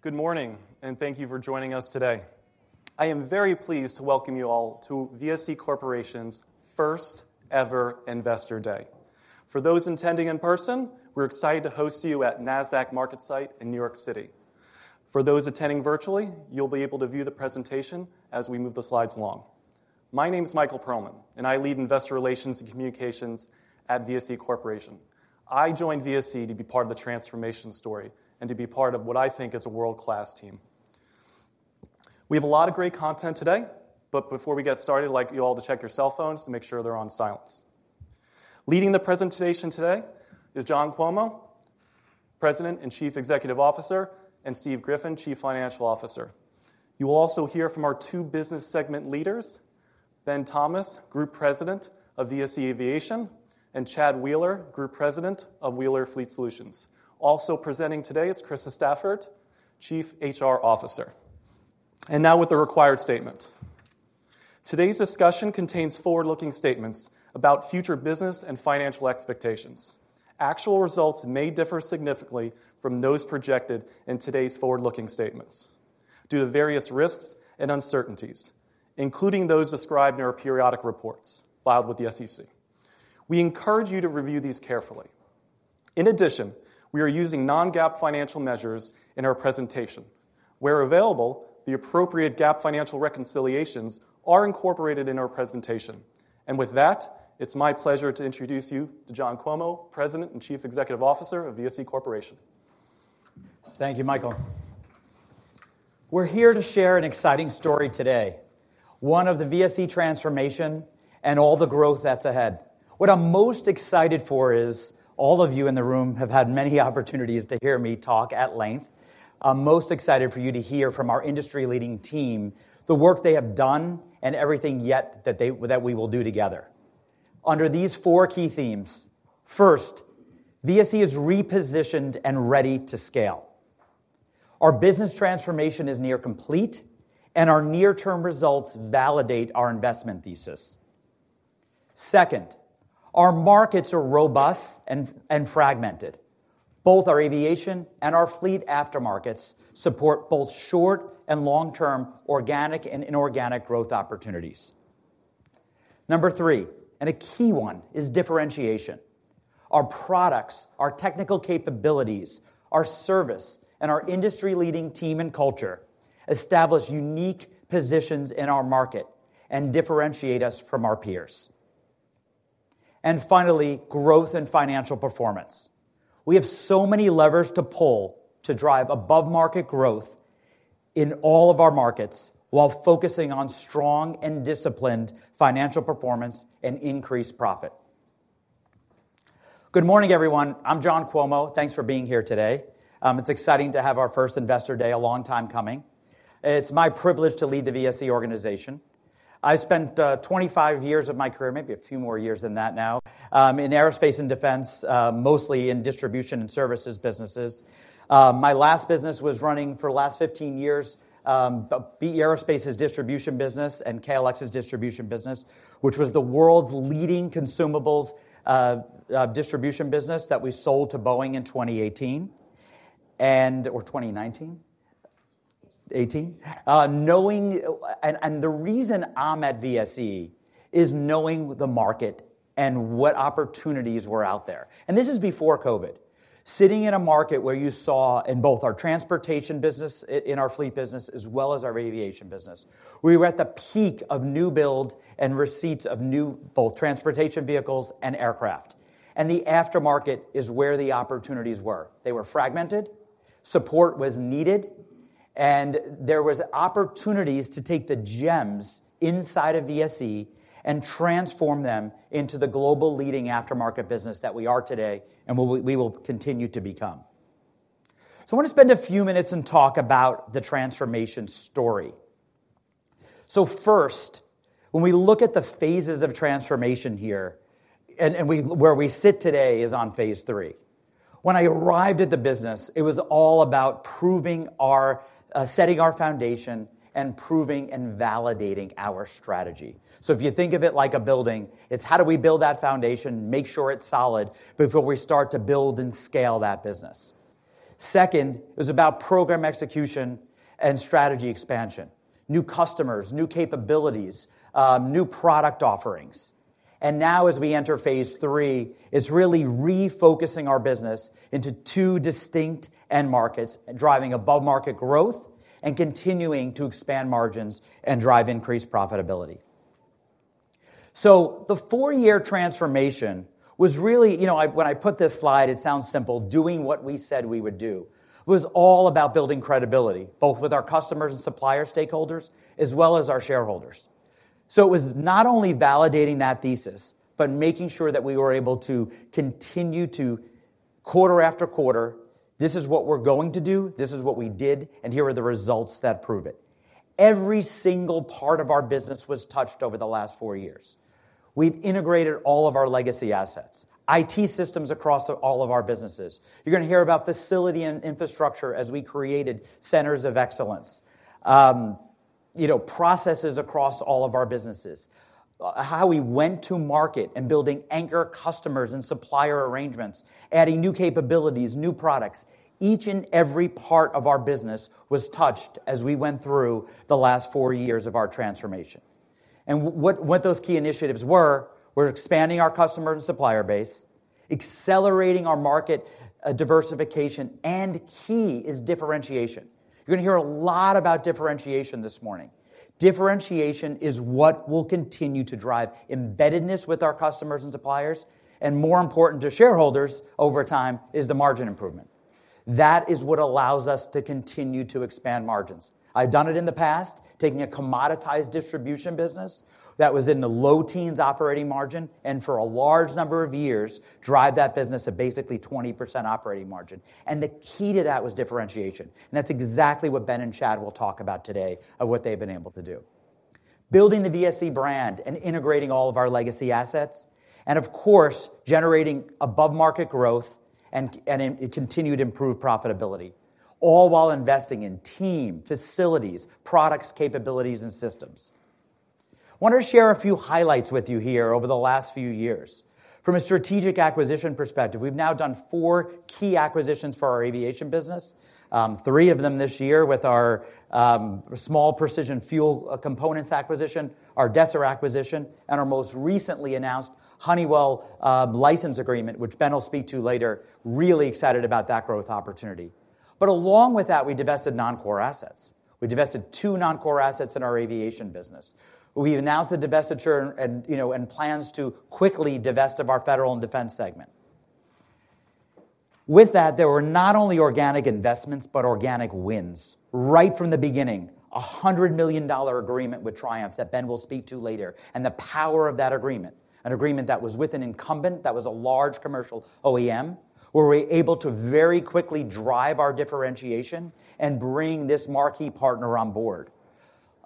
Good morning, and thank you for joining us today. I am very pleased to welcome you all to VSE Corporation's First-Ever Investor Day. For those attending in person, we're excited to host you at Nasdaq MarketSite in New York City. For those attending virtually, you'll be able to view the presentation as we move the slides along. My name is Michael Perlman, and I lead Investor Relations and Communications at VSE Corporation. I joined VSE to be part of the transformation story and to be part of what I think is a world-class team. We have a lot of great content today, but before we get started, I'd like you all to check your cell phones to make sure they're on silence. Leading the presentation today is John Cuomo, President and Chief Executive Officer, and Steve Griffin, Chief Financial Officer. You will also hear from our two business segment leaders, Ben Thomas, Group President of VSE Aviation, and Chad Wheeler, Group President of Wheeler Fleet Solutions. Also presenting today is Krista Stafford, Chief HR Officer. And now with the required statement. Today's discussion contains forward-looking statements about future business and financial expectations. Actual results may differ significantly from those projected in today's forward-looking statements due to various risks and uncertainties, including those described in our periodic reports filed with the SEC. We encourage you to review these carefully. In addition, we are using non-GAAP financial measures in our presentation. Where available, the appropriate GAAP financial reconciliations are incorporated in our presentation. And with that, it's my pleasure to introduce you to John Cuomo, President and Chief Executive Officer of VSE Corporation. Thank you, Michael. We're here to share an exciting story today, one of the VSE transformation and all the growth that's ahead. What I'm most excited for is all of you in the room have had many opportunities to hear me talk at length. I'm most excited for you to hear from our industry-leading team, the work they have done and everything yet that we will do together under these four key themes. First, VSE is repositioned and ready to scale. Our business transformation is near complete, and our near-term results validate our investment thesis. Second, our markets are robust and fragmented. Both our aviation and our fleet aftermarkets support both short- and long-term organic and inorganic growth opportunities. Number 3, and a key one, is differentiation. Our products, our technical capabilities, our service, and our industry-leading team and culture establish unique positions in our market and differentiate us from our peers. And finally, growth and financial performance. We have so many levers to pull to drive above-market growth in all of our markets while focusing on strong and disciplined financial performance and increased profit. Good morning, everyone. I'm John Cuomo. Thanks for being here today. It's exciting to have our first Investor Day, a long time coming. It's my privilege to lead the VSE organization. I spent 25 years of my career, maybe a few more years than that now, in aerospace and defense, mostly in distribution and services businesses. My last business was running for the last 15 years, B/E Aerospace's distribution business and KLX's distribution business, which was the world's leading consumables distribution business that we sold to Boeing in 2018, and-- Or 2019? 2018. Knowing and the reason I'm at VSE is knowing the market and what opportunities were out there. This is before COVID. Sitting in a market where you saw in both our transportation business, in our fleet business, as well as our aviation business, we were at the peak of new build and receipts of new both transportation vehicles and aircraft. The aftermarket is where the opportunities were. They were fragmented, support was needed, and there was opportunities to take the gems inside of VSE and transform them into the global leading aftermarket business that we are today and we will continue to become. So I want to spend a few minutes and talk about the transformation story. So first, when we look at the phases of transformation here, and where we sit today is on phase three. When I arrived at the business, it was all about proving our setting our foundation and proving and validating our strategy. So if you think of it like a building, it's how do we build that foundation, make sure it's solid before we start to build and scale that business? Second, it was about program execution and strategy expansion, new customers, new capabilities, new product offerings. And now, as we enter phase three, it's really refocusing our business into two distinct end markets and driving above-market growth and continuing to expand margins and drive increased profitability. So the four-year transformation was really-- You know, when I put this slide, it sounds simple. Doing what we said we would do was all about building credibility, both with our customers and supplier stakeholders, as well as our shareholders. So it was not only validating that thesis, but making sure that we were able to continue to, quarter after quarter, this is what we're going to do, this is what we did, and here are the results that prove it. Every single part of our business was touched over the last four years. We've integrated all of our legacy assets, IT systems across all of our businesses. You're going to hear about facility and infrastructure as we created centers of excellence. You know, processes across all of our businesses. How we went to market and building anchor customers and supplier arrangements, adding new capabilities, new products. Each and every part of our business was touched as we went through the last four years of our transformation. And what those key initiatives were, were expanding our customer and supplier base, accelerating our market diversification, and key is differentiation. You're gonna hear a lot about differentiation this morning. Differentiation is what will continue to drive embeddedness with our customers and suppliers, and more important to shareholders over time, is the margin improvement. That is what allows us to continue to expand margins. I've done it in the past, taking a commoditized distribution business that was in the low teens operating margin, and for a large number of years, drive that business to basically 20% operating margin. The key to that was differentiation, and that's exactly what Ben and Chad will talk about today of what they've been able to do. Building the VSE brand and integrating all of our legacy assets, and of course, generating above-market growth and continued improved profitability, all while investing in team, facilities, products, capabilities, and systems. Wanted to share a few highlights with you here over the last few years. From a strategic acquisition perspective, we've now done four key acquisitions for our aviation business, three of them this year with our small Precision Fuel Components acquisition, our Desser acquisition, and our most recently announced Honeywell license agreement, which Ben will speak to later. Really excited about that growth opportunity. But along with that, we divested non-core assets. We divested two non-core assets in our aviation business. We've announced the divestiture and, you know, and plans to quickly divest of our federal and defense segment. With that, there were not only organic investments, but organic wins. Right from the beginning, a $100 million agreement with Triumph that Ben will speak to later, and the power of that agreement, an agreement that was with an incumbent, that was a large commercial OEM, where we were able to very quickly drive our differentiation and bring this marquee partner on board.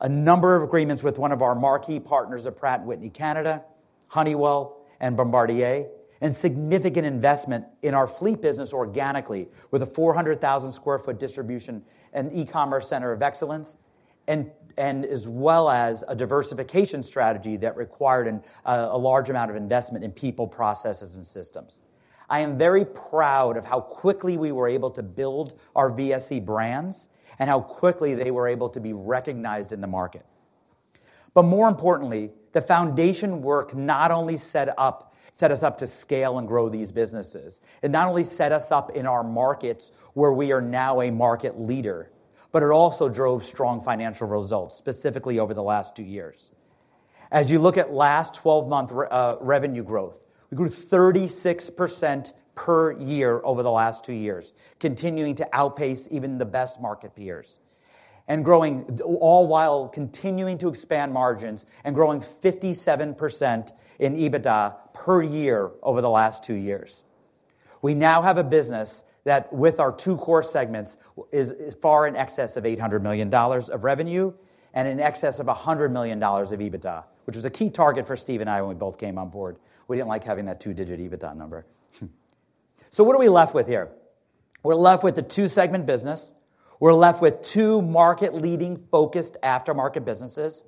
A number of agreements with one of our marquee partners at Pratt & Whitney Canada, Honeywell, and Bombardier, and significant investment in our fleet business organically, with a 400,000 sq ft distribution and e-commerce center of excellence, and as well as a diversification strategy that required a large amount of investment in people, processes, and systems. I am very proud of how quickly we were able to build our VSE brands and how quickly they were able to be recognized in the market. But more importantly, the foundation work not only set us up to scale and grow these businesses, it not only set us up in our markets where we are now a market leader, but it also drove strong financial results, specifically over the last two years. As you look at last 12-month revenue growth, we grew 36% per year over the last two years, continuing to outpace even the best market peers. And growing, all while continuing to expand margins and growing 57% in EBITDA per year over the last two years. We now have a business that, with our two core segments, is far in excess of $800 million of revenue and in excess of $100 million of EBITDA, which was a key target for Steve and I when we both came on board. We didn't like having that two-digit EBITDA number. So what are we left with here? We're left with a two-segment business. We're left with two market-leading, focused aftermarket businesses.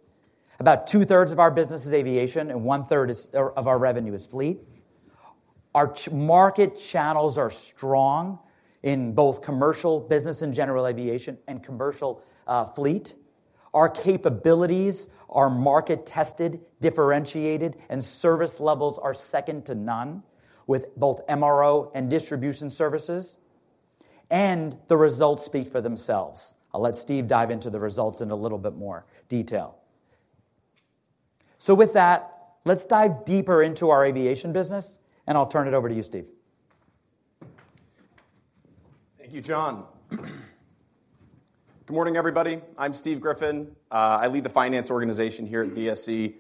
About two-thirds of our business is aviation, and one-third is, or of our revenue is fleet. Our market channels are strong in both commercial business and general aviation and commercial, fleet. Our capabilities are market-tested, differentiated, and service levels are second to none, with both MRO and distribution services, and the results speak for themselves. I'll let Steve dive into the results in a little bit more detail. So with that, let's dive deeper into our aviation business, and I'll turn it over to you, Steve. Thank you, John. Good morning, everybody. I'm Steve Griffin. I lead the finance organization here at VSE.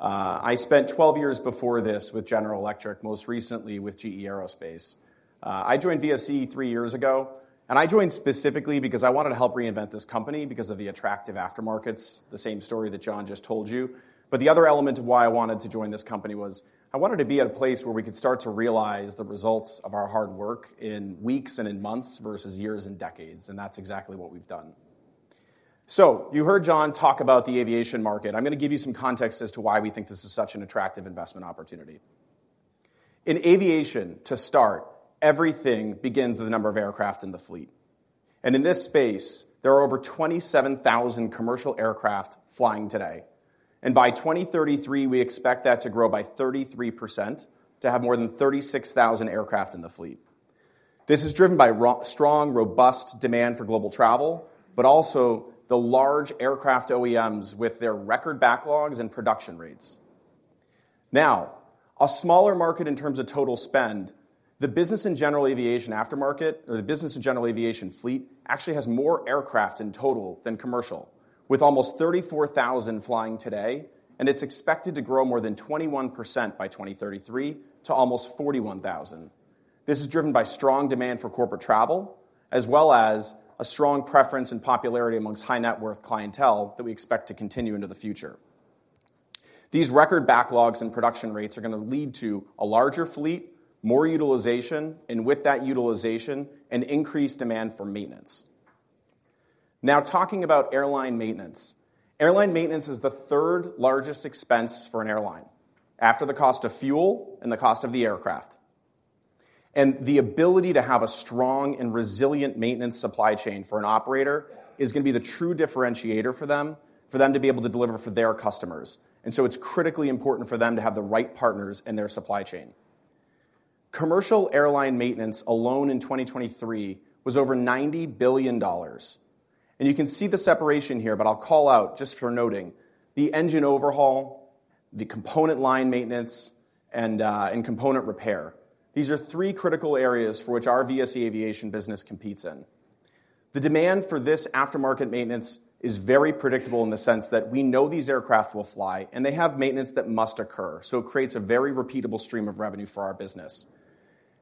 I spent 12 years before this with General Electric, most recently with GE Aerospace. I joined VSE three years ago, and I joined specifically because I wanted to help reinvent this company because of the attractive aftermarkets, the same story that John just told you. But the other element of why I wanted to join this company was I wanted to be at a place where we could start to realize the results of our hard work in weeks and in months versus years and decades, and that's exactly what we've done. So you heard John talk about the aviation market. I'm gonna give you some context as to why we think this is such an attractive investment opportunity. In aviation, to start, everything begins with the number of aircraft in the fleet, and in this space, there are over 27,000 commercial aircraft flying today, and by 2033, we expect that to grow by 33% to have more than 36,000 aircraft in the fleet. This is driven by strong, robust demand for global travel, but also the large aircraft OEMs with their record backlogs and production rates. Now, a smaller market in terms of total spend, the business and general aviation aftermarket, or the business and general aviation fleet, actually has more aircraft in total than commercial, with almost 34,000 flying today, and it's expected to grow more than 21% by 2033 to almost 41,000. This is driven by strong demand for corporate travel, as well as a strong preference and popularity amongst high-net-worth clientele that we expect to continue into the future. These record backlogs and production rates are going to lead to a larger fleet, more utilization, and with that utilization, an increased demand for maintenance. Now, talking about airline maintenance. Airline maintenance is the third largest expense for an airline, after the cost of fuel and the cost of the aircraft. And the ability to have a strong and resilient maintenance supply chain for an operator is going to be the true differentiator for them, for them to be able to deliver for their customers. And so it's critically important for them to have the right partners in their supply chain. Commercial airline maintenance alone in 2023 was over $90 billion, and you can see the separation here, but I'll call out just for noting, the engine overhaul, the component line maintenance, and component repair. These are three critical areas for which our VSE Aviation business competes in. The demand for this aftermarket maintenance is very predictable in the sense that we know these aircraft will fly, and they have maintenance that must occur, so it creates a very repeatable stream of revenue for our business.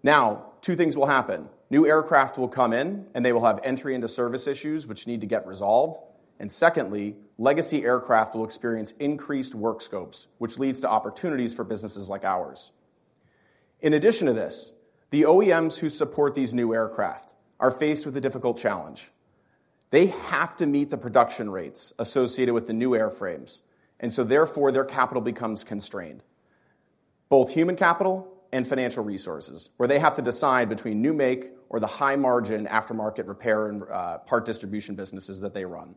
Now, two things will happen. New aircraft will come in, and they will have entry into service issues which need to get resolved. And secondly, legacy aircraft will experience increased work scopes, which leads to opportunities for businesses like ours. In addition to this, the OEMs who support these new aircraft are faced with a difficult challenge. They have to meet the production rates associated with the new airframes, and so therefore, their capital becomes constrained, both human capital and financial resources, where they have to decide between new make or the high-margin aftermarket repair and part distribution businesses that they run.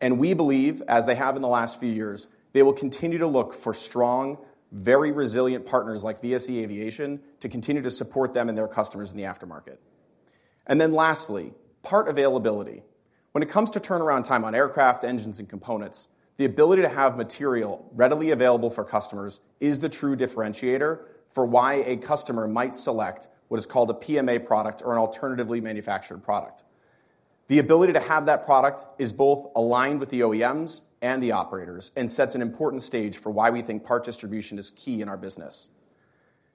And we believe, as they have in the last few years, they will continue to look for strong, very resilient partners like VSE Aviation to continue to support them and their customers in the aftermarket. And then lastly, part availability. When it comes to turnaround time on aircraft engines and components, the ability to have material readily available for customers is the true differentiator for why a customer might select what is called a PMA product or an alternatively manufactured product. The ability to have that product is both aligned with the OEMs and the operators and sets an important stage for why we think part distribution is key in our business.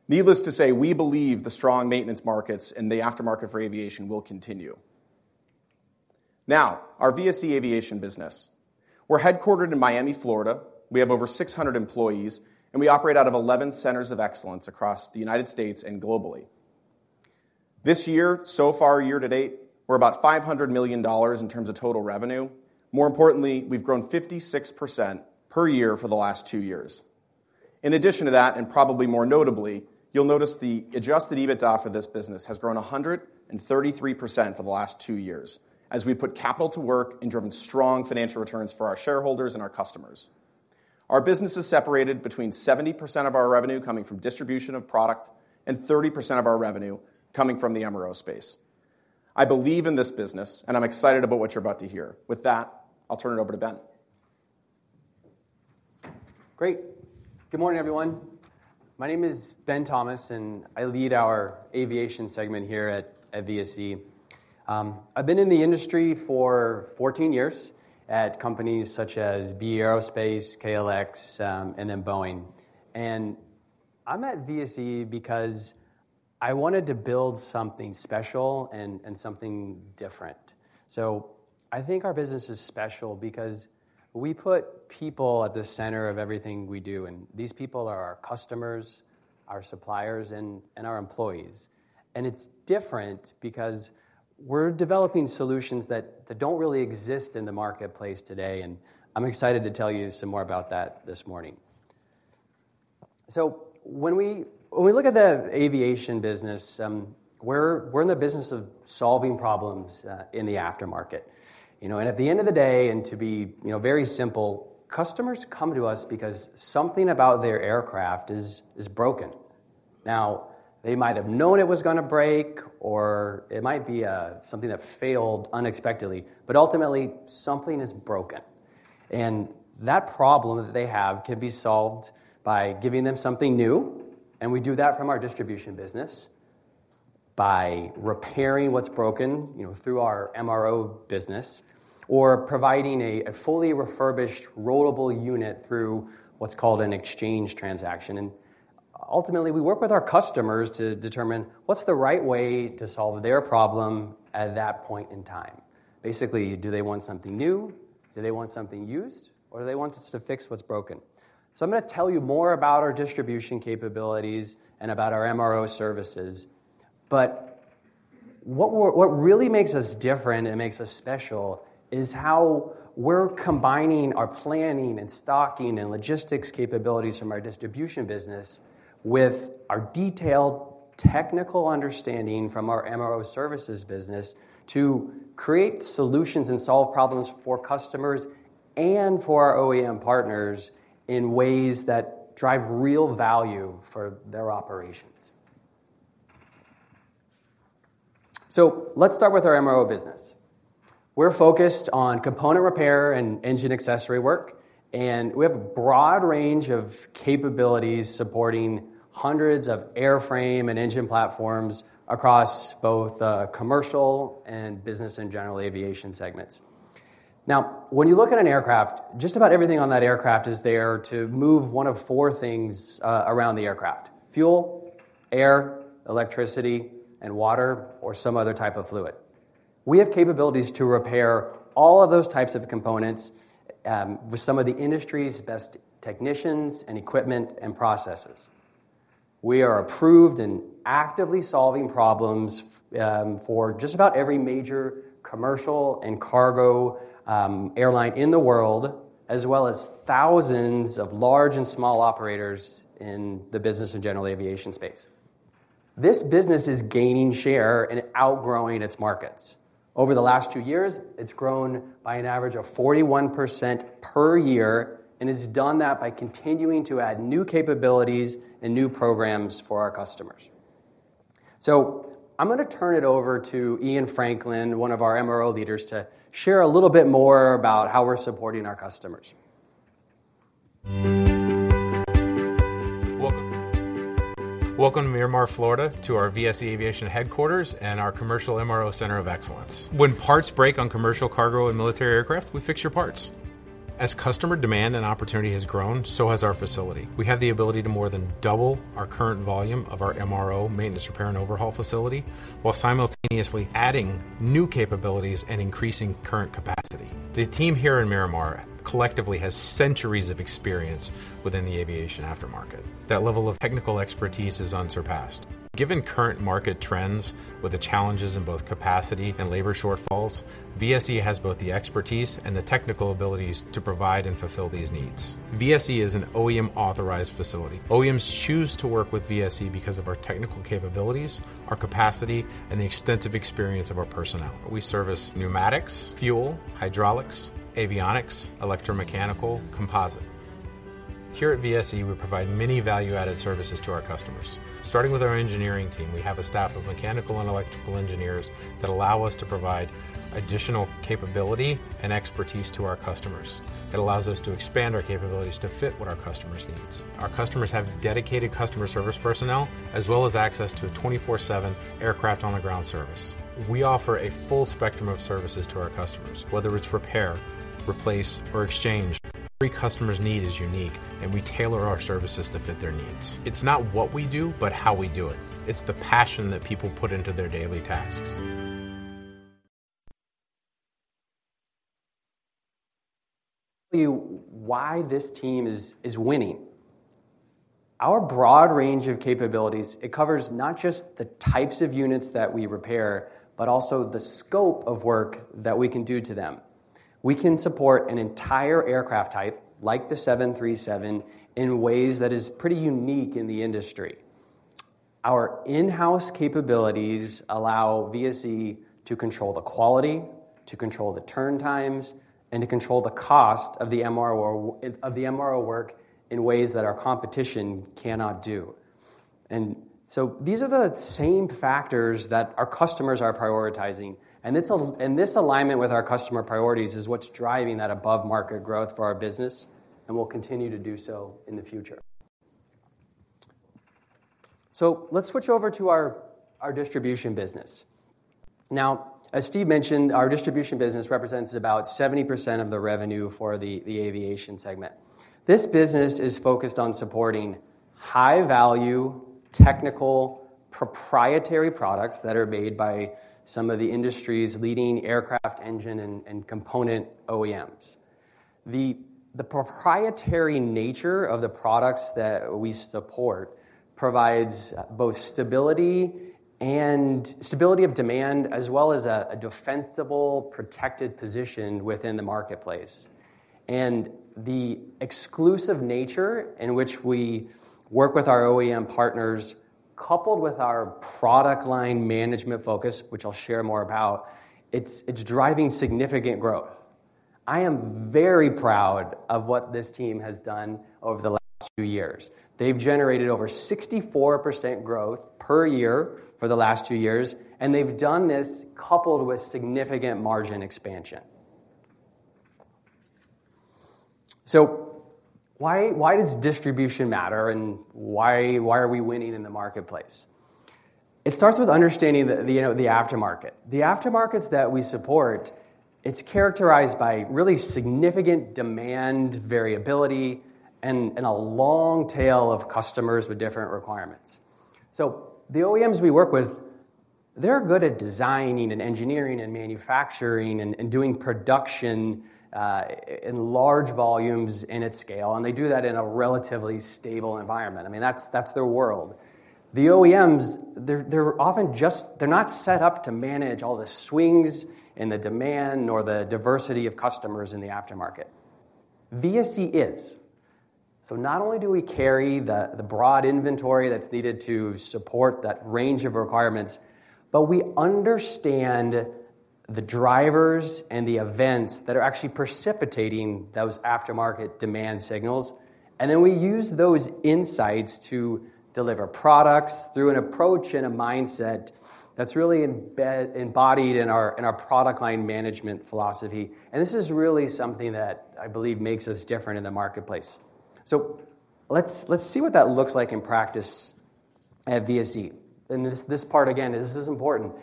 Needless to say, we believe the strong maintenance markets and the aftermarket for aviation will continue. Now, our VSE Aviation business. We're headquartered in Miami, Florida. We have over 600 employees, and we operate out of 11 centers of excellence across the United States and globally. This year, so far, year to date, we're about $500 million in terms of total revenue. More importantly, we've grown 56% per year for the last two years. In addition to that, and probably more notably, you'll notice the adjusted EBITDA for this business has grown 133% for the last two years, as we've put capital to work and driven strong financial returns for our shareholders and our customers. Our business is separated between 70% of our revenue coming from distribution of product and 30% of our revenue coming from the MRO space. I believe in this business, and I'm excited about what you're about to hear. With that, I'll turn it over to Ben. Great. Good morning, everyone. My name is Ben Thomas, and I lead our Aviation segment here at VSE. I've been in the industry for 14 years at companies such as B/E Aerospace, KLX, and then Boeing. I'm at VSE because I wanted to build something special and something different. I think our business is special because we put people at the center of everything we do, and these people are our customers, our suppliers, and our employees. It's different because we're developing solutions that don't really exist in the marketplace today, and I'm excited to tell you some more about that this morning. When we look at the aviation business, we're in the business of solving problems in the aftermarket. You know, and at the end of the day, and to be, you know, very simple, customers come to us because something about their aircraft is broken. Now, they might have known it was gonna break, or it might be something that failed unexpectedly, but ultimately, something is broken. And that problem that they have can be solved by giving them something new, and we do that from our distribution business, by repairing what's broken, you know, through our MRO business, or providing a fully refurbished, rollable unit through what's called an exchange transaction. And ultimately, we work with our customers to determine what's the right way to solve their problem at that point in time. Basically, do they want something new? Do they want something used, or do they want us to fix what's broken? So I'm gonna tell you more about our distribution capabilities and about our MRO services. But what really makes us different and makes us special is how we're combining our planning, and stocking, and logistics capabilities from our distribution business with our detailed technical understanding from our MRO services business to create solutions and solve problems for customers and for our OEM partners in ways that drive real value for their operations. So let's start with our MRO business. We're focused on component repair and engine accessory work, and we have a broad range of capabilities supporting hundreds of airframe and engine platforms across both, commercial and business and general aviation segments. Now, when you look at an aircraft, just about everything on that aircraft is there to move one of four things around the aircraft: fuel, air, electricity, and water, or some other type of fluid. We have capabilities to repair all of those types of components with some of the industry's best technicians and equipment and processes. We are approved and actively solving problems for just about every major commercial and cargo airline in the world, as well as thousands of large and small operators in the business and general aviation space. This business is gaining share and outgrowing its markets. Over the last two years, it's grown by an average of 41% per year, and has done that by continuing to add new capabilities and new programs for our customers. So I'm gonna turn it over to Ian Franklin, one of our MRO leaders, to share a little bit more about how we're supporting our customers. Welcome, welcome to Miramar, Florida, to our VSE Aviation headquarters and our commercial MRO Center of Excellence. When parts break on commercial cargo and military aircraft, we fix your parts. As customer demand and opportunity has grown, so has our facility. We have the ability to more than double our current volume of our MRO, maintenance, repair and overhaul, facility while simultaneously adding new capabilities and increasing current capacity. The team here in Miramar collectively has centuries of experience within the aviation aftermarket. That level of technical expertise is unsurpassed. Given current market trends, with the challenges in both capacity and labor shortfalls, VSE has both the expertise and the technical abilities to provide and fulfill these needs. VSE is an OEM-authorized facility. OEMs choose to work with VSE because of our technical capabilities, our capacity, and the extensive experience of our personnel. We service pneumatics, fuel, hydraulics, avionics, electromechanical, composite. Here at VSE, we provide many value-added services to our customers. Starting with our engineering team, we have a staff of mechanical and electrical engineers that allow us to provide additional capability and expertise to our customers. It allows us to expand our capabilities to fit what our customers' needs. Our customers have dedicated customer service personnel, as well as access to a 24/7 aircraft on the ground service. We offer a full spectrum of services to our customers, whether it's repair, replace, or exchange. Every customer's need is unique, and we tailor our services to fit their needs. It's not what we do, but how we do it. It's the passion that people put into their daily tasks. Why this team is winning? Our broad range of capabilities, it covers not just the types of units that we repair, but also the scope of work that we can do to them. We can support an entire aircraft type, like the 737, in ways that is pretty unique in the industry. Our in-house capabilities allow VSE to control the quality, to control the turn times, and to control the cost of the MRO, of the MRO work in ways that our competition cannot do. And so these are the same factors that our customers are prioritizing, and it's a-- and this alignment with our customer priorities is what's driving that above-market growth for our business, and will continue to do so in the future. So let's switch over to our distribution business. Now, as Steve mentioned, our distribution business represents about 70% of the revenue for the aviation segment. This business is focused on supporting high-value, technical, proprietary products that are made by some of the industry's leading aircraft engine and component OEMs. The proprietary nature of the products that we support provides both stability and stability of demand, as well as a defensible, protected position within the marketplace. The exclusive nature in which we work with our OEM partners, coupled with our product line management focus, which I'll share more about, it's driving significant growth. I am very proud of what this team has done over the last two years. They've generated over 64% growth per year for the last two years, and they've done this coupled with significant margin expansion. So why, why does distribution matter, and why, why are we winning in the marketplace? It starts with understanding the, you know, the aftermarket. The aftermarkets that we support, it's characterized by really significant demand variability and a long tail of customers with different requirements. So the OEMs we work with, they're good at designing and engineering and manufacturing and doing production in large volumes and at scale, and they do that in a relatively stable environment. I mean, that's their world. The OEMs, they're often just not set up to manage all the swings and the demand, nor the diversity of customers in the aftermarket. VSE is. So not only do we carry the broad inventory that's needed to support that range of requirements, but we understand the drivers and the events that are actually precipitating those aftermarket demand signals, and then we use those insights to deliver products through an approach and a mindset that's really embodied in our product line management philosophy. And this is really something that I believe makes us different in the marketplace. So let's see what that looks like in practice at VSE. And this part again, this is important.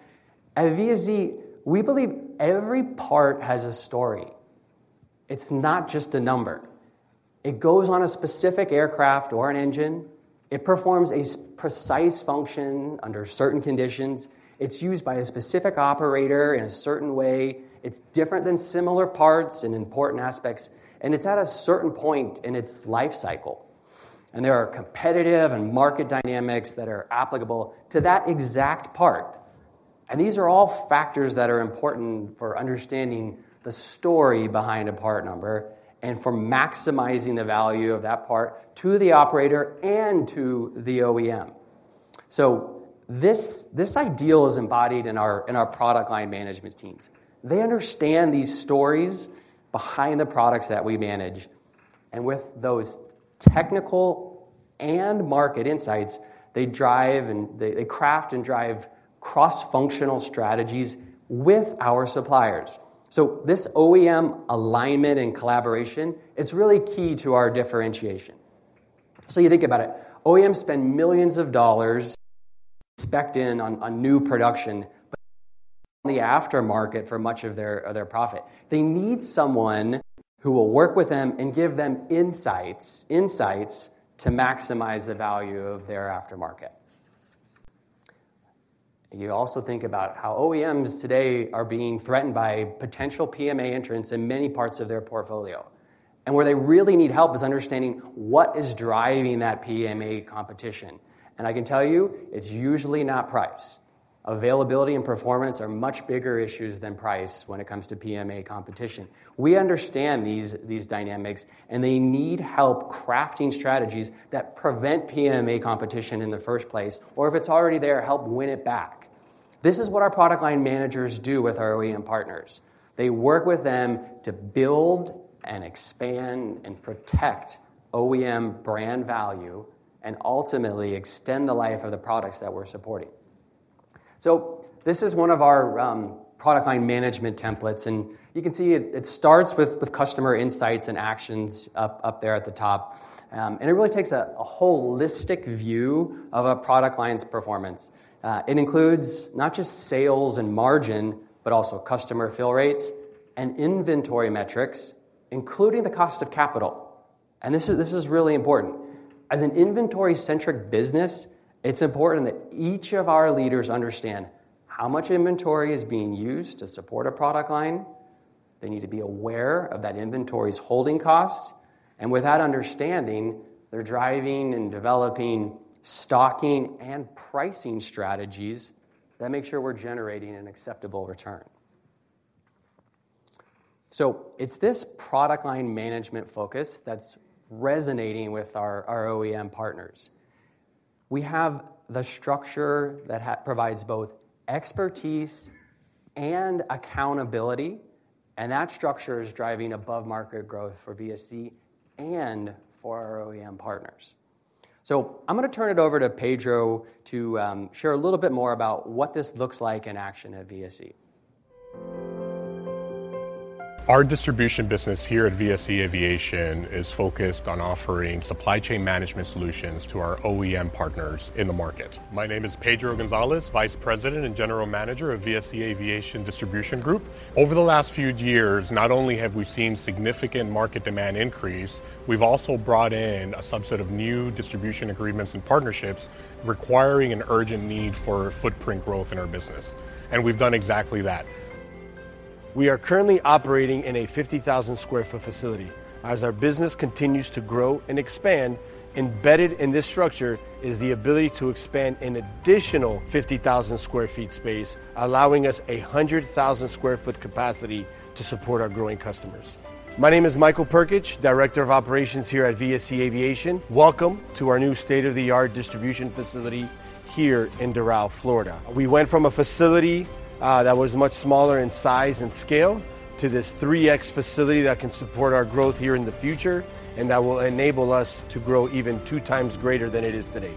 At VSE, we believe every part has a story. It's not just a number. It goes on a specific aircraft or an engine, it performs a precise function under certain conditions, it's used by a specific operator in a certain way, it's different than similar parts in important aspects, and it's at a certain point in its life cycle. There are competitive and market dynamics that are applicable to that exact part. These are all factors that are important for understanding the story behind a part number and for maximizing the value of that part to the operator and to the OEM. This, this ideal is embodied in our, in our product line management teams. They understand these stories behind the products that we manage, and with those technical and market insights, they drive and they, they craft and drive cross-functional strategies with our suppliers. This OEM alignment and collaboration, it's really key to our differentiation. So you think about it, OEMs spend millions of dollars spec'd in on, on new production, but the aftermarket for much of their, of their profit. They need someone who will work with them and give them insights, insights to maximize the value of their aftermarket. You also think about how OEMs today are being threatened by potential PMA entrants in many parts of their portfolio. And where they really need help is understanding what is driving that PMA competition. And I can tell you, it's usually not price. Availability and performance are much bigger issues than price when it comes to PMA competition. We understand these, these dynamics, and they need help crafting strategies that prevent PMA competition in the first place, or if it's already there, help win it back. This is what our product line managers do with our OEM partners. They work with them to build and expand and protect OEM brand value, and ultimately extend the life of the products that we're supporting. So this is one of our product line management templates, and you can see it. It starts with customer insights and actions up there at the top. And it really takes a holistic view of a product line's performance. It includes not just sales and margin, but also customer fill rates and inventory metrics, including the cost of capital. And this is really important. As an inventory-centric business, it's important that each of our leaders understand how much inventory is being used to support a product line. They need to be aware of that inventory's holding cost, and with that understanding, they're driving and developing stocking and pricing strategies that make sure we're generating an acceptable return. So it's this product line management focus that's resonating with our, our OEM partners. We have the structure that provides both expertise and accountability, and that structure is driving above-market growth for VSE and for our OEM partners. So I'm gonna turn it over to Pedro to share a little bit more about what this looks like in action at VSE. Our distribution business here at VSE Aviation is focused on offering supply chain management solutions to our OEM partners in the market. My name is Pedro Gonzalez, Vice President and General Manager of VSE Aviation Distribution Group. Over the last few years, not only have we seen significant market demand increase, we've also brought in a subset of new distribution agreements and partnerships requiring an urgent need for footprint growth in our business, and we've done exactly that. We are currently operating in a 50,000-sq-ft facility. As our business continues to grow and expand, embedded in this structure is the ability to expand an additional 50,000 sq ft space, allowing us a 100,000 sq ft capacity to support our growing customers. My name is Michael Prkic, Director of Operations here at VSE Aviation. Welcome to our new state-of-the-art distribution facility here in Doral, Florida. We went from a facility that was much smaller in size and scale to this 3x facility that can support our growth here in the future, and that will enable us to grow even 2x greater than it is today.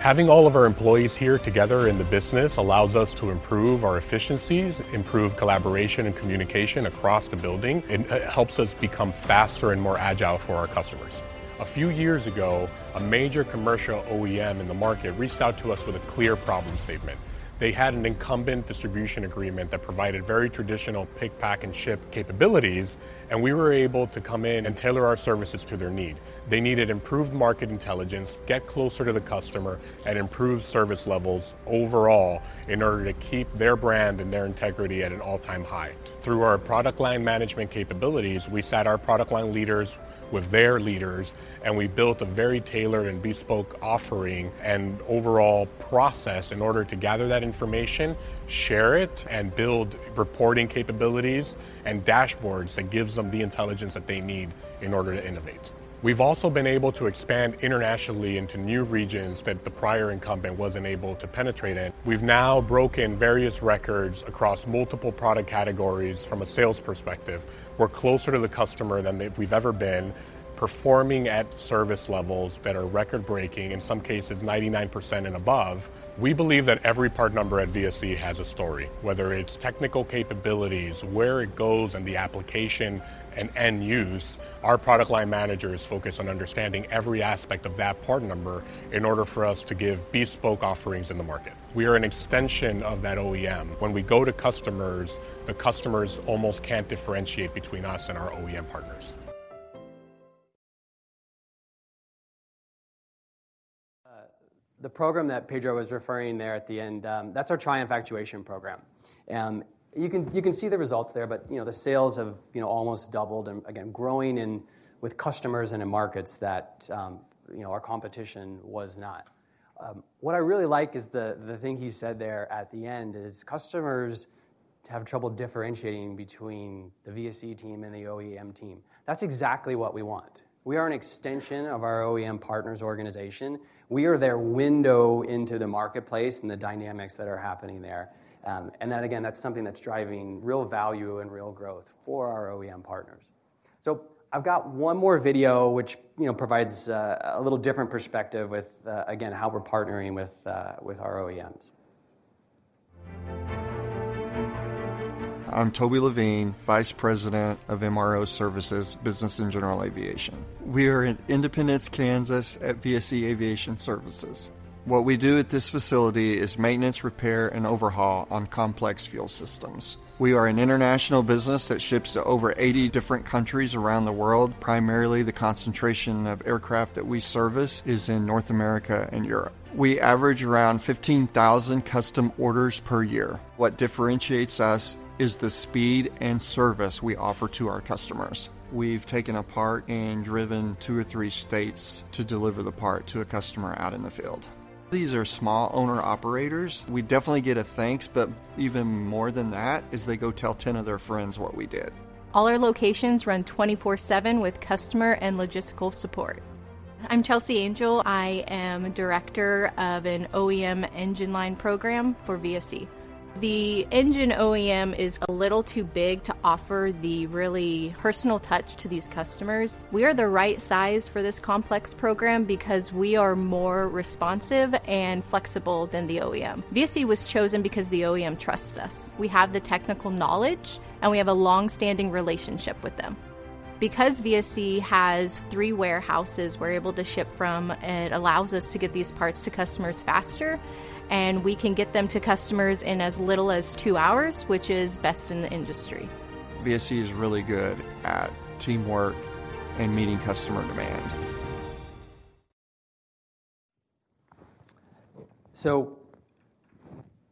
Having all of our employees here together in the business allows us to improve our efficiencies, improve collaboration and communication across the building. It helps us become faster and more agile for our customers. A few years ago, a major commercial OEM in the market reached out to us with a clear problem statement. They had an incumbent distribution agreement that provided very traditional pick, pack, and ship capabilities, and we were able to come in and tailor our services to their need. They needed improved market intelligence, get closer to the customer, and improve service levels overall in order to keep their brand and their integrity at an all-time high. Through our product line management capabilities, we sat our product line leaders with their leaders, and we built a very tailored and bespoke offering and overall process in order to gather that information, share it, and build reporting capabilities and dashboards that gives them the intelligence that they need in order to innovate. We've also been able to expand internationally into new regions that the prior incumbent wasn't able to penetrate in. We've now broken various records across multiple product categories from a sales perspective. We're closer to the customer than we've ever been, performing at service levels that are record-breaking, in some cases, 99% and above. We believe that every part number at VSE has a story, whether it's technical capabilities, where it goes, and the application and end use. Our product line managers focus on understanding every aspect of that part number in order for us to give bespoke offerings in the market. We are an extension of that OEM. When we go to customers, the customers almost can't differentiate between us and our OEM partners. The program that Pedro was referring there at the end, that's our Triumph Actuation program. You can, you can see the results there, but, you know, the sales have, you know, almost doubled, and again, growing in with customers and in markets that, you know, our competition was not. What I really like is the, the thing he said there at the end is, customers have trouble differentiating between the VSE team and the OEM team. That's exactly what we want. We are an extension of our OEM partners organization. We are their window into the marketplace and the dynamics that are happening there. And then again, that's something that's driving real value and real growth for our OEM partners. So I've got one more video, which, you know, provides a little different perspective with, again, how we're partnering with our OEMs. I'm Toby Lavine, Vice President of MRO Services, Business and General Aviation. We are in Independence, Kansas, at VSE Aviation Services. What we do at this facility is maintenance, repair, and overhaul on complex fuel systems. We are an international business that ships to over 80 different countries around the world. Primarily, the concentration of aircraft that we service is in North America and Europe. We average around 15,000 custom orders per year. What differentiates us is the speed and service we offer to our customers. We've taken a part and driven two or three states to deliver the part to a customer out in the field. These are small owner-operators. We definitely get a thanks, but even more than that, is they go tell 10 of their friends what we did. All our locations run 24/7 with customer and logistical support. I'm Chelsea Angel. I am Director of an OEM engine line program for VSE. The engine OEM is a little too big to offer the really personal touch to these customers. We are the right size for this complex program because we are more responsive and flexible than the OEM. VSE was chosen because the OEM trusts us. We have the technical knowledge, and we have a long-standing relationship with them. Because VSE has three warehouses we're able to ship from, it allows us to get these parts to customers faster, and we can get them to customers in as little as two hours, which is best in the industry. VSE is really good at teamwork and meeting customer demand. So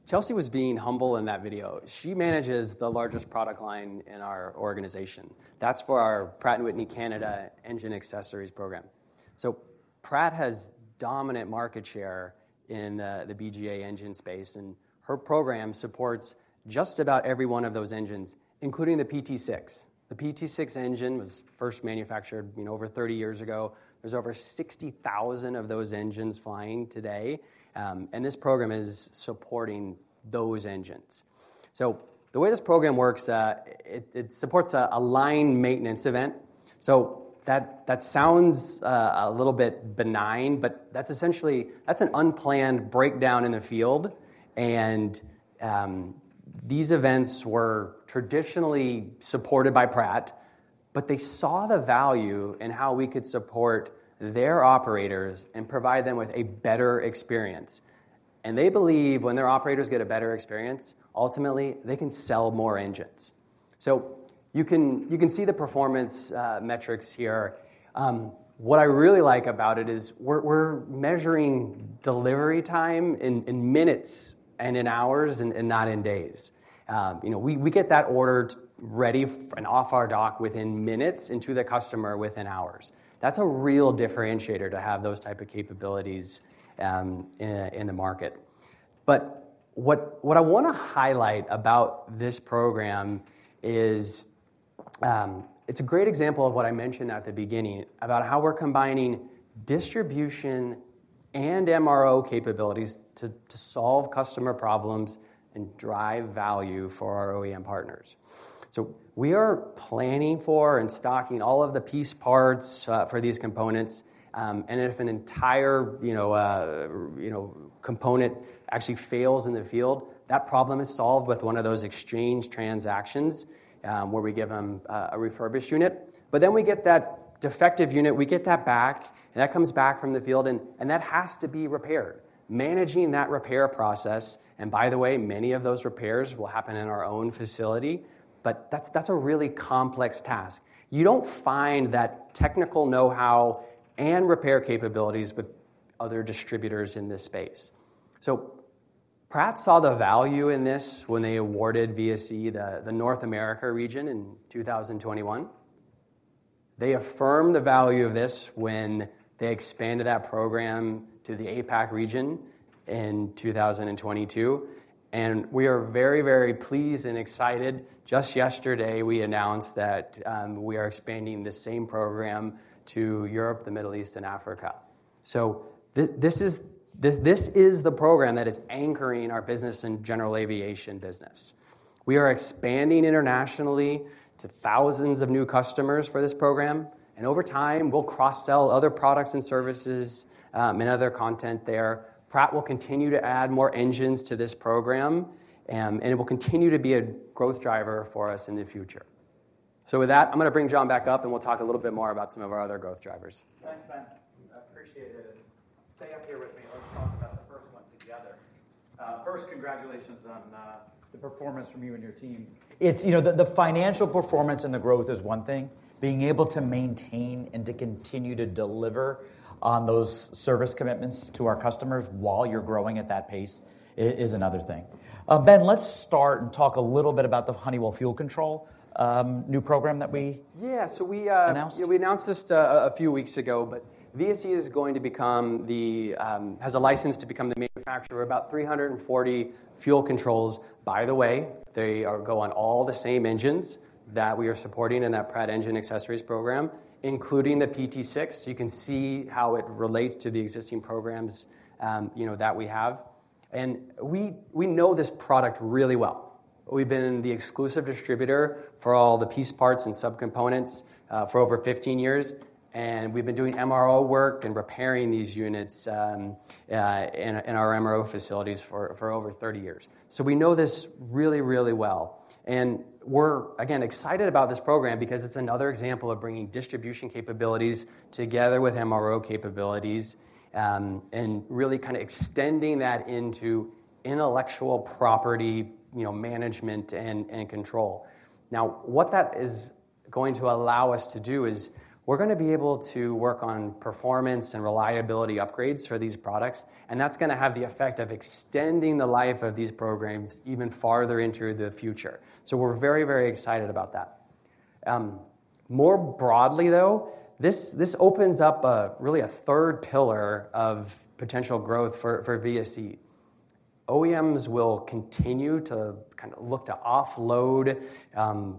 Chelsea was being humble in that video. She manages the largest product line in our organization. That's for our Pratt & Whitney Canada Engine Accessories program. So Pratt has dominant market share in the BGA engine space, and her program supports just about every one of those engines, including the PT6. The PT6 engine was first manufactured, you know, over 30 years ago. There's over 60,000 of those engines flying today, and this program is supporting those engines. So the way this program works, it supports a line maintenance event. So that sounds a little bit benign, but that's essentially that's an unplanned breakdown in the field and, these events were traditionally supported by Pratt, but they saw the value in how we could support their operators and provide them with a better experience. And they believe when their operators get a better experience, ultimately, they can sell more engines. So you can see the performance metrics here. What I really like about it is we're measuring delivery time in minutes and in hours, and not in days. You know, we get that order ready and off our dock within minutes, and to the customer within hours. That's a real differentiator to have those type of capabilities in the market. But what I wanna highlight about this program is it's a great example of what I mentioned at the beginning about how we're combining distribution and MRO capabilities to solve customer problems and drive value for our OEM partners. So we are planning for and stocking all of the piece parts for these components, and if an entire, you know, component actually fails in the field, that problem is solved with one of those exchange transactions, where we give them a refurbished unit. But then we get that defective unit, we get that back, and that comes back from the field and that has to be repaired. Managing that repair process, and by the way, many of those repairs will happen in our own facility, but that's a really complex task. You don't find that technical know-how and repair capabilities with other distributors in this space. So Pratt saw the value in this when they awarded VSE the North America region in 2021. They affirmed the value of this when they expanded that program to the APAC region in 2022, and we are very, very pleased and excited. Just yesterday, we announced that we are expanding the same program to Europe, the Middle East, and Africa. So this is the program that is anchoring our business and general aviation business. We are expanding internationally to thousands of new customers for this program, and over time, we'll cross-sell other products and services, and other content there. Pratt will continue to add more engines to this program, and it will continue to be a growth driver for us in the future. So with that, I'm gonna bring John back up, and we'll talk a little bit more about some of our other growth drivers. Thanks, Ben. I appreciate it. Stay up here-- First, congratulations on the performance from you and your team. It's, you know, the financial performance and the growth is one thing. Being able to maintain and to continue to deliver on those service commitments to our customers while you're growing at that pace is another thing. Ben, let's start and talk a little bit about the Honeywell fuel control new program that we announced. Yeah, we announced this a few weeks ago, but VSE is going to become the, has a license to become the manufacturer of about 340 fuel controls. By the way, they go on all the same engines that we are supporting in that Pratt Engine Accessories program, including the PT6. You can see how it relates to the existing programs, you know, that we have. And we know this product really well. We've been the exclusive distributor for all the piece parts and subcomponents for over 15 years, and we've been doing MRO work and repairing these units in our MRO facilities for over 30 years. So we know this really, really well, and we're, again, excited about this program because it's another example of bringing distribution capabilities together with MRO capabilities, and really kinda extending that into intellectual property, you know, management and control. Now, what that is going to allow us to do is we're gonna be able to work on performance and reliability upgrades for these products, and that's gonna have the effect of extending the life of these programs even farther into the future. So we're very, very excited about that. More broadly, though, this opens up really a third pillar of potential growth for VSE. OEMs will continue to kinda look to offload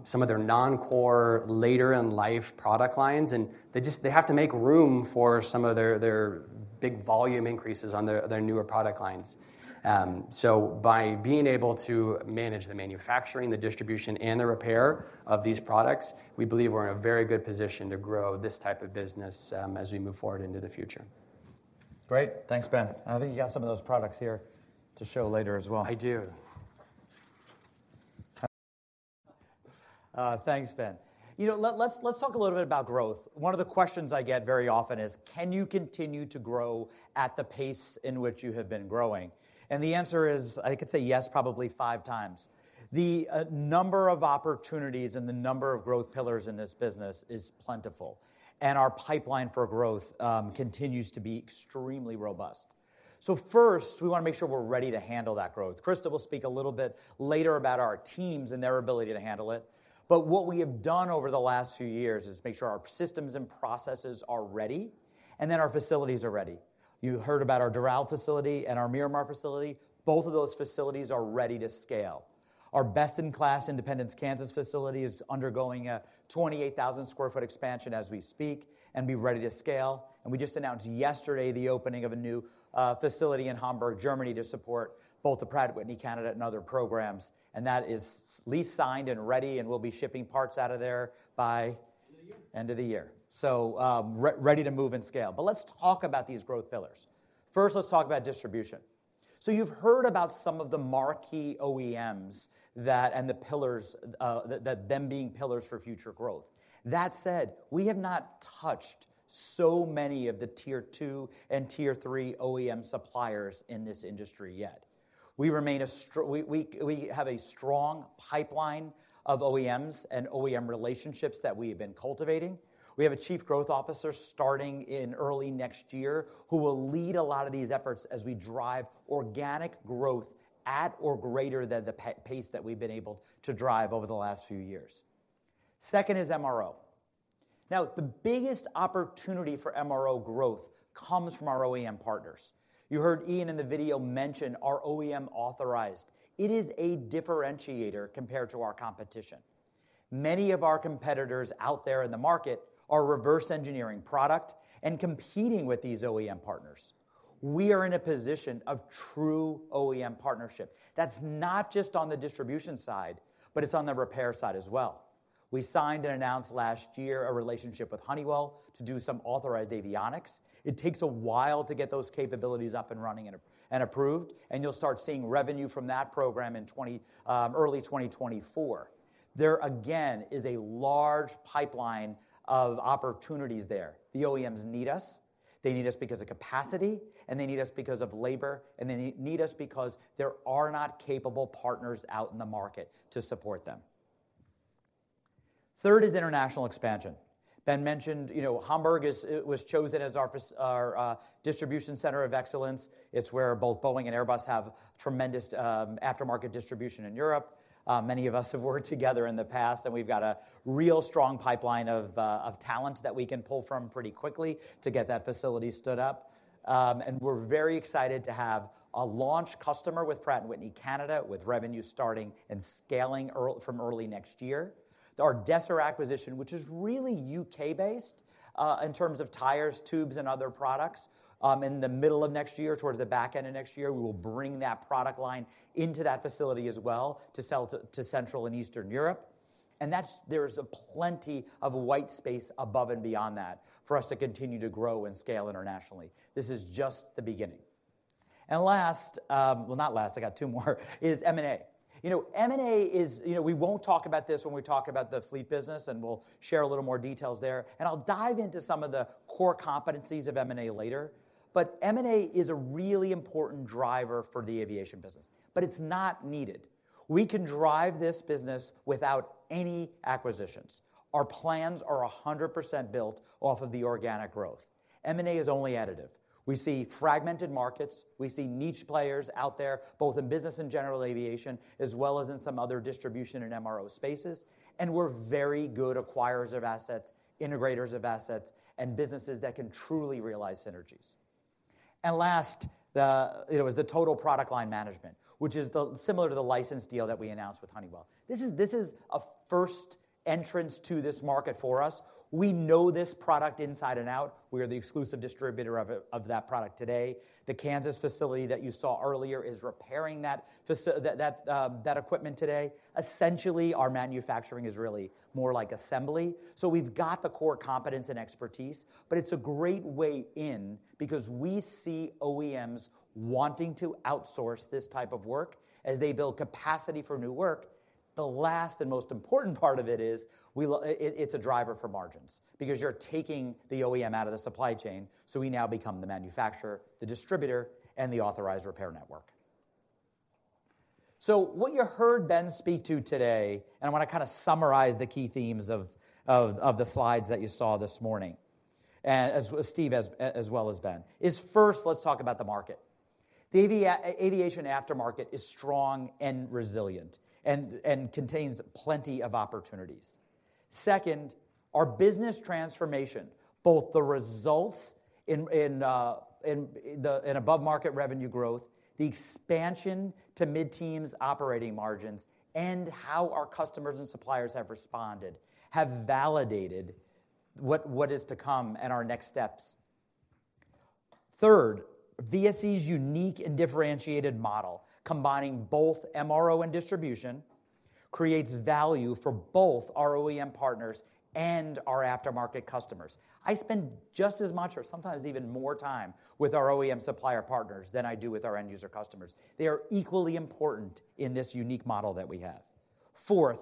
some of their non-core, later-in-life product lines, and they just have to make room for some of their big volume increases on their newer product lines. So by being able to manage the manufacturing, the distribution, and the repair of these products, we believe we're in a very good position to grow this type of business, as we move forward into the future. Great. Thanks, Ben. I think you got some of those products here to show later as well. I do. Thanks, Ben. You know, let's talk a little bit about growth. One of the questions I get very often is: Can you continue to grow at the pace in which you have been growing? And the answer is, I could say yes probably 5x. The number of opportunities and the number of growth pillars in this business is plentiful, and our pipeline for growth continues to be extremely robust. So first, we wanna make sure we're ready to handle that growth. Krista will speak a little bit later about our teams and their ability to handle it, but what we have done over the last few years is make sure our systems and processes are ready, and that our facilities are ready. You heard about our Doral facility and our Miramar facility. Both of those facilities are ready to scale. Our best-in-class Independence, Kansas, facility is undergoing a 28,000 sq ft expansion as we speak and be ready to scale, and we just announced yesterday the opening of a new facility in Hamburg, Germany, to support both the Pratt & Whitney Canada and other programs, and that is lease signed and ready, and we'll be shipping parts out of there by-- End of the year. End of the year. So, ready to move and scale. But let's talk about these growth pillars. First, let's talk about distribution. So you've heard about some of the marquee OEMs that and the pillars, the, them being pillars for future growth. That said, we have not touched so many of the Tier 2 and Tier 3 OEM suppliers in this industry yet. We remain. We have a strong pipeline of OEMs and OEM relationships that we have been cultivating. We have a Chief Growth Officer starting in early next year who will lead a lot of these efforts as we drive organic growth at or greater than the pace that we've been able to drive over the last few years. Second is MRO. Now, the biggest opportunity for MRO growth comes from our OEM partners. You heard Ian in the video mention our OEM authorized. It is a differentiator compared to our competition. Many of our competitors out there in the market are reverse engineering product and competing with these OEM partners. We are in a position of true OEM partnership. That's not just on the distribution side, but it's on the repair side as well. We signed and announced last year a relationship with Honeywell to do some authorized avionics. It takes a while to get those capabilities up and running and approved, and you'll start seeing revenue from that program in early 2024. There, again, is a large pipeline of opportunities there. The OEMs need us. They need us because of capacity, and they need us because of labor, and they need us because there are not capable partners out in the market to support them. Third is international expansion. Ben mentioned, you know, Hamburg was chosen as our distribution center of excellence. It's where both Boeing and Airbus have tremendous aftermarket distribution in Europe. Many of us have worked together in the past, and we've got a real strong pipeline of talent that we can pull from pretty quickly to get that facility stood up. And we're very excited to have a launch customer with Pratt & Whitney Canada, with revenue starting and scaling from early next year. Our Desser acquisition, which is really U.K.-based, in terms of tires, tubes, and other products, in the middle of next year towards the back end of next year, we will bring that product line into that facility as well, to sell to, to Central and Eastern Europe, and that's—there's plenty of white space above and beyond that for us to continue to grow and scale internationally. This is just the beginning. And last, well, not last, I got two more, is M&A. You know, M&A is, you know, we won't talk about this when we talk about the fleet business, and we'll share a little more details there. And I'll dive into some of the core competencies of M&A later. But M&A is a really important driver for the aviation business, but it's not needed. We can drive this business without any acquisitions. Our plans are 100% built off of the organic growth. M&A is only additive. We see fragmented markets, we see niche players out there, both in business and general aviation, as well as in some other distribution and MRO spaces, and we're very good acquirers of assets, integrators of assets, and businesses that can truly realize synergies. And last, you know, is the total product line management, which is similar to the license deal that we announced with Honeywell. This is a first entrance to this market for us. We know this product inside and out. We are the exclusive distributor of it, of that product today. The Kansas facility that you saw earlier is repairing that equipment today. Essentially, our manufacturing is really more like assembly. So we've got the core competence and expertise, but it's a great way in because we see OEMs wanting to outsource this type of work as they build capacity for new work. The last and most important part of it is, it's a driver for margins, because you're taking the OEM out of the supply chain, so we now become the manufacturer, the distributor, and the authorized repair network. So what you heard Ben speak to today, and I wanna kinda summarize the key themes of the slides that you saw this morning, as with Steve, as well as Ben, is first, let's talk about the market. The aviation aftermarket is strong and resilient and contains plenty of opportunities. Second, our business transformation, both the results in above-market revenue growth, the expansion to mid-teens operating margins, and how our customers and suppliers have responded, have validated what is to come and our next steps. Third, VSE's unique and differentiated model, combining both MRO and distribution, creates value for both our OEM partners and our aftermarket customers. I spend just as much or sometimes even more time with our OEM supplier partners than I do with our end user customers. They are equally important in this unique model that we have. Fourth,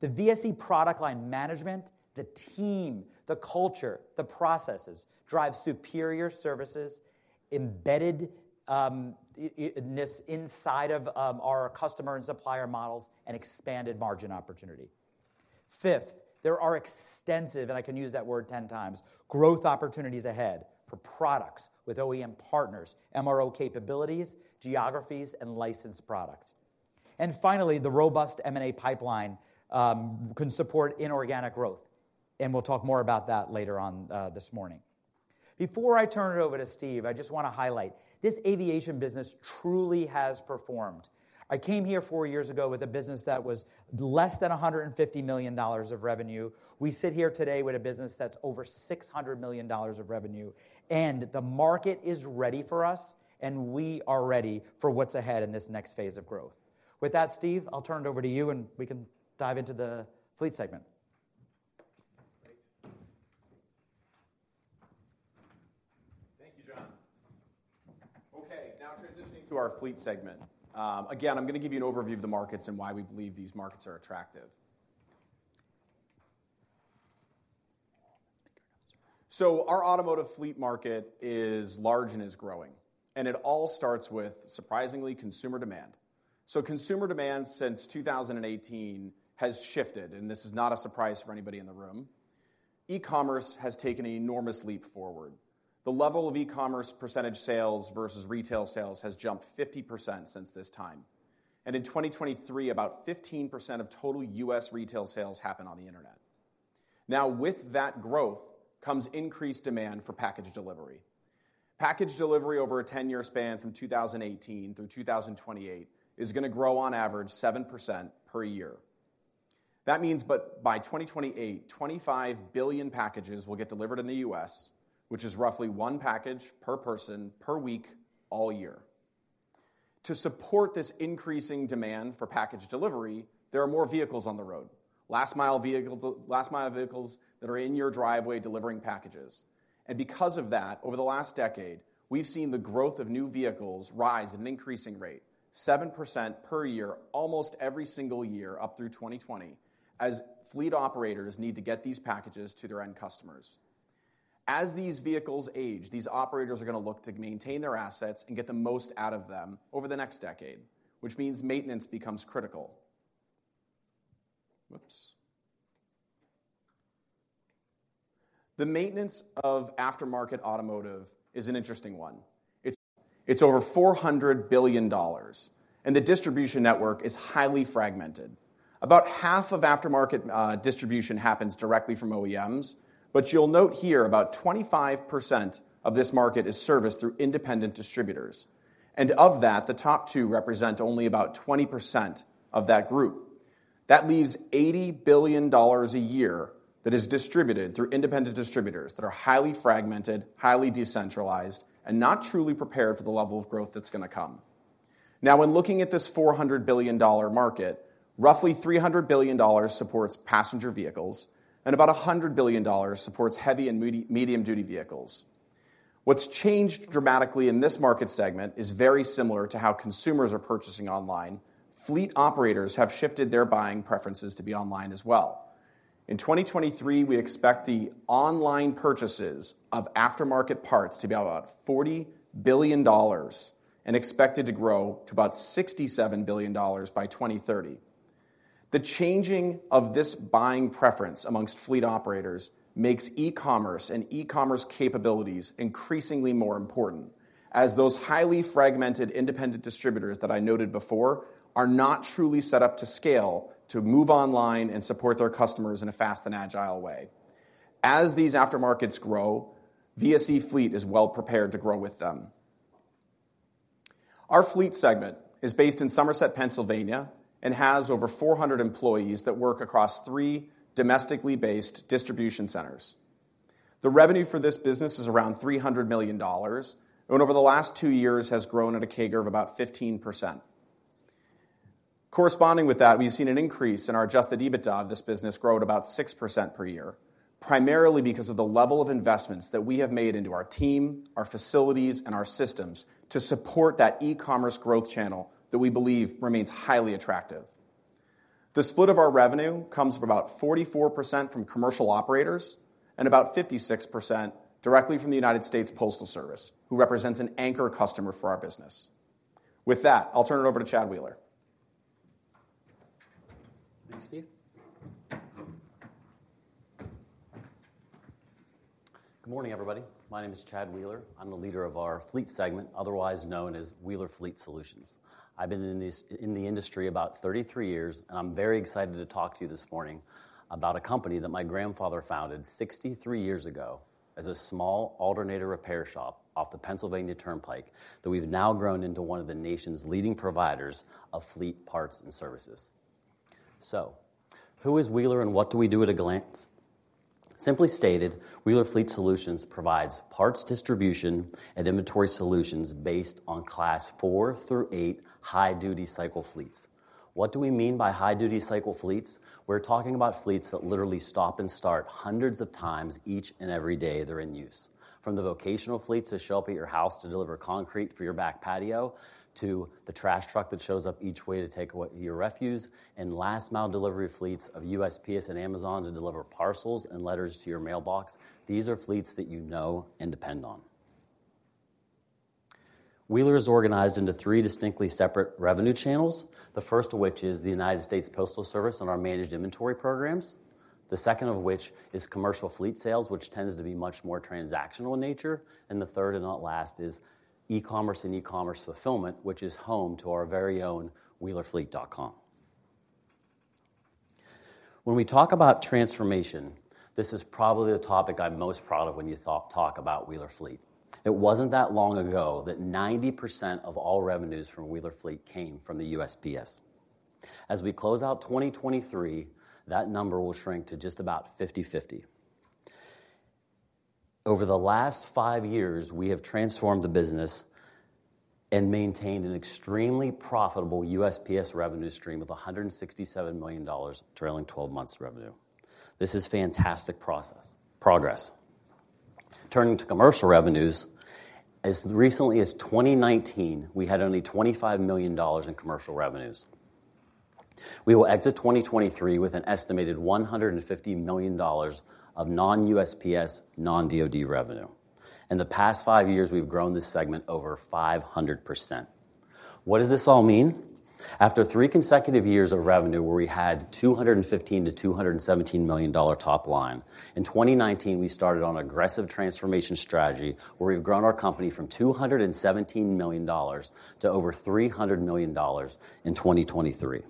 the VSE product line management, the team, the culture, the processes, drive superior services, embedded this inside of our customer and supplier models and expanded margin opportunity. Fifth, there are extensive, and I can use that word 10x, growth opportunities ahead for products with OEM partners, MRO capabilities, geographies, and licensed products. And finally, the robust M&A pipeline can support inorganic growth, and we'll talk more about that later on, this morning. Before I turn it over to Steve, I just wanna highlight, this aviation business truly has performed. I came here four years ago with a business that was less than $150 million of revenue. We sit here today with a business that's over $600 million of revenue, and the market is ready for us, and we are ready for what's ahead in this next phase of growth. With that, Steve, I'll turn it over to you, and we can dive into the fleet segment. Great. Thank you, John. Okay, now transitioning to our fleet segment. Again, I'm gonna give you an overview of the markets and why we believe these markets are attractive. So our automotive fleet market is large and is growing, and it all starts with, surprisingly, consumer demand. So consumer demand since 2018 has shifted, and this is not a surprise for anybody in the room. E-commerce has taken an enormous leap forward. The level of e-commerce percentage sales versus retail sales has jumped 50% since this time, and in 2023, about 15% of total U.S. retail sales happened on the internet. Now, with that growth comes increased demand for package delivery. Package delivery over a 10-year span from 2018 through 2028 is gonna grow on average 7% per year. That means by 2028, 25 billion packages will get delivered in the U.S., which is roughly one package per person, per week, all year. To support this increasing demand for package delivery, there are more vehicles on the road, last mile vehicle, last mile vehicles that are in your driveway delivering packages. And because of that, over the last decade, we've seen the growth of new vehicles rise at an increasing rate, 7% per year, almost every single year, up through 2020, as fleet operators need to get these packages to their end customers. As these vehicles age, these operators are gonna look to maintain their assets and get the most out of them over the next decade, which means maintenance becomes critical. Whoops! The maintenance of aftermarket automotive is an interesting one. It's over $400 billion, and the distribution network is highly fragmented. About half of aftermarket distribution happens directly from OEMs, but you'll note here, about 25% of this market is serviced through independent distributors. And of that, the top two represent only about 20% of that group. That leaves $80 billion a year that is distributed through independent distributors that are highly fragmented, highly decentralized, and not truly prepared for the level of growth that's gonna come. Now, when looking at this $400 billion market, roughly $300 billion supports passenger vehicles, and about $100 billion supports heavy and medium-duty vehicles. What's changed dramatically in this market segment is very similar to how consumers are purchasing online. Fleet operators have shifted their buying preferences to be online as well. In 2023, we expect the online purchases of aftermarket parts to be about $40 billion, and expected to grow to about $67 billion by 2030. The changing of this buying preference among fleet operators makes e-commerce and e-commerce capabilities increasingly more important, as those highly fragmented independent distributors that I noted before are not truly set up to scale, to move online, and support their customers in a fast and agile way. As these aftermarkets grow, VSE Fleet is well prepared to grow with them. Our fleet segment is based in Somerset, Pennsylvania, and has over 400 employees that work across three domestically based distribution centers. The revenue for this business is around $300 million, and over the last two years has grown at a CAGR of about 15%. Corresponding with that, we've seen an increase in our adjusted EBITDA of this business grow at about 6% per year, primarily because of the level of investments that we have made into our team, our facilities, and our systems to support that e-commerce growth channel that we believe remains highly attractive. The split of our revenue comes from about 44% from commercial operators and about 56% directly from the United States Postal Service, who represents an anchor customer for our business. With that, I'll turn it over to Chad Wheeler. Thanks, Steve. Good morning, everybody. My name is Chad Wheeler. I'm the leader of our Fleet Segment, otherwise known as Wheeler Fleet Solutions. I've been in the industry about 33 years, and I'm very excited to talk to you this morning about a company that my grandfather founded 63 years ago as a small alternator repair shop off the Pennsylvania Turnpike, that we've now grown into one of the nation's leading providers of fleet parts and services. So who is Wheeler, and what do we do at a glance? Simply stated, Wheeler Fleet Solutions provides parts, distribution, and inventory solutions based on Class 4 through 8 high duty cycle fleets. What do we mean by high duty cycle fleets? We're talking about fleets that literally stop and start hundreds of times each and every day they're in use. From the vocational fleets that show up at your house to deliver concrete for your back patio, to the trash truck that shows up each way to take away your refuse, and last mile delivery fleets of USPS and Amazon to deliver parcels and letters to your mailbox. These are fleets that you know and depend on. Wheeler is organized into three distinctly separate revenue channels, the first of which is the United States Postal Service and our managed inventory programs. The second of which is commercial fleet sales, which tends to be much more transactional in nature. And the third, and not last, is e-commerce and e-commerce fulfillment, which is home to our very own wheelerfleet.com. When we talk about transformation, this is probably the topic I'm most proud of when you talk, talk about Wheeler Fleet. It wasn't that long ago that 90% of all revenues from Wheeler Fleet came from the USPS. As we close out 2023, that number will shrink to just about 50/50. Over the last five years, we have transformed the business and maintained an extremely profitable USPS revenue stream with $167 million trailing 12 months revenue. This is fantastic progress. Turning to commercial revenues, as recently as 2019, we had only $25 million in commercial revenues. We will exit 2023 with an estimated $150 million of non-USPS, non-DoD revenue. In the past five years, we've grown this segment over 500%. What does this all mean? After three consecutive years of revenue, where we had $215 million-$217 million top line, in 2019, we started on an aggressive transformation strategy, where we've grown our company from $217 million to over $300 million in 2023,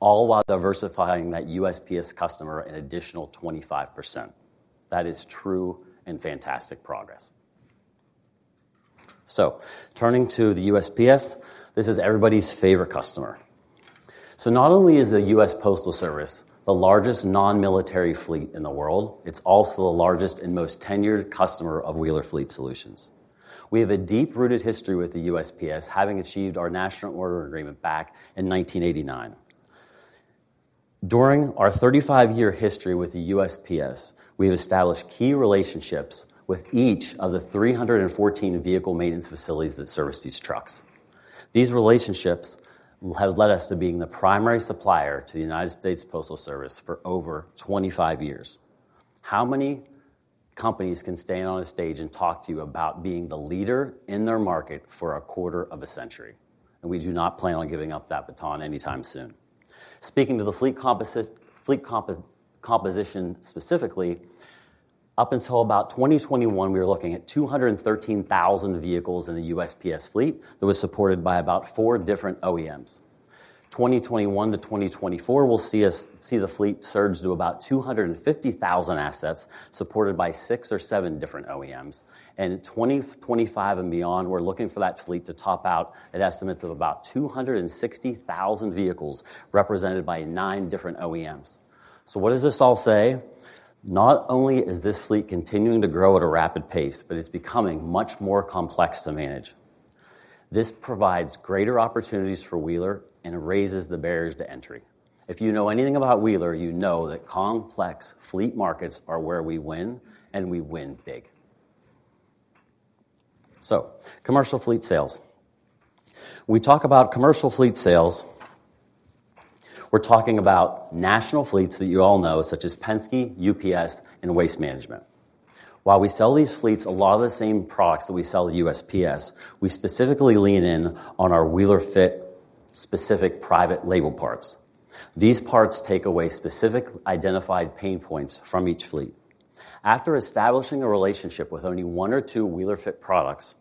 all while diversifying that USPS customer an additional 25%. That is true and fantastic progress. So turning to the USPS, this is everybody's favorite customer. So not only is the U.S. Postal Service the largest non-military fleet in the world, it's also the largest and most tenured customer of Wheeler Fleet Solutions. We have a deep-rooted history with the USPS, having achieved our national order agreement back in 1989. During our 35-year history with the USPS, we've established key relationships with each of the 314 vehicle maintenance facilities that service these trucks. These relationships have led us to being the primary supplier to the United States Postal Service for over 25 years. How many companies can stand on a stage and talk to you about being the leader in their market for a quarter of a century? We do not plan on giving up that baton anytime soon. Speaking to the fleet composition specifically, up until about 2021, we were looking at 213,000 vehicles in the USPS fleet that was supported by about four different OEMs. 2021 to 2024 will see the fleet surge to about 250,000 assets, supported by six or seven different OEMs. In 2025 and beyond, we're looking for that fleet to top out at estimates of about 260,000 vehicles, represented by nine different OEMs. What does this all say? Not only is this fleet continuing to grow at a rapid pace, but it's becoming much more complex to manage. This provides greater opportunities for Wheeler and raises the barriers to entry. If you know anything about Wheeler, you know that complex fleet markets are where we win, and we win big. Commercial fleet sales. When we talk about commercial fleet sales, we're talking about national fleets that you all know, such as Penske, UPS, and Waste Management. While we sell these fleets a lot of the same products that we sell to USPS, we specifically lean in on our Wheeler Fleet specific private label parts. These parts take away specific identified pain points from each fleet. After establishing a relationship with only one or two Wheeler Fleet products,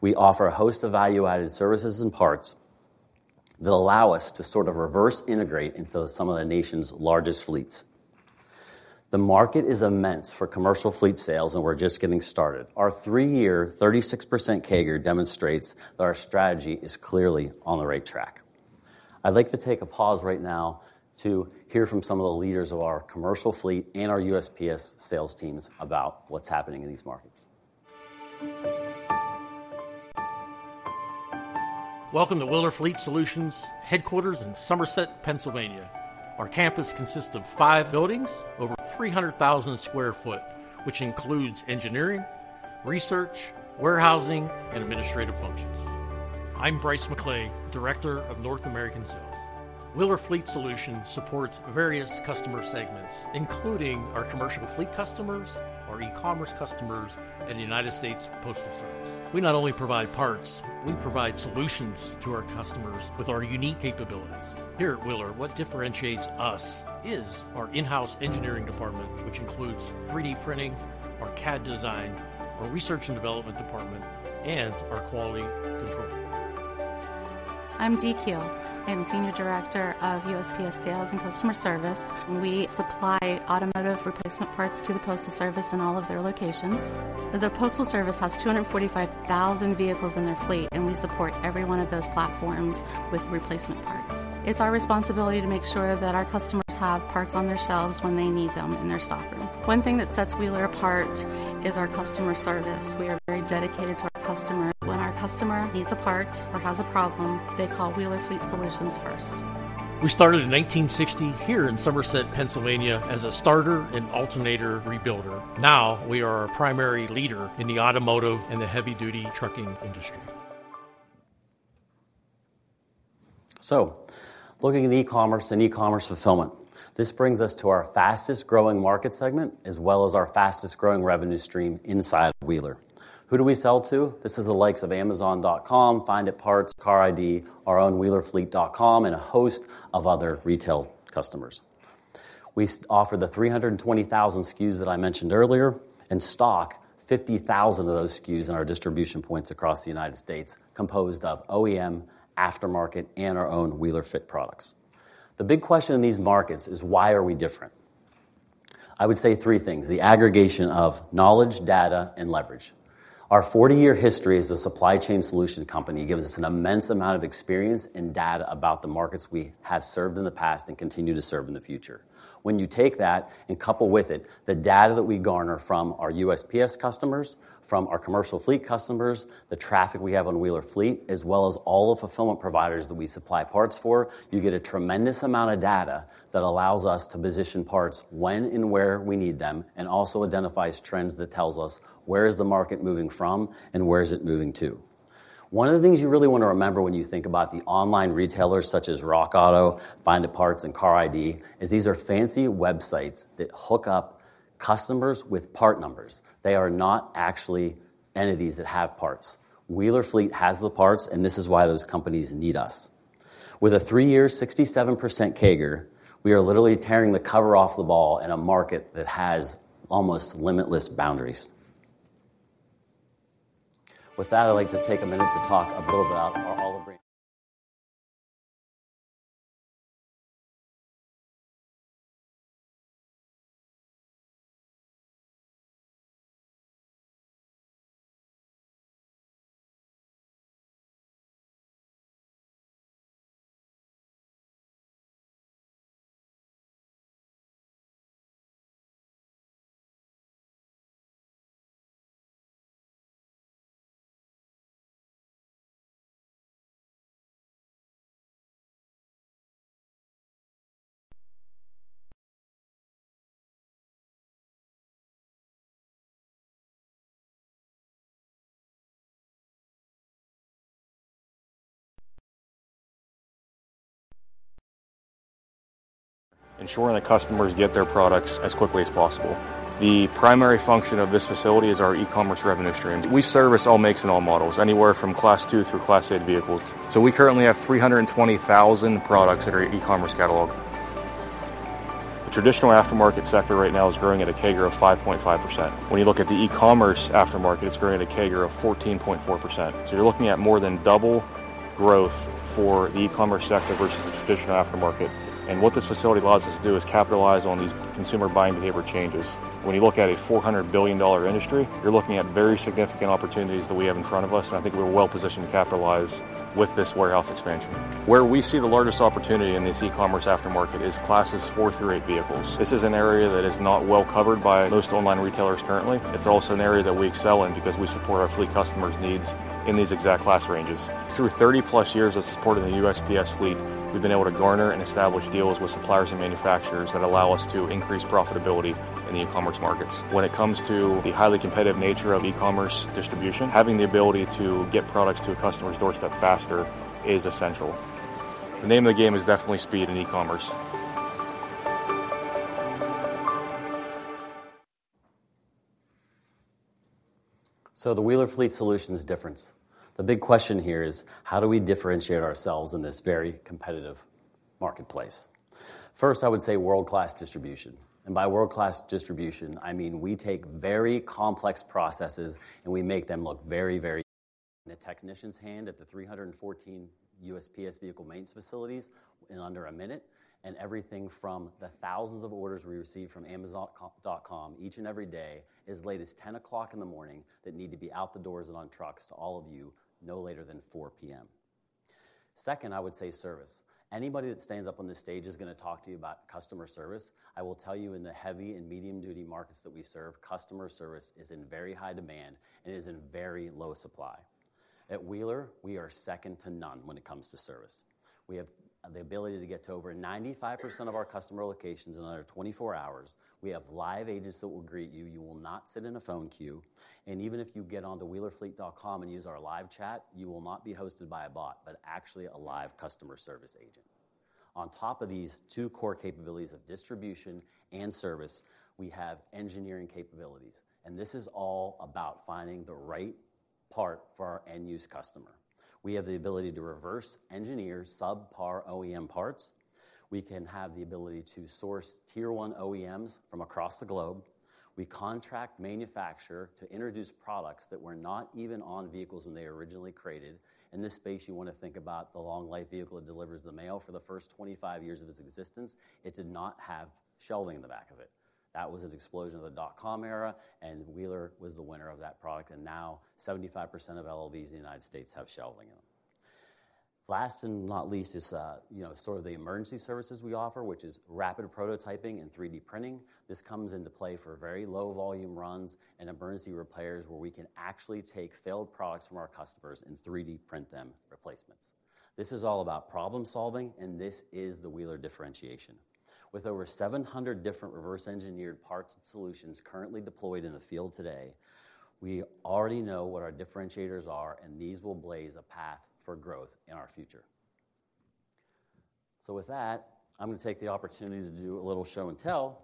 we offer a host of value-added services and parts that allow us to sort of reverse integrate into some of the nation's largest fleets. The market is immense for commercial fleet sales, and we're just getting started. Our three-year, 36% CAGR demonstrates that our strategy is clearly on the right track. I'd like to take a pause right now to hear from some of the leaders of our commercial fleet and our USPS sales teams about what's happening in these markets. Welcome to Wheeler Fleet Solutions headquarters in Somerset, Pennsylvania. Our campus consists of five buildings, over 300,000 sq ft, which includes engineering, research, warehousing, and administrative functions. I'm Bryce McLay, Director of North American Sales. Wheeler Fleet Solutions supports various customer segments, including our commercial fleet customers, our e-commerce customers, and the United States Postal Service. We not only provide parts, we provide solutions to our customers with our unique capabilities. Here at Wheeler, what differentiates us is our in-house engineering department, which includes 3D printing, our CAD design, our research and development department, and our quality control. I'm Dee Keel. I am Senior Director of USPS Sales and Customer Service. We supply automotive replacement parts to the Postal Service in all of their locations. The Postal Service has 245,000 vehicles in their fleet, and we support every one of those platforms with replacement parts. It's our responsibility to make sure that our customers have parts on their shelves when they need them in their stockroom. One thing that sets Wheeler apart is our customer service. We are very dedicated to our customer. When our customer needs a part or has a problem, they call Wheeler Fleet Solutions first. We started in 1960 here in Somerset, Pennsylvania, as a starter and alternator rebuilder. Now, we are a primary leader in the automotive and the heavy-duty trucking industry. So looking at e-commerce and e-commerce fulfillment, this brings us to our fastest-growing market segment, as well as our fastest-growing revenue stream inside Wheeler. Who do we sell to? This is the likes of Amazon.com, FinditParts, CARiD, our own wheelerfleet.com, and a host of other retail customers. We offer the 320,000 SKUs that I mentioned earlier and stock 50,000 of those SKUs in our distribution points across the United States, composed of OEM, aftermarket, and our own Wheeler Fleet products. The big question in these markets is: Why are we different? I would say three things, the aggregation of knowledge, data, and leverage. Our 40-year history as a supply chain solution company gives us an immense amount of experience and data about the markets we have served in the past and continue to serve in the future. When you take that and couple with it the data that we garner from our USPS customers, from our commercial fleet customers, the traffic we have on Wheeler Fleet, as well as all the fulfillment providers that we supply parts for, you get a tremendous amount of data that allows us to position parts when and where we need them, and also identifies trends that tells us where is the market moving from and where is it moving to. One of the things you really want to remember when you think about the online retailers, such as RockAuto, FinditParts, and CARiD, is these are fancy websites that hook up customers with part numbers. They are not actually entities that have parts. Wheeler Fleet has the parts, and this is why those companies need us. With a three-year, 67% CAGR, we are literally tearing the cover off the ball in a market that has almost limitless boundaries. With that, I'd like to take a minute to talk a little bit about our-- Ensuring that customers get their products as quickly as possible. The primary function of this facility is our e-commerce revenue stream. We service all makes and all models, anywhere from Class 2 through Class 8 vehicles. So we currently have 320,000 products in our e-commerce catalog. The traditional aftermarket sector right now is growing at a CAGR of 5.5%. When you look at the e-commerce aftermarket, it's growing at a CAGR of 14.4%. So you're looking at more than double growth for the e-commerce sector versus the traditional aftermarket. And what this facility allows us to do is capitalize on these consumer buying behavior changes. When you look at a $400 billion industry, you're looking at very significant opportunities that we have in front of us, and I think we're well positioned to capitalize. With this warehouse expansion. Where we see the largest opportunity in this e-commerce aftermarket is Classes 4-8 vehicles. This is an area that is not well covered by most online retailers currently. It's also an area that we excel in because we support our fleet customers' needs in these exact class ranges. Through 30+ years of supporting the USPS fleet, we've been able to garner and establish deals with suppliers and manufacturers that allow us to increase profitability in the e-commerce markets. When it comes to the highly competitive nature of e-commerce distribution, having the ability to get products to a customer's doorstep faster is essential. The name of the game is definitely speed in e-commerce. So the Wheeler Fleet Solutions difference. The big question here is: how do we differentiate ourselves in this very competitive marketplace? First, I would say world-class distribution, and by world-class distribution, I mean we take very complex processes, and we make them look very, very, in a technician's hand at the 314 USPS vehicle maintenance facilities in under a minute, and everything from the thousands of orders we receive from Amazon.com each and every day, as late as 10:00 A.M., that need to be out the doors and on trucks to all of you, no later than 4:00 P.M. Second, I would say service. Anybody that stands up on this stage is going to talk to you about customer service. I will tell you, in the heavy and medium-duty markets that we serve, customer service is in very high demand and is in very low supply. At Wheeler, we are second to none when it comes to service. We have the ability to get to over 95% of our customer locations in under 24 hours. We have live agents that will greet you. You will not sit in a phone queue, and even if you get onto wheelerfleet.com and use our live chat, you will not be hosted by a bot, but actually a live customer service agent. On top of these two core capabilities of distribution and service, we have engineering capabilities, and this is all about finding the right part for our end-use customer. We have the ability to reverse engineer subpar OEM parts. We can have the ability to source tier one OEMs from across the globe. We contract manufacture to introduce products that were not even on vehicles when they were originally created. In this space, you want to think about the Long Life Vehicle that delivers the mail. For the first 25 years of its existence, it did not have shelving in the back of it. That was an explosion of the dot-com era, and Wheeler was the winner of that product, and now 75% of LLVs in the United States have shelving in them. Last and not least is, you know, sort of the emergency services we offer, which is rapid prototyping and 3D printing. This comes into play for very low-volume runs and emergency repairs, where we can actually take failed products from our customers and 3D print them replacements. This is all about problem-solving, and this is the Wheeler differentiation. With over 700 different reverse-engineered parts and solutions currently deployed in the field today, we already know what our differentiators are, and these will blaze a path for growth in our future. So with that, I'm going to take the opportunity to do a little show and tell.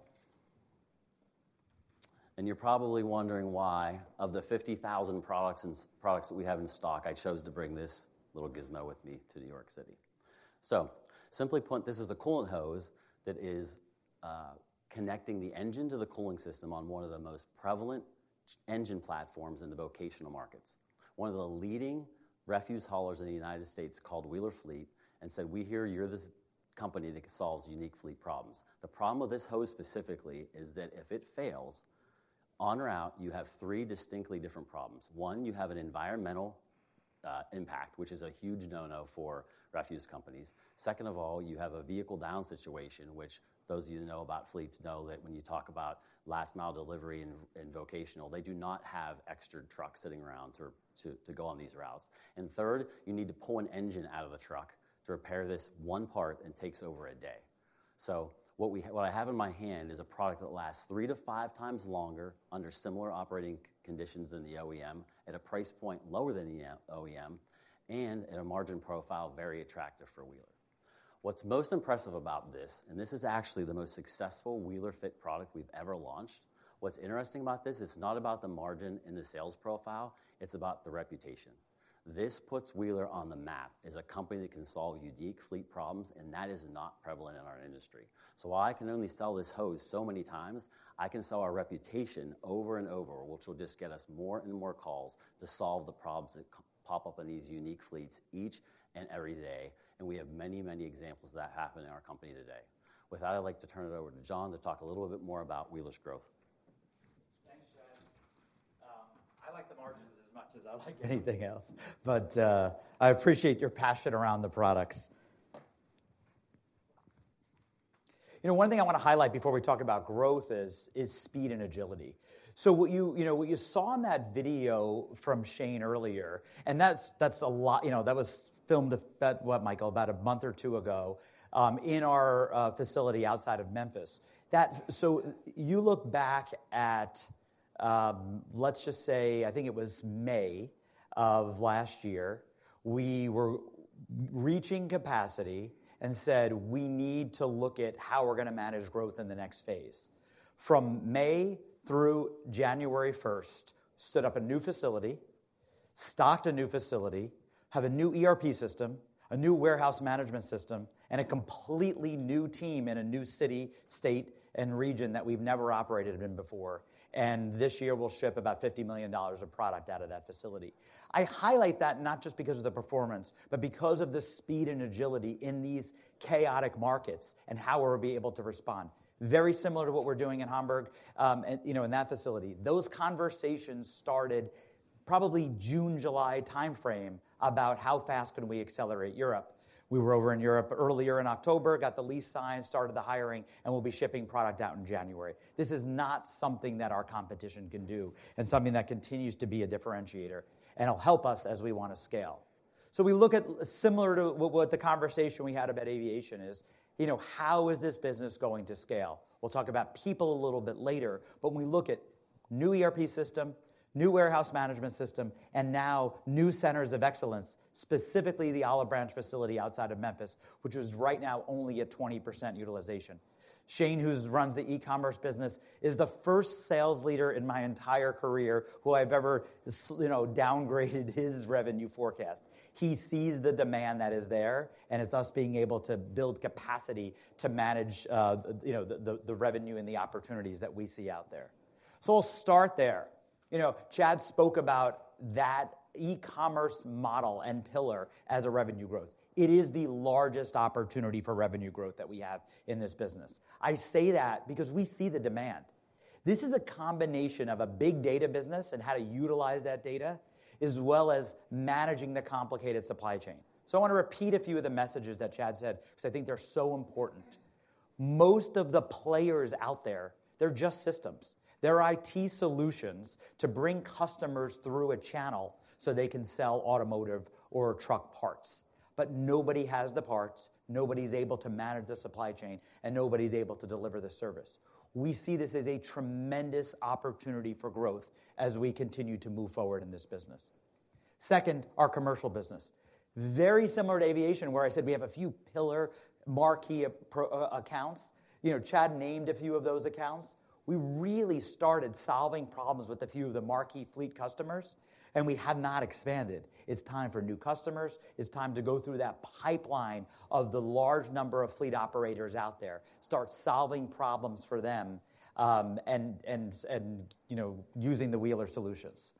And you're probably wondering why, of the 50,000 products that we have in stock, I chose to bring this little gizmo with me to New York City. So simply put, this is a coolant hose that is connecting the engine to the cooling system on one of the most prevalent engine platforms in the vocational markets. One of the leading refuse haulers in the United States called Wheeler Fleet and said, "We hear you're the company that solves unique fleet problems." The problem with this hose specifically is that if it fails, on route, you have three distinctly different problems. One, you have an environmental impact, which is a huge no-no for refuse companies. Second of all, you have a vehicle-down situation, which those of you who know about fleets know that when you talk about last-mile delivery and vocational, they do not have extra trucks sitting around to go on these routes. And third, you need to pull an engine out of the truck to repair this one part, and takes over a day. So what I have in my hand is a product that lasts 3x-5x longer under similar operating conditions than the OEM, at a price point lower than the OEM, and at a margin profile very attractive for Wheeler. What's most impressive about this, and this is actually the most successful Wheeler Fleet product we've ever launched, what's interesting about this, it's not about the margin and the sales profile, it's about the reputation. This puts Wheeler on the map as a company that can solve unique fleet problems, and that is not prevalent in our industry. So while I can only sell this hose so many times, I can sell our reputation over and over, which will just get us more and more calls to solve the problems that pop up in these unique fleets each and every day, and we have many, many examples of that happening in our company today. With that, I'd like to turn it over to John to talk a little bit more about Wheeler's growth. Thanks, Shane. I like the margins as much as I like anything else, but, I appreciate your passion around the products. You know, one thing I want to highlight before we talk about growth is, is speed and agility. So what you, you know, what you saw in that video from Shane earlier, and that's, that's a lot. You know, that was filmed about, what, Michael? About a month or two ago, in our facility outside of Memphis. So you look back at, let's just say, I think it was May of last year, we were reaching capacity and said, "We need to look at how we're going to manage growth in the next phase." From May through January first, set up a new facility, stocked a new facility, have a new ERP system, a new warehouse management system, and a completely new team in a new city, state, and region that we've never operated in before, and this year, we'll ship about $50 million of product out of that facility. I highlight that not just because of the performance, but because of the speed and agility in these chaotic markets and how we're able to respond, very similar to what we're doing in Hamburg, and, you know, in that facility. Those conversations started-... Probably June, July timeframe about how fast can we accelerate Europe. We were over in Europe earlier in October, got the lease signed, started the hiring, and we'll be shipping product out in January. This is not something that our competition can do, and something that continues to be a differentiator and it'll help us as we wanna scale. So we look at similar to what, what the conversation we had about aviation is, you know, how is this business going to scale? We'll talk about people a little bit later, but when we look at new ERP system, new warehouse management system, and now new centers of excellence, specifically the Olive Branch facility outside of Memphis, which is right now only at 20% utilization. Shane, who runs the e-commerce business, is the first sales leader in my entire career who I've ever you know, downgraded his revenue forecast. He sees the demand that is there, and it's us being able to build capacity to manage, you know, the revenue and the opportunities that we see out there. So I'll start there. You know, Chad spoke about that e-commerce model and pillar as a revenue growth. It is the largest opportunity for revenue growth that we have in this business. I say that because we see the demand. This is a combination of a big data business and how to utilize that data, as well as managing the complicated supply chain. So I wanna repeat a few of the messages that Chad said, because I think they're so important. Most of the players out there, they're just systems. They're IT solutions to bring customers through a channel so they can sell automotive or truck parts, but nobody has the parts, nobody's able to manage the supply chain, and nobody's able to deliver the service. We see this as a tremendous opportunity for growth as we continue to move forward in this business. Second, our commercial business. Very similar to aviation, where I said we have a few pillar marquee accounts. You know, Chad named a few of those accounts. We really started solving problems with a few of the marquee fleet customers, and we have not expanded. It's time for new customers. It's time to go through that pipeline of the large number of fleet operators out there, start solving problems for them, and you know, using the Wheeler solutions.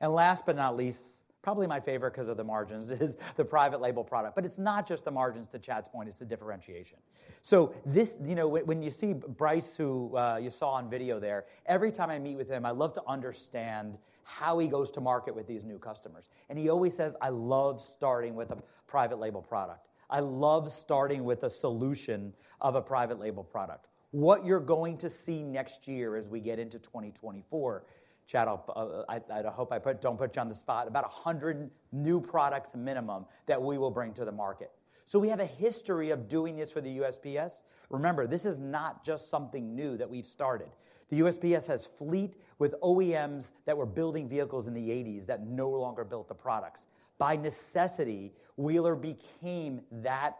And last but not least, probably my favorite 'cause of the margins, is the private label product. But it's not just the margins, to Chad's point, it's the differentiation. So this. You know, when you see Bryce, who you saw on video there, every time I meet with him, I love to understand how he goes to market with these new customers. And he always says, "I love starting with a private label product. I love starting with a solution of a private label product." What you're going to see next year as we get into 2024, Chad, I'll, I hope I don't put you on the spot, about 100 new products minimum that we will bring to the market. So we have a history of doing this for the USPS. Remember, this is not just something new that we've started. The USPS has fleet with OEMs that were building vehicles in the 1980s that no longer built the products. By necessity, Wheeler became that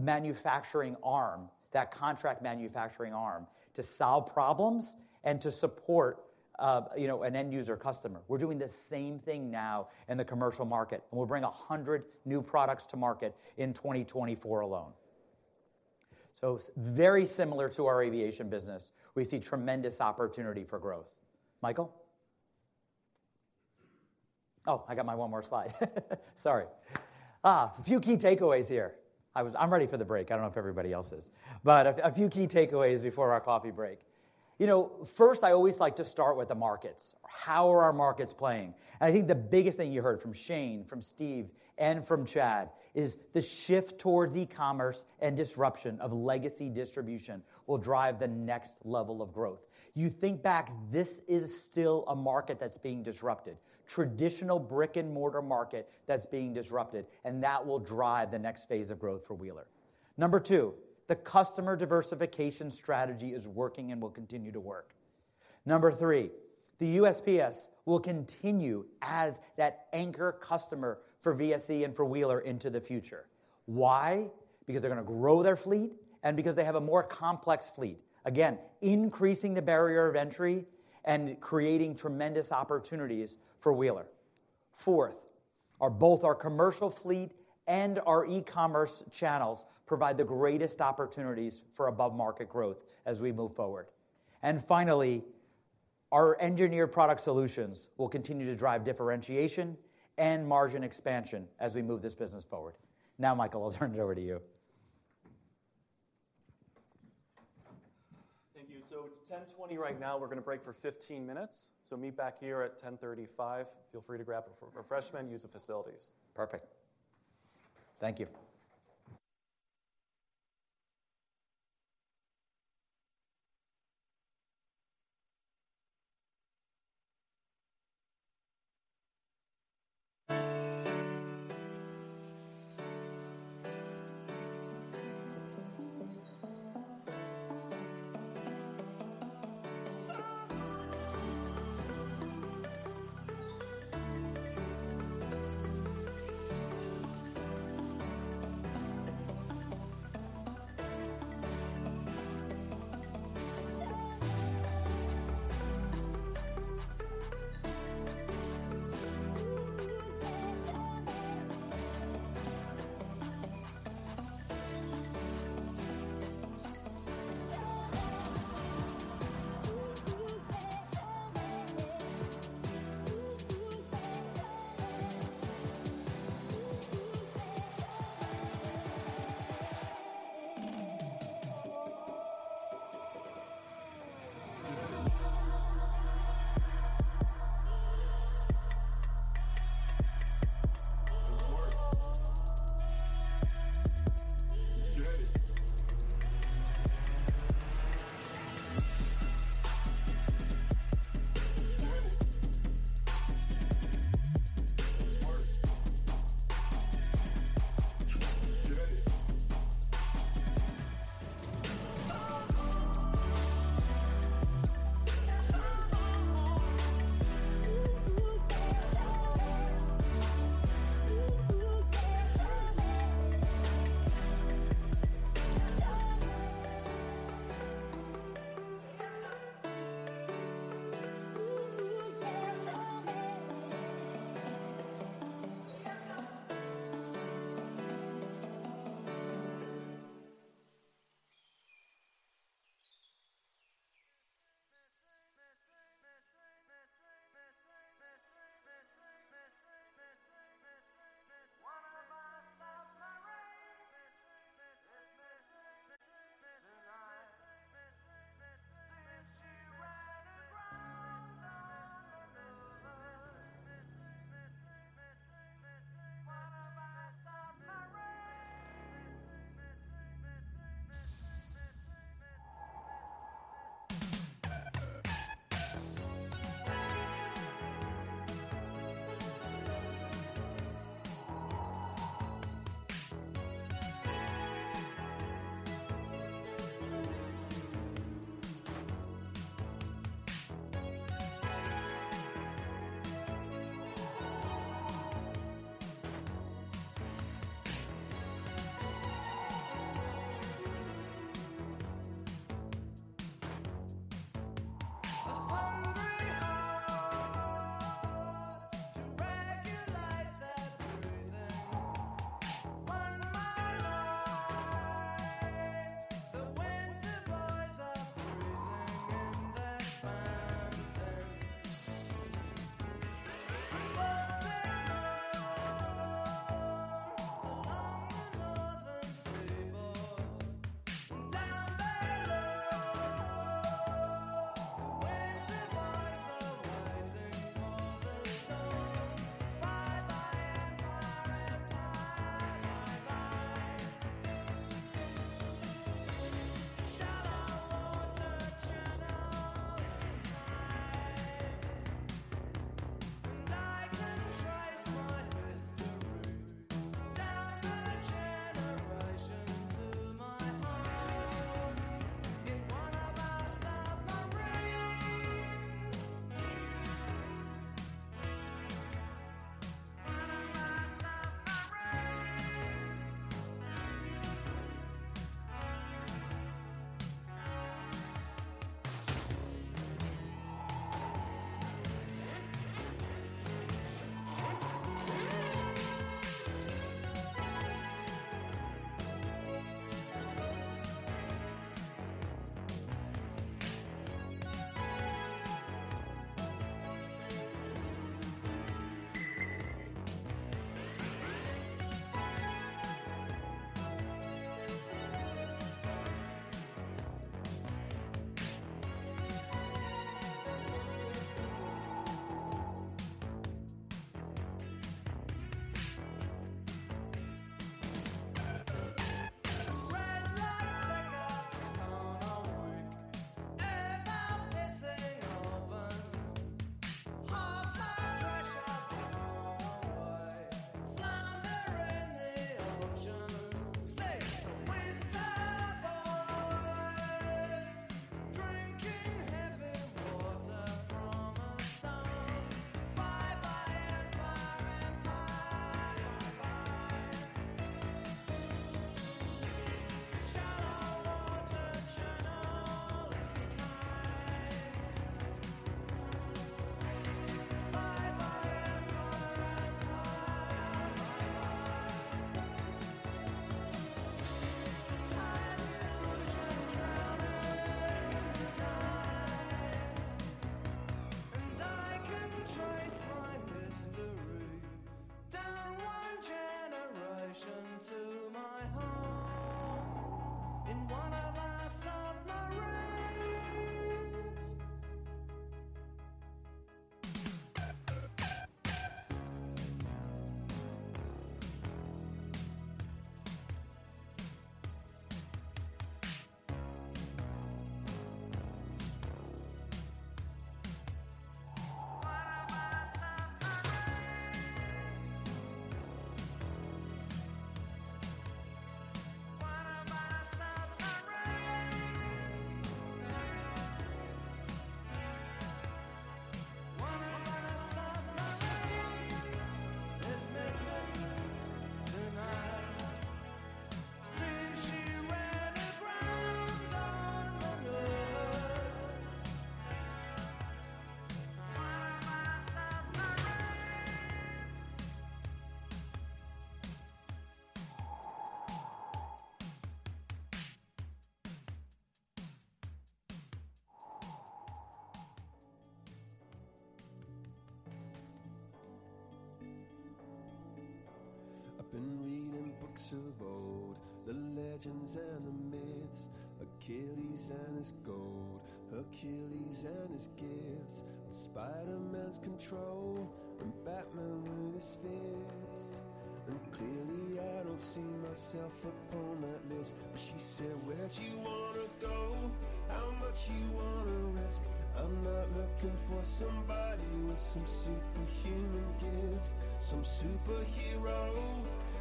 manufacturing arm, that contract manufacturing arm, to solve problems and to support, you know, an end user customer. We're doing the same thing now in the commercial market, and we'll bring 100 new products to market in 2024 alone. So very similar to our aviation business, we see tremendous opportunity for growth. Michael? Oh, I got my one more slide. Sorry. A few key takeaways here. I'm ready for the break. I don't know if everybody else is. But a few key takeaways before our coffee break. You know, first, I always like to start with the markets. How are our markets playing? I think the biggest thing you heard from Shane, from Steve, and from Chad is the shift towards e-commerce and disruption of legacy distribution will drive the next level of growth. You think back, this is still a market that's being disrupted, traditional brick-and-mortar market that's being disrupted, and that will drive the next phase of growth for Wheeler. Number two, the customer diversification strategy is working and will continue to work. Number three, the USPS will continue as that anchor customer for VSE and for Wheeler into the future. Why? Because they're gonna grow their fleet, and because they have a more complex fleet. Again, increasing the barrier of entry and creating tremendous opportunities for Wheeler. Fourth, are both our commercial fleet and our e-commerce channels provide the greatest opportunities for above-market growth as we move forward. Finally, our engineered product solutions will continue to drive differentiation and margin expansion as we move this business forward. Now, Michael, I'll turn it over to you. Thank you. So it's 10:20 A.M. right now. We're gonna break for 15 minutes, so meet back here at 10:35 A.M. Feel free to grab a refreshment, use the facilities. Perfect. Thank you.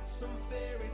Here?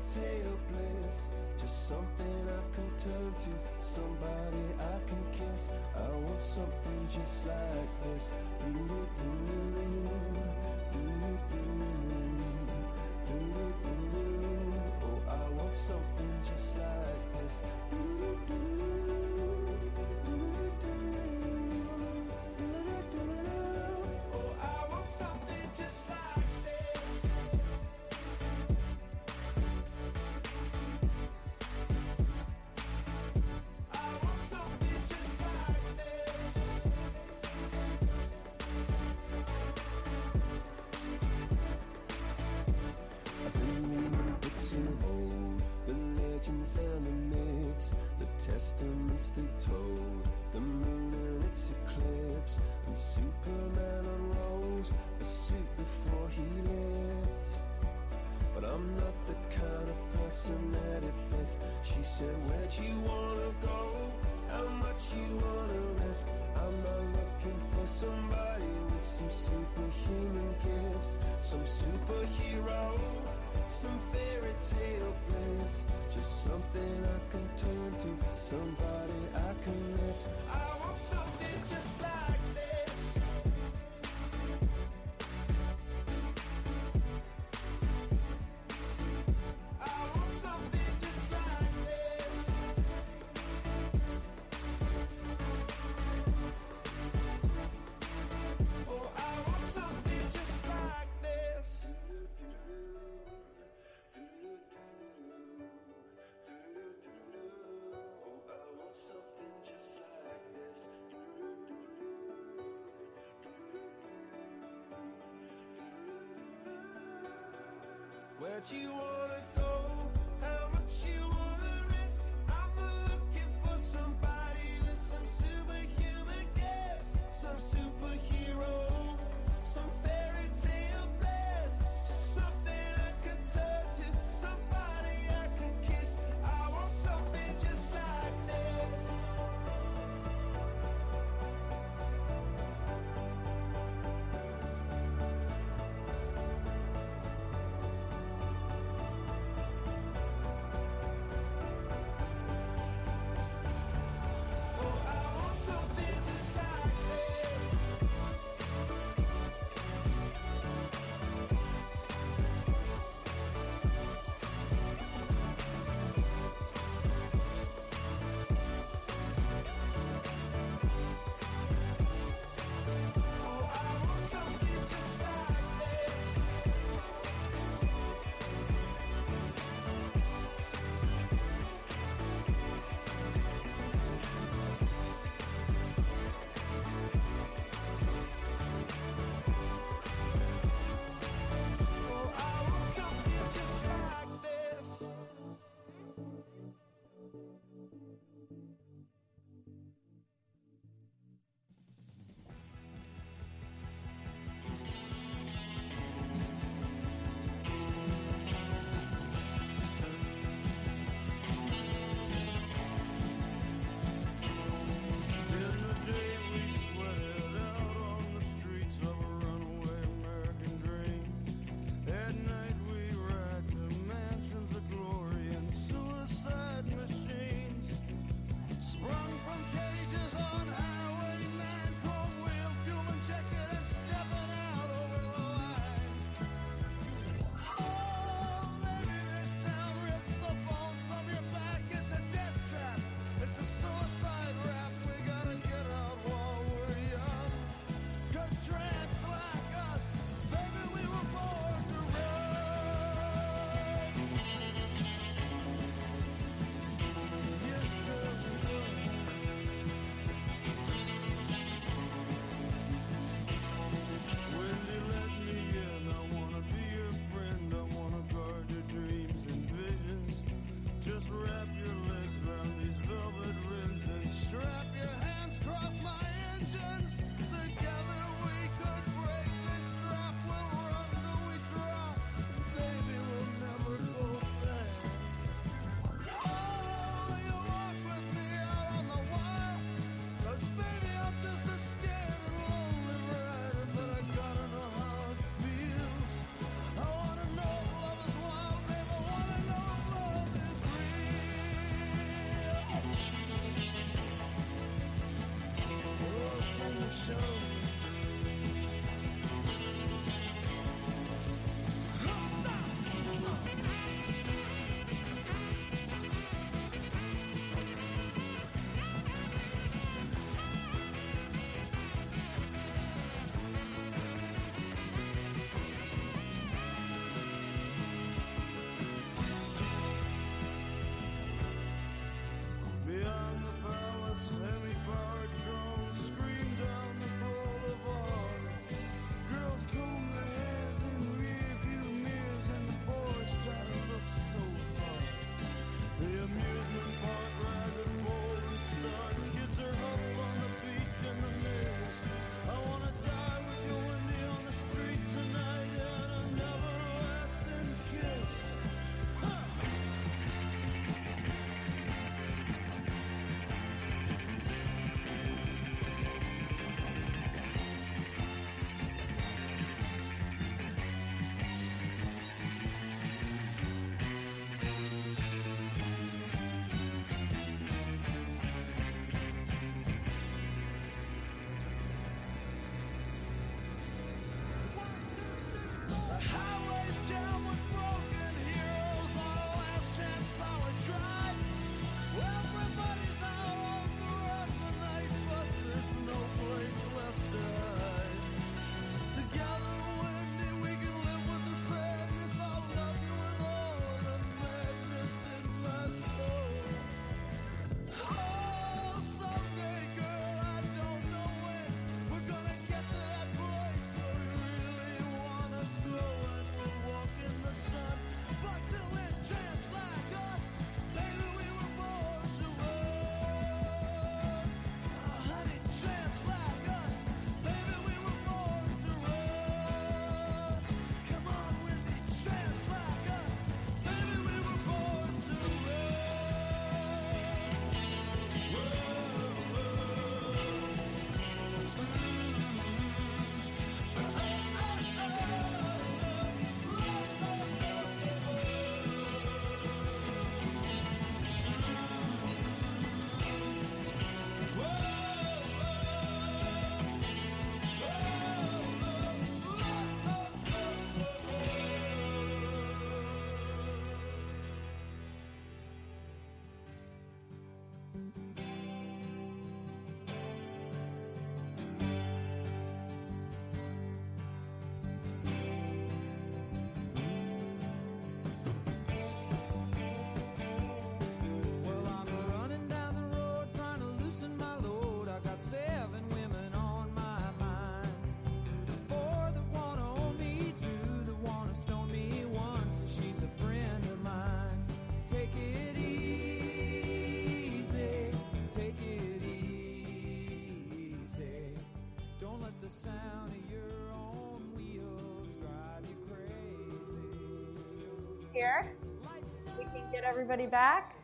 We can get everybody back?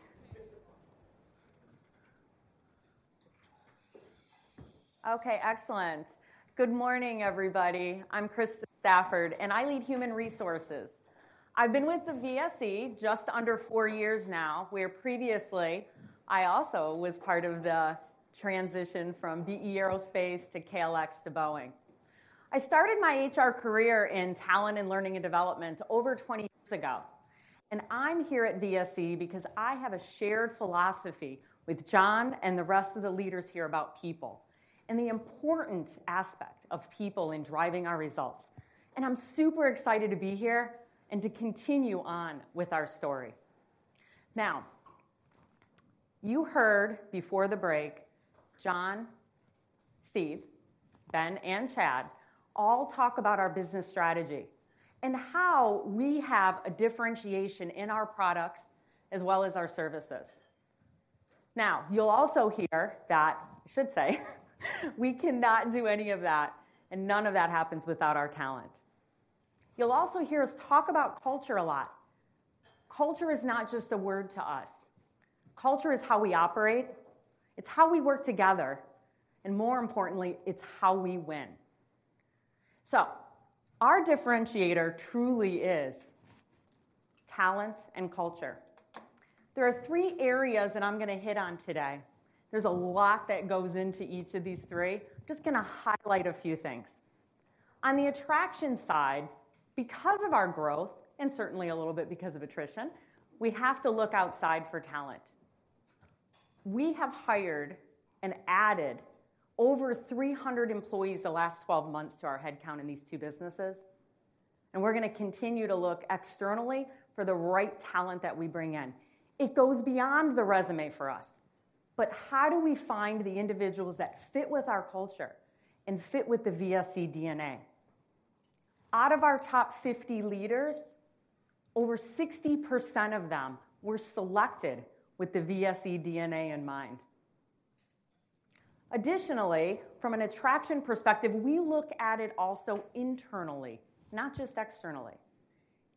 Okay, excellent. Good morning, everybody. I'm Krista Stafford, and I lead Human Resources. I've been with VSE just under four years now, where previously, I also was part of the transition from B/E Aerospace to KLX to Boeing. I started my HR career in talent and learning and development over 20 years ago, and I'm here at VSE because I have a shared philosophy with John and the rest of the leaders here about people and the important aspect of people in driving our results. I'm super excited to be here and to continue on with our story. Now, you heard before the break, John, Steve, Ben, and Chad all talk about our business strategy and how we have a differentiation in our products as well as our services. Now, you'll also hear that, I should say, we cannot do any of that, and none of that happens without our talent. You'll also hear us talk about culture a lot. Culture is not just a word to us. Culture is how we operate, it's how we work together, and more importantly, it's how we win. So our differentiator truly is talent and culture. There are three areas that I'm gonna hit on today. There's a lot that goes into each of these three. I'm just gonna highlight a few things. On the attraction side, because of our growth, and certainly a little bit because of attrition, we have to look outside for talent. We have hired and added over 300 employees the last 12 months to our headcount in these two businesses, and we're gonna continue to look externally for the right talent that we bring in. It goes beyond the resume for us, but how do we find the individuals that fit with our culture and fit with the VSE DNA? Out of our top 50 leaders, over 60% of them were selected with the VSE DNA in mind. Additionally, from an attraction perspective, we look at it also internally, not just externally.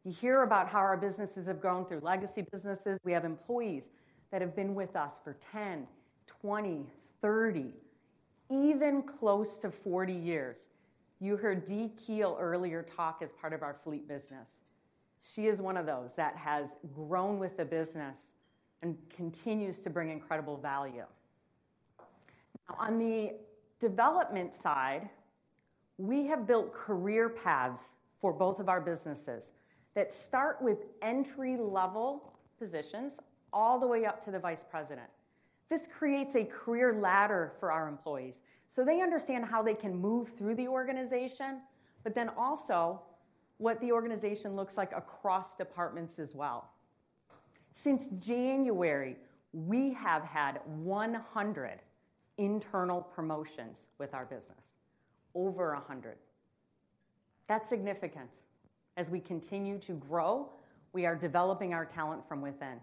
You hear about how our businesses have grown through legacy businesses. We have employees that have been with us for 10, 20, 30, even close to 40 years. You heard Dee Keel earlier talk as part of our fleet business. She is one of those that has grown with the business and continues to bring incredible value. Now, on the development side, we have built career paths for both of our businesses that start with entry-level positions all the way up to the vice president. This creates a career ladder for our employees, so they understand how they can move through the organization, but then also what the organization looks like across departments as well. Since January, we have had 100 internal promotions with our business, over 100. That's significant. As we continue to grow, we are developing our talent from within.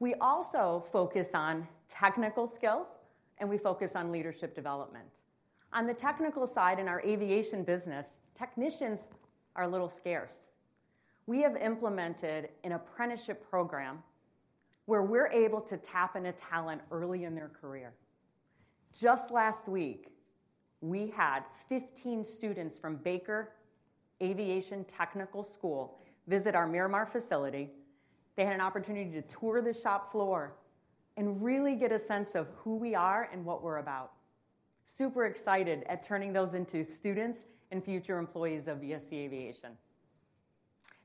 We also focus on technical skills, and we focus on leadership development. On the technical side, in our aviation business, technicians are a little scarce. We have implemented an apprenticeship program where we're able to tap into talent early in their career. Just last week, we had 15 students from Baker Aviation Technical School visit our Miramar facility. They had an opportunity to tour the shop floor and really get a sense of who we are and what we're about. Super excited at turning those into students and future employees of VSE Aviation.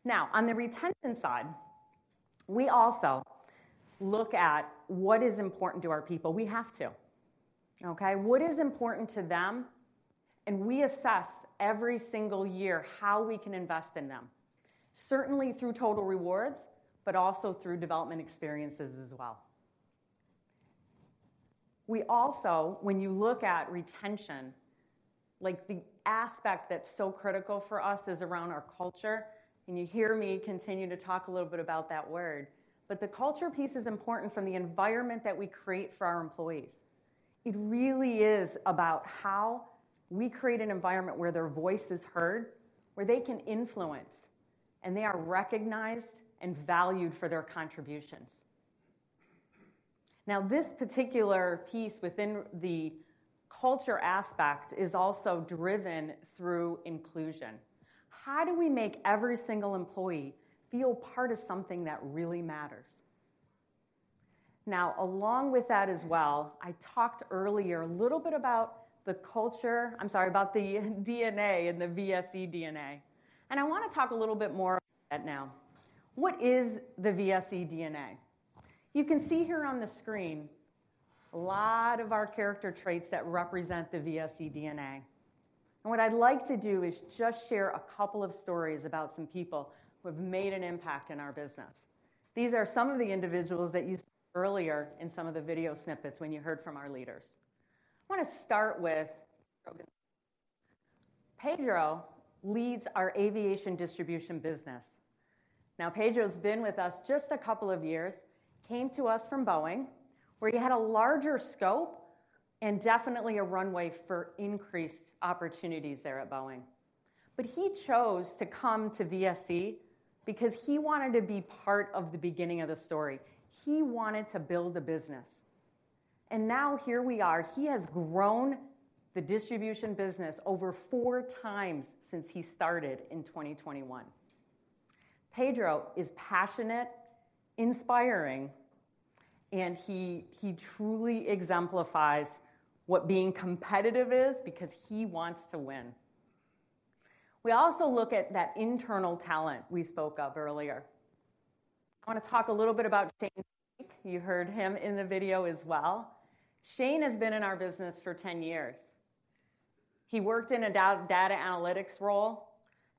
Now, on the retention side, we also look at what is important to our people. We have to, okay? What is important to them, and we assess every single year how we can invest in them, certainly through total rewards, but also through development experiences as well. We also, when you look at retention, like, the aspect that's so critical for us is around our culture, and you hear me continue to talk a little bit about that word. But the culture piece is important from the environment that we create for our employees. It really is about how we create an environment where their voice is heard, where they can influence, and they are recognized and valued for their contributions. Now, this particular piece within the culture aspect is also driven through inclusion. How do we make every single employee feel part of something that really matters? Now, along with that as well, I talked earlier a little bit about the culture, I'm sorry, about the DNA and the VSE DNA, and I want to talk a little bit more about that now. What is the VSE DNA? You can see here on the screen a lot of our character traits that represent the VSE DNA, and what I'd like to do is just share a couple of stories about some people who have made an impact in our business. These are some of the individuals that you saw earlier in some of the video snippets when you heard from our leaders. I want to start with Pedro. Pedro leads our aviation distribution business. Now, Pedro's been with us just a couple of years. Came to us from Boeing, where he had a larger scope and definitely a runway for increased opportunities there at Boeing. But he chose to come to VSE because he wanted to be part of the beginning of the story. He wanted to build a business, and now here we are. He has grown the distribution business over 4x since he started in 2021. Pedro is passionate, inspiring, and he truly exemplifies what being competitive is because he wants to win. We also look at that internal talent we spoke of earlier. I want to talk a little bit about Shane. You heard him in the video as well. Shane has been in our business for 10 years. He worked in a data analytics role,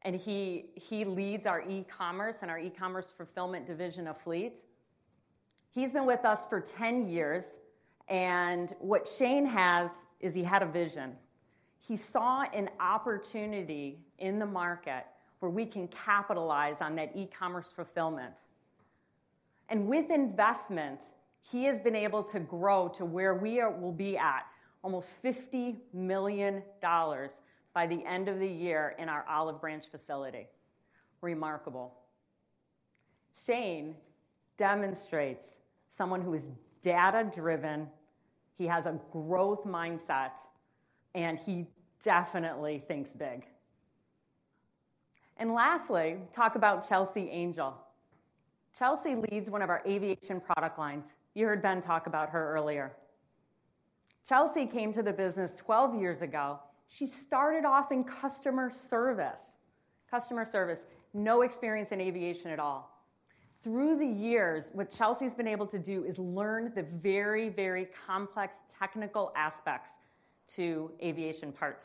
and he leads our e-commerce and our e-commerce fulfillment division of fleets. He's been with us for 10 years, and what Shane has is he had a vision. He saw an opportunity in the market where we can capitalize on that e-commerce fulfillment, and with investment, he has been able to grow to where we are, we'll be at almost $50 million by the end of the year in our Olive Branch facility. Remarkable. Shane demonstrates someone who is data-driven, he has a growth mindset, and he definitely thinks big. And lastly, talk about Chelsea Angel. Chelsea leads one of our aviation product lines. You heard Ben talk about her earlier. Chelsea came to the business 12 years ago. She started off in customer service. Customer service, no experience in aviation at all. Through the years, what Chelsea's been able to do is learn the very, very complex technical aspects to aviation parts.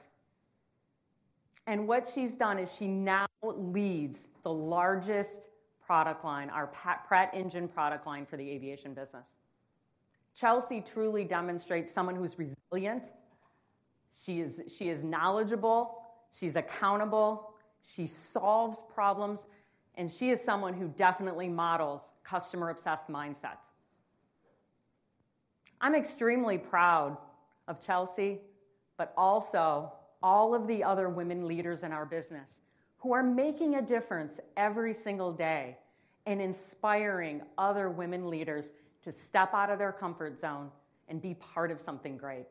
What she's done is she now leads the largest product line, our Pratt engine product line for the aviation business. Chelsea truly demonstrates someone who's resilient, she is, she is knowledgeable, she's accountable, she solves problems, and she is someone who definitely models customer-obsessed mindsets. I'm extremely proud of Chelsea, but also all of the other women leaders in our business who are making a difference every single day and inspiring other women leaders to step out of their comfort zone and be part of something great.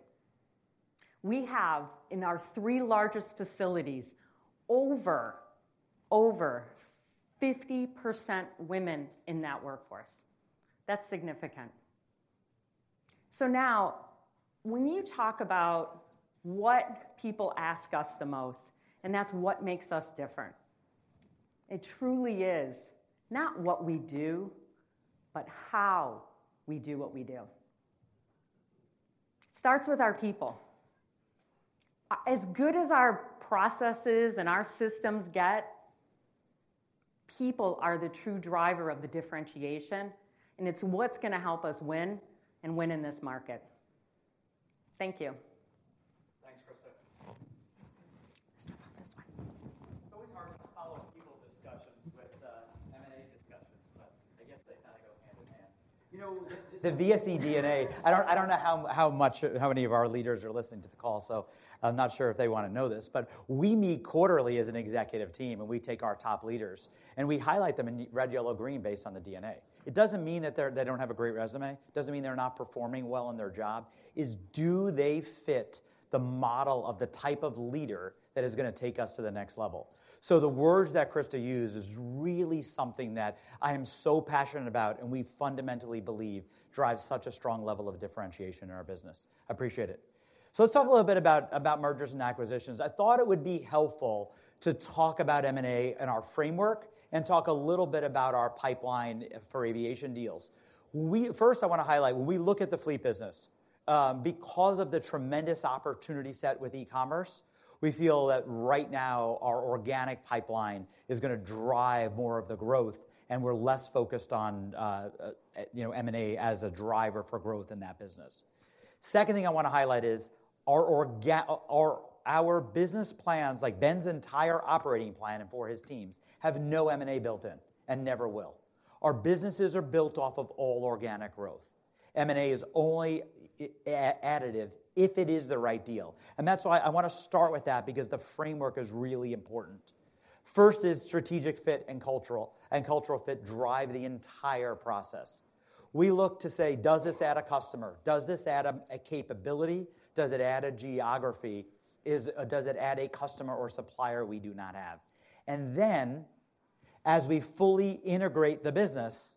We have, in our three largest facilities, over, over 50% women in that workforce. That's significant. So now, when you talk about what people ask us the most, and that's what makes us different, it truly is not what we do, but how we do what we do. Starts with our people. As good as our processes and our systems get, people are the true driver of the differentiation, and it's what's gonna help us win and win in this market. Thank you. Thanks, Krista. Let's talk about this one. It's always hard to follow people's discussions with M&A discussions, but I guess they kinda go hand in hand. You know, the VSE DNA, I don't know how many of our leaders are listening to the call, so I'm not sure if they wanna know this, but we meet quarterly as an executive team, and we take our top leaders, and we highlight them in red, yellow, green, based on the DNA. It doesn't mean that they're they don't have a great resume, doesn't mean they're not performing well in their job. Is do they fit the model of the type of leader that is gonna take us to the next level? So the words that Krista used is really something that I am so passionate about, and we fundamentally believe drives such a strong level of differentiation in our business. I appreciate it. So let's talk a little bit about mergers and acquisitions. I thought it would be helpful to talk about M&A and our framework, and talk a little bit about our pipeline for aviation deals. First, I wanna highlight, when we look at the fleet business, because of the tremendous opportunity set with e-commerce, we feel that right now, our organic pipeline is gonna drive more of the growth, and we're less focused on, you know, M&A as a driver for growth in that business. Second thing I wanna highlight is, our business plans, like Ben's entire operating plan and for his teams, have no M&A built in and never will. Our businesses are built off of all organic growth. M&A is only additive if it is the right deal, and that's why I wanna start with that, because the framework is really important. First is strategic fit and cultural fit drive the entire process. We look to say: Does this add a customer? Does this add a capability? Does it add a geography? Does it add a customer or supplier we do not have? And then, as we fully integrate the business,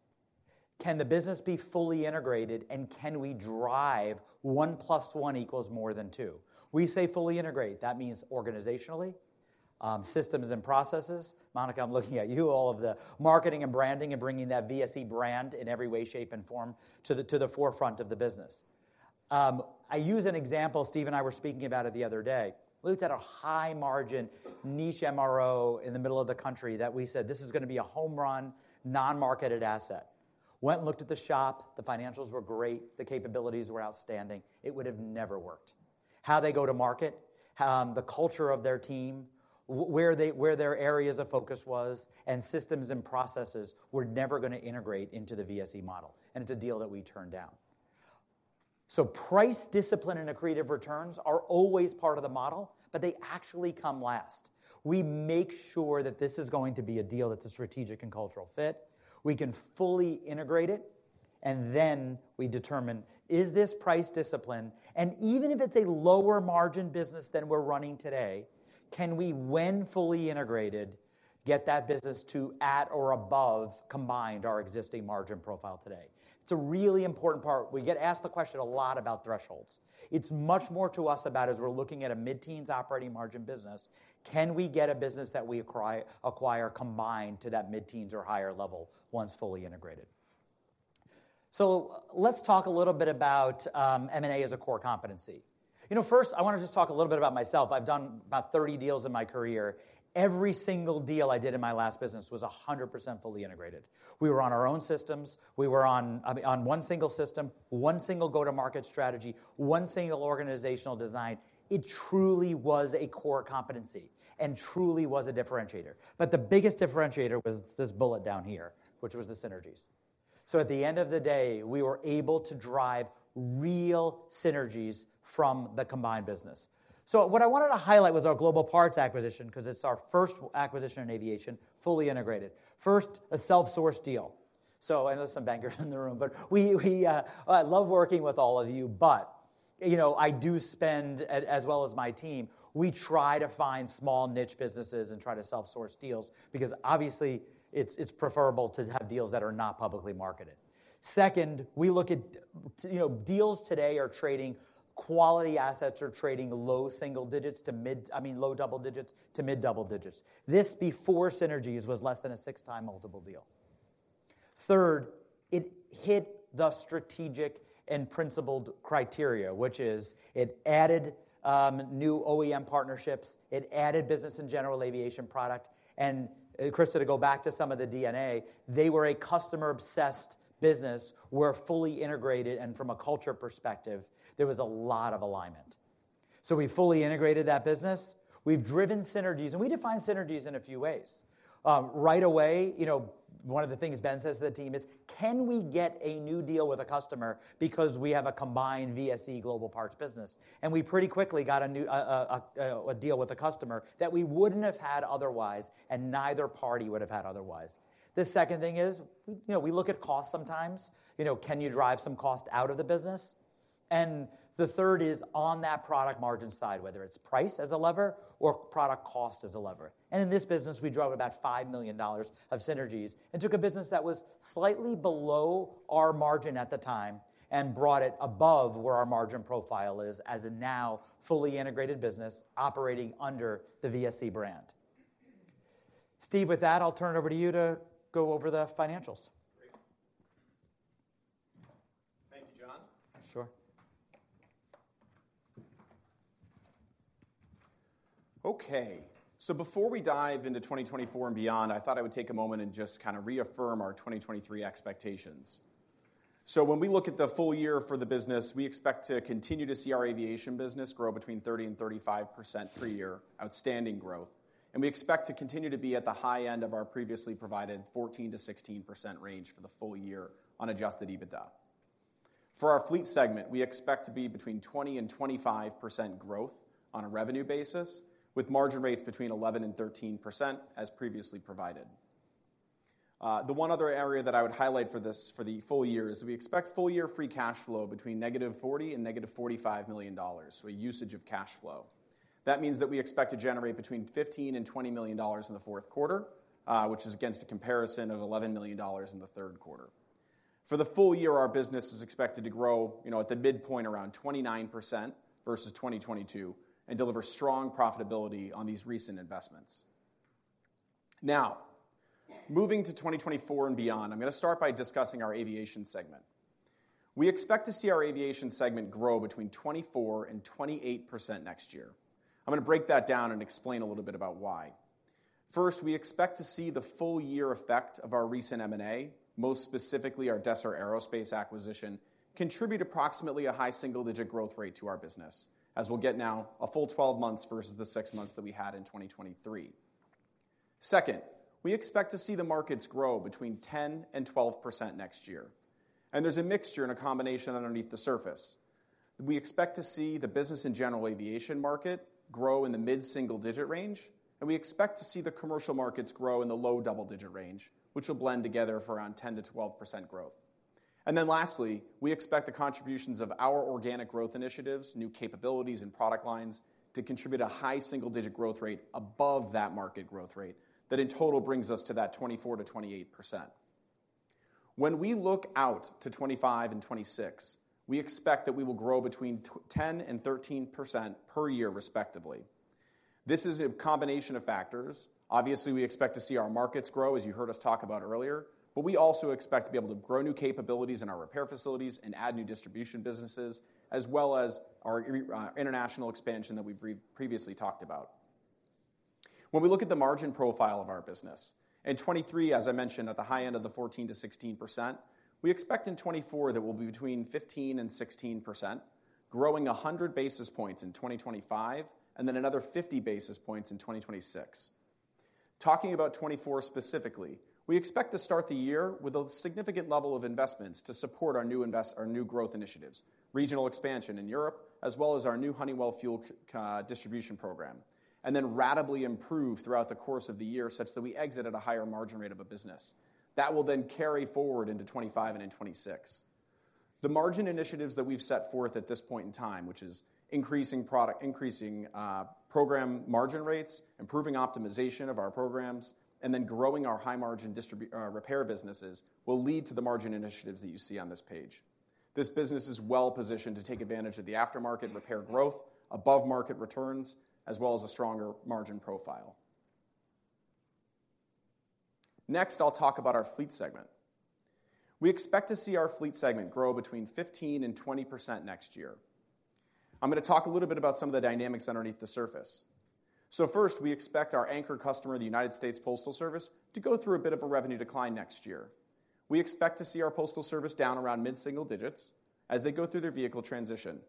can the business be fully integrated, and can we drive one plus one equals more than two? We say fully integrate, that means organizationally, systems and processes. Monica, I'm looking at you, all of the marketing and branding and bringing that VSE brand in every way, shape, and form to the forefront of the business. I use an example, Steve and I were speaking about it the other day. We looked at a high margin, niche MRO in the middle of the country that we said, "This is gonna be a home run, non-marketed asset." Went and looked at the shop, the financials were great, the capabilities were outstanding. It would have never worked. How they go to market, the culture of their team, where they, where their areas of focus was, and systems and processes were never gonna integrate into the VSE model, and it's a deal that we turned down. So price discipline and accretive returns are always part of the model, but they actually come last. We make sure that this is going to be a deal that's a strategic and cultural fit, we can fully integrate it, and then we determine, is this price discipline? Even if it's a lower margin business than we're running today, can we, when fully integrated, get that business to at or above combined, our existing margin profile today? It's a really important part. We get asked the question a lot about thresholds. It's much more to us about as we're looking at a mid-teens operating margin business, can we get a business that we acquire combined to that mid-teens or higher level once fully integrated? So let's talk a little bit about M&A as a core competency. You know, first, I want to just talk a little bit about myself. I've done about 30 deals in my career. Every single deal I did in my last business was 100% fully integrated. We were on our own systems. We were on, I mean, on one single system, one single go-to-market strategy, one single organizational design. It truly was a core competency and truly was a differentiator. But the biggest differentiator was this bullet down here, which was the synergies. So at the end of the day, we were able to drive real synergies from the combined business. So what I wanted to highlight was our Global Parts acquisition, 'cause it's our first acquisition in aviation, fully integrated. First, a self-sourced deal. So I know some bankers in the room, but we-- I love working with all of you, but, you know, I do spend, as well as my team, we try to find small niche businesses and try to self-source deals, because obviously, it's preferable to have deals that are not publicly marketed. Second, we look at, you know, deals today are trading. Quality assets are trading low single digits to mid, I mean, low double digits to mid double digits. This, before synergies, was less than a 6x multiple deal. Third, it hit the strategic and principled criteria, which is it added new OEM partnerships, it added business and general aviation product, and Krista, to go back to some of the DNA, they were a customer-obsessed business, we're fully integrated, and from a culture perspective, there was a lot of alignment. So we fully integrated that business. We've driven synergies, and we define synergies in a few ways. Right away, you know, one of the things Ben says to the team is: Can we get a new deal with a customer because we have a combined VSE global parts business? And we pretty quickly got a new deal with a customer that we wouldn't have had otherwise, and neither party would have had otherwise. The second thing is, you know, we look at cost sometimes. You know, can you drive some cost out of the business? And the third is on that product margin side, whether it's price as a lever or product cost as a lever. And in this business, we drove about $5 million of synergies and took a business that was slightly below our margin at the time and brought it above where our margin profile is, as a now fully integrated business operating under the VSE brand. Steve, with that, I'll turn it over to you to go over the financials. Great. Thank you, John. Sure. Okay, so before we dive into 2024 and beyond, I thought I would take a moment and just kind of reaffirm our 2023 expectations. So when we look at the full year for the business, we expect to continue to see our aviation business grow between 30%-35% per year, outstanding growth, and we expect to continue to be at the high end of our previously provided 14%-16% range for the full year on adjusted EBITDA. For our fleet segment, we expect to be between 20%-25% growth on a revenue basis, with margin rates between 11%-13%, as previously provided. The one other area that I would highlight for this, for the full year is, we expect full year free cash flow between negative $40 million and negative $45 million, so a usage of cash flow. That means that we expect to generate between $15 million and $20 million in the fourth quarter, which is against a comparison of $11 million in the third quarter. For the full year, our business is expected to grow, you know, at the midpoint, around 29% versus 2022, and deliver strong profitability on these recent investments. Now, moving to 2024 and beyond, I'm gonna start by discussing our aviation segment. We expect to see our aviation segment grow between 24% and 28% next year. I'm gonna break that down and explain a little bit about why. First, we expect to see the full year effect of our recent M&A, most specifically our Desser Aerospace acquisition, contribute approximately a high single-digit growth rate to our business, as we'll get now a full 12 months versus the six months that we had in 2023. Second, we expect to see the markets grow between 10% and 12% next year, and there's a mixture and a combination underneath the surface. We expect to see the business and general aviation market grow in the mid-single-digit range, and we expect to see the commercial markets grow in the low-double-digit range, which will blend together for around 10%-12% growth. And then lastly, we expect the contributions of our organic growth initiatives, new capabilities and product lines, to contribute a high single-digit growth rate above that market growth rate. That in total brings us to that 24%-28%. When we look out to 2025 and 2026, we expect that we will grow between 10% and 13% per year, respectively. This is a combination of factors. Obviously, we expect to see our markets grow, as you heard us talk about earlier, but we also expect to be able to grow new capabilities in our repair facilities and add new distribution businesses, as well as our international expansion that we've previously talked about. When we look at the margin profile of our business, in 2023, as I mentioned, at the high end of the 14%-16%, we expect in 2024 that we'll be between 15%-16%, growing 100 basis points in 2025, and then another 50 basis points in 2026. Talking about 2024 specifically, we expect to start the year with a significant level of investments to support our new growth initiatives, regional expansion in Europe, as well as our new Honeywell fuel distribution program, and then ratably improve throughout the course of the year, such that we exit at a higher margin rate of a business. That will then carry forward into 2025 and in 2026. The margin initiatives that we've set forth at this point in time, which is increasing product, increasing, program margin rates, improving optimization of our programs, and then growing our high margin repair businesses, will lead to the margin initiatives that you see on this page. This business is well positioned to take advantage of the aftermarket repair growth, above market returns, as well as a stronger margin profile. Next, I'll talk about our fleet segment. We expect to see our fleet segment grow between 15% and 20% next year. I'm gonna talk a little bit about some of the dynamics underneath the surface. So first, we expect our anchor customer, the United States Postal Service, to go through a bit of a revenue decline next year. We expect to see our Postal Service down around mid-single digits as they go through their vehicle transition.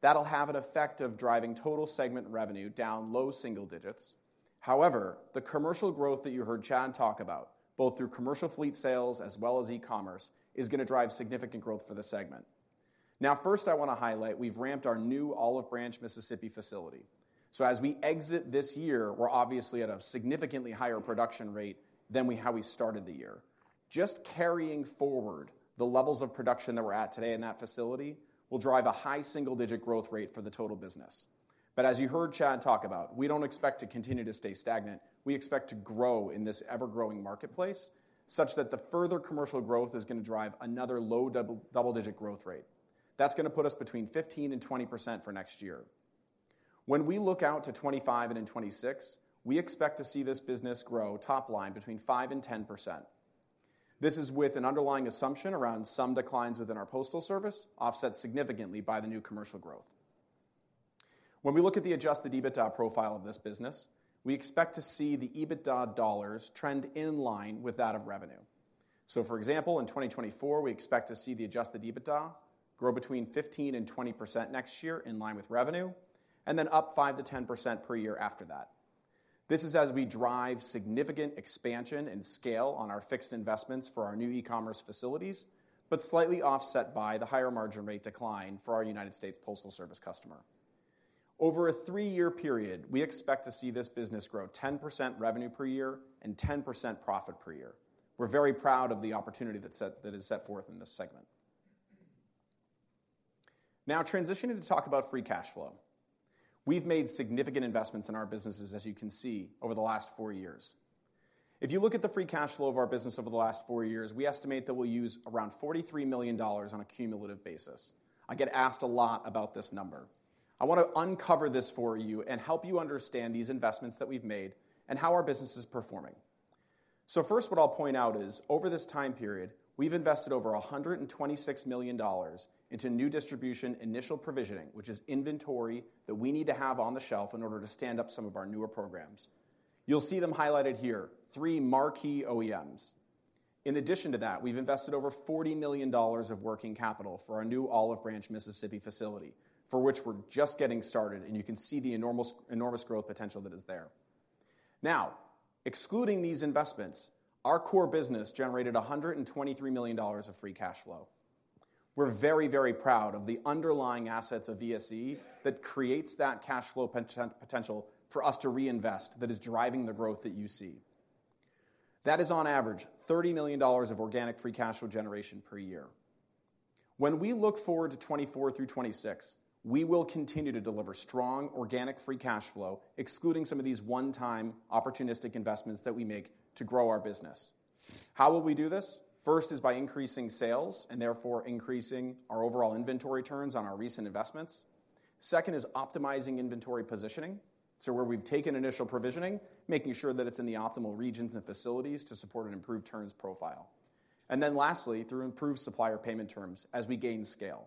That'll have an effect of driving total segment revenue down low single digits. However, the commercial growth that you heard Chad talk about, both through commercial fleet sales as well as e-commerce, is gonna drive significant growth for the segment. Now, first I wanna highlight, we've ramped our new Olive Branch, Mississippi facility. So as we exit this year, we're obviously at a significantly higher production rate than we started the year. Just carrying forward the levels of production that we're at today in that facility, will drive a high single-digit growth rate for the total business. But as you heard Chad talk about, we don't expect to continue to stay stagnant. We expect to grow in this ever-growing marketplace, such that the further commercial growth is gonna drive another low double-digit growth rate. That's gonna put us between 15% and 20% for next year. When we look out to 2025 and in 2026, we expect to see this business grow top line between 5% and 10%. This is with an underlying assumption around some declines within our postal service, offset significantly by the new commercial growth. When we look at the adjusted EBITDA profile of this business, we expect to see the EBITDA dollars trend in line with that of revenue. So for example, in 2024, we expect to see the adjusted EBITDA grow between 15% and 20% next year, in line with revenue, and then up 5%-10% per year after that. This is as we drive significant expansion and scale on our fixed investments for our new e-commerce facilities, but slightly offset by the higher margin rate decline for our United States Postal Service customer. Over a three-year period, we expect to see this business grow 10% revenue per year and 10% profit per year. We're very proud of the opportunity that set, that is set forth in this segment. Now, transitioning to talk about free cash flow. We've made significant investments in our businesses, as you can see, over the last four years. If you look at the free cash flow of our business over the last four years, we estimate that we'll use around $43 million on a cumulative basis. I get asked a lot about this number. I want to uncover this for you and help you understand these investments that we've made and how our business is performing. So first, what I'll point out is, over this time period, we've invested over $126 million into new distribution initial provisioning, which is inventory that we need to have on the shelf in order to stand up some of our newer programs. You'll see them highlighted here, three marquee OEMs. In addition to that, we've invested over $40 million of working capital for our new Olive Branch, Mississippi, facility, for which we're just getting started, and you can see the enormous, enormous growth potential that is there. Now, excluding these investments, our core business generated $123 million of free cash flow. We're very, very proud of the underlying assets of VSE that creates that cash flow potential for us to reinvest that is driving the growth that you see. That is on average, $30 million of organic free cash flow generation per year. When we look forward to 2024 through 2026, we will continue to deliver strong organic free cash flow, excluding some of these one-time opportunistic investments that we make to grow our business. How will we do this? First is by increasing sales and therefore increasing our overall inventory turns on our recent investments. Second is optimizing inventory positioning, so where we've taken initial provisioning, making sure that it's in the optimal regions and facilities to support an improved turns profile. And then lastly, through improved supplier payment terms as we gain scale.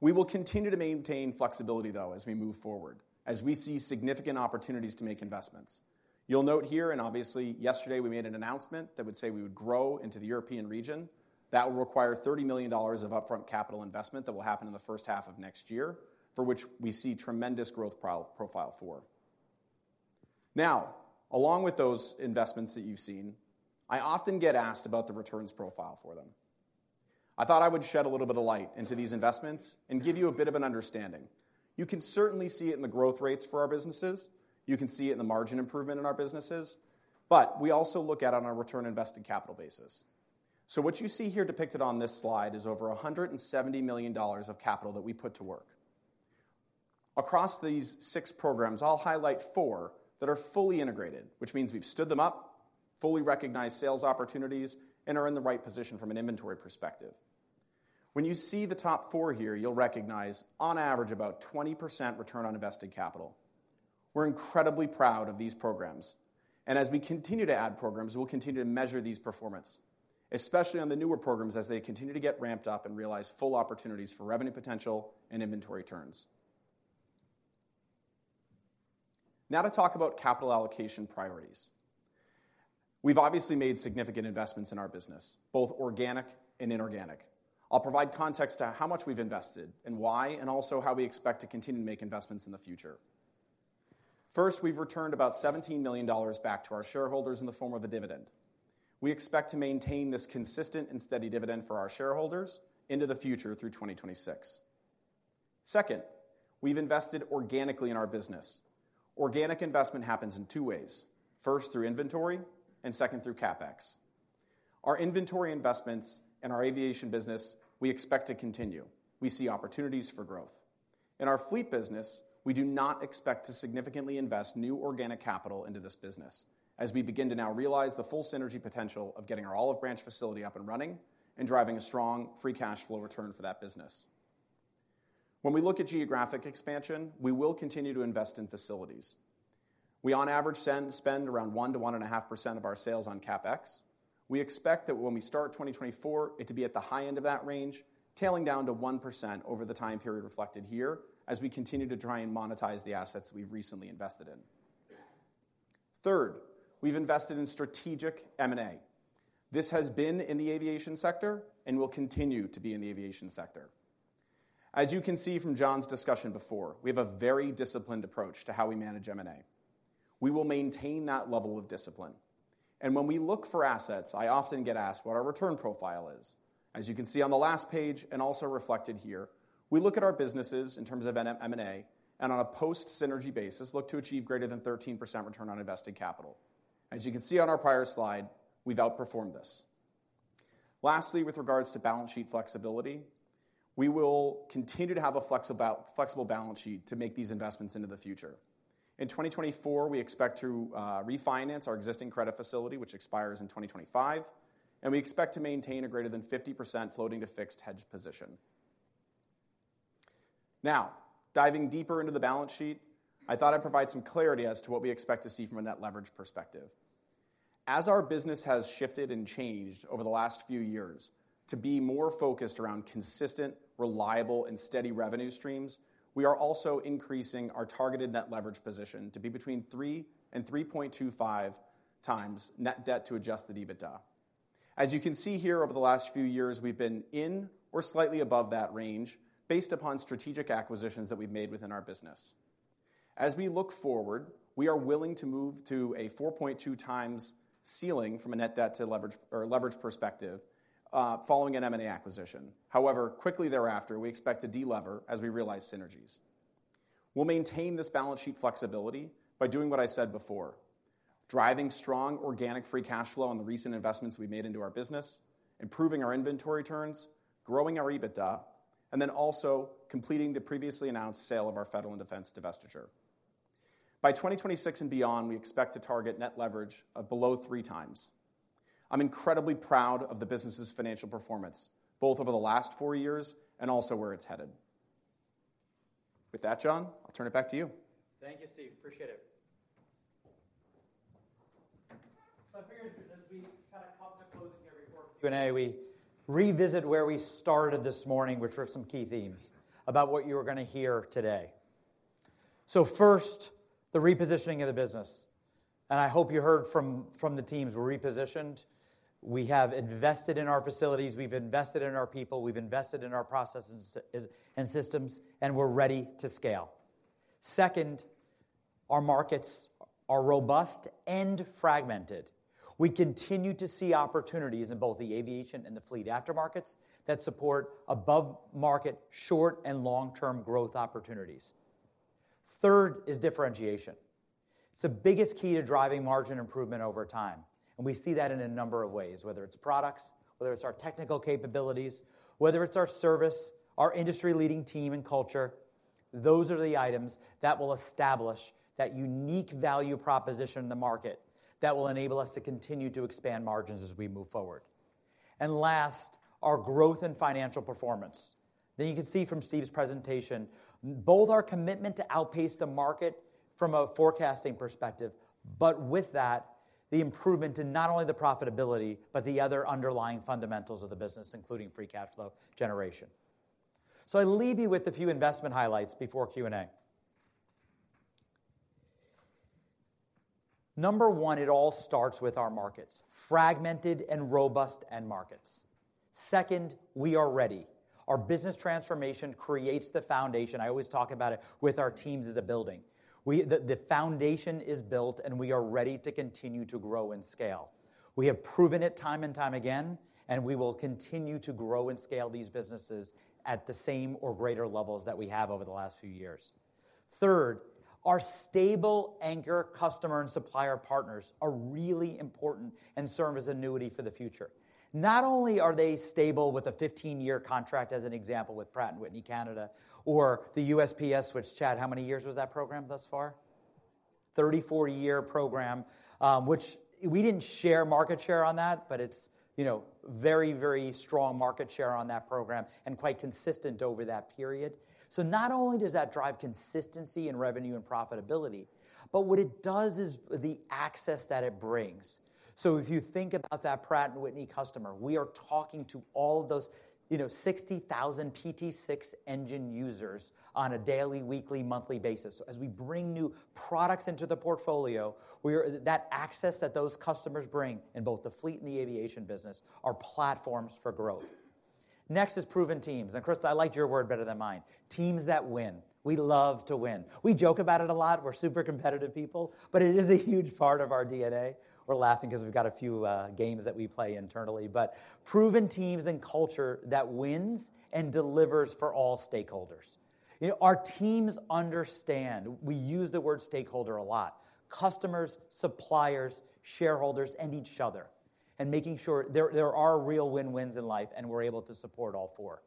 We will continue to maintain flexibility, though, as we move forward, as we see significant opportunities to make investments. You'll note here, and obviously yesterday we made an announcement that would say we would grow into the European region. That will require $30 million of upfront capital investment that will happen in the first half of next year, for which we see tremendous growth profile for. Now, along with those investments that you've seen, I often get asked about the returns profile for them. I thought I would shed a little bit of light into these investments and give you a bit of an understanding. You can certainly see it in the growth rates for our businesses. You can see it in the margin improvement in our businesses, but we also look at it on a return on invested capital basis. So what you see here depicted on this slide is over $170 million of capital that we put to work. Across these 6 programs, I'll highlight four that are fully integrated, which means we've stood them up, fully recognized sales opportunities, and are in the right position from an inventory perspective. When you see the top four here, you'll recognize on average about 20% return on invested capital. We're incredibly proud of these programs, and as we continue to add programs, we'll continue to measure these performance, especially on the newer programs, as they continue to get ramped up and realize full opportunities for revenue potential and inventory turns. Now to talk about capital allocation priorities. We've obviously made significant investments in our business, both organic and inorganic. I'll provide context to how much we've invested and why, and also how we expect to continue to make investments in the future. First, we've returned about $17 million back to our shareholders in the form of a dividend. We expect to maintain this consistent and steady dividend for our shareholders into the future through 2026. Second, we've invested organically in our business. Organic investment happens in two ways: first, through inventory, and second, through CapEx. Our inventory investments in our aviation business, we expect to continue. We see opportunities for growth. In our fleet business, we do not expect to significantly invest new organic capital into this business as we begin to now realize the full synergy potential of getting our Olive Branch facility up and running and driving a strong free cash flow return for that business. When we look at geographic expansion, we will continue to invest in facilities. We, on average, spend around 1%-1.5% of our sales on CapEx. We expect that when we start 2024, it to be at the high end of that range, tailing down to 1% over the time period reflected here as we continue to try and monetize the assets we've recently invested in. Third, we've invested in strategic M&A. This has been in the aviation sector and will continue to be in the aviation sector. As you can see from John's discussion before, we have a very disciplined approach to how we manage M&A. We will maintain that level of discipline. And when we look for assets, I often get asked what our return profile is. As you can see on the last page and also reflected here, we look at our businesses in terms of M&A, and on a post-synergy basis, look to achieve greater than 13% return on invested capital. As you can see on our prior slide, we've outperformed this. Lastly, with regards to balance sheet flexibility, we will continue to have a flexible balance sheet to make these investments into the future. In 2024, we expect to refinance our existing credit facility, which expires in 2025, and we expect to maintain a greater than 50% floating to fixed hedged position. Now, diving deeper into the balance sheet, I thought I'd provide some clarity as to what we expect to see from a net leverage perspective. As our business has shifted and changed over the last few years to be more focused around consistent, reliable, and steady revenue streams, we are also increasing our targeted net leverage position to be between 3x and 3.25x net debt to adjusted EBITDA. As you can see here, over the last few years, we've been in or slightly above that range based upon strategic acquisitions that we've made within our business. As we look forward, we are willing to move to a 4.2x ceiling from a net debt to leverage - or leverage perspective, following an M&A acquisition. However, quickly thereafter, we expect to delever as we realize synergies. We'll maintain this balance sheet flexibility by doing what I said before: driving strong organic free cash flow on the recent investments we made into our business, improving our inventory turns, growing our EBITDA, and then also completing the previously announced sale of our federal and defense divestiture. By 2026 and beyond, we expect to target net leverage of below 3x. I'm incredibly proud of the business's financial performance, both over the last four years and also where it's headed. With that, John, I'll turn it back to you. Thank you, Steve. Appreciate it. So I figured as we kind of come to closing here before Q&A, we revisit where we started this morning, which were some key themes about what you were gonna hear today. So first, the repositioning of the business, and I hope you heard from the teams we're repositioned. We have invested in our facilities, we've invested in our people, we've invested in our processes and systems, and we're ready to scale. Second, our markets are robust and fragmented. We continue to see opportunities in both the aviation and the fleet aftermarkets that support above-market, short and long-term growth opportunities. Third is differentiation. It's the biggest key to driving margin improvement over time, and we see that in a number of ways, whether it's products, whether it's our technical capabilities, whether it's our service, our industry-leading team and culture, those are the items that will establish that unique value proposition in the market, that will enable us to continue to expand margins as we move forward. Last, our growth and financial performance. That you can see from Steve's presentation, both our commitment to outpace the market from a forecasting perspective, but with that, the improvement in not only the profitability, but the other underlying fundamentals of the business, including free cash flow generation. So I leave you with a few investment highlights before Q&A. Number one, it all starts with our markets, fragmented and robust end markets. Second, we are ready. Our business transformation creates the foundation. I always talk about it with our teams as a building. We, the foundation is built, and we are ready to continue to grow and scale. We have proven it time and time again, and we will continue to grow and scale these businesses at the same or greater levels that we have over the last few years. Third, our stable anchor customer and supplier partners are really important and serve as annuity for the future. Not only are they stable with a 15-year contract, as an example, with Pratt & Whitney Canada, or the USPS, which, Chad, how many years was that program thus far? 34-year program, which we didn't share market share on that, but it's, you know, very, very strong market share on that program and quite consistent over that period. So not only does that drive consistency in revenue and profitability, but what it does is the access that it brings. So if you think about that Pratt & Whitney customer, we are talking to all of those, you know, 60,000 PT6 engine users on a daily, weekly, monthly basis. As we bring new products into the portfolio, we are that access that those customers bring in both the fleet and the aviation business are platforms for growth. Next is proven teams, and Krista, I like your word better than mine. Teams that win. We love to win. We joke about it a lot. We're super competitive people, but it is a huge part of our DNA. We're laughing 'cause we've got a few games that we play internally, but proven teams and culture that wins and delivers for all stakeholders. You know, our teams understand. We use the word stakeholder a lot: customers, suppliers, shareholders, and each other, and making sure there are real win-wins in life, and we're able to support all four.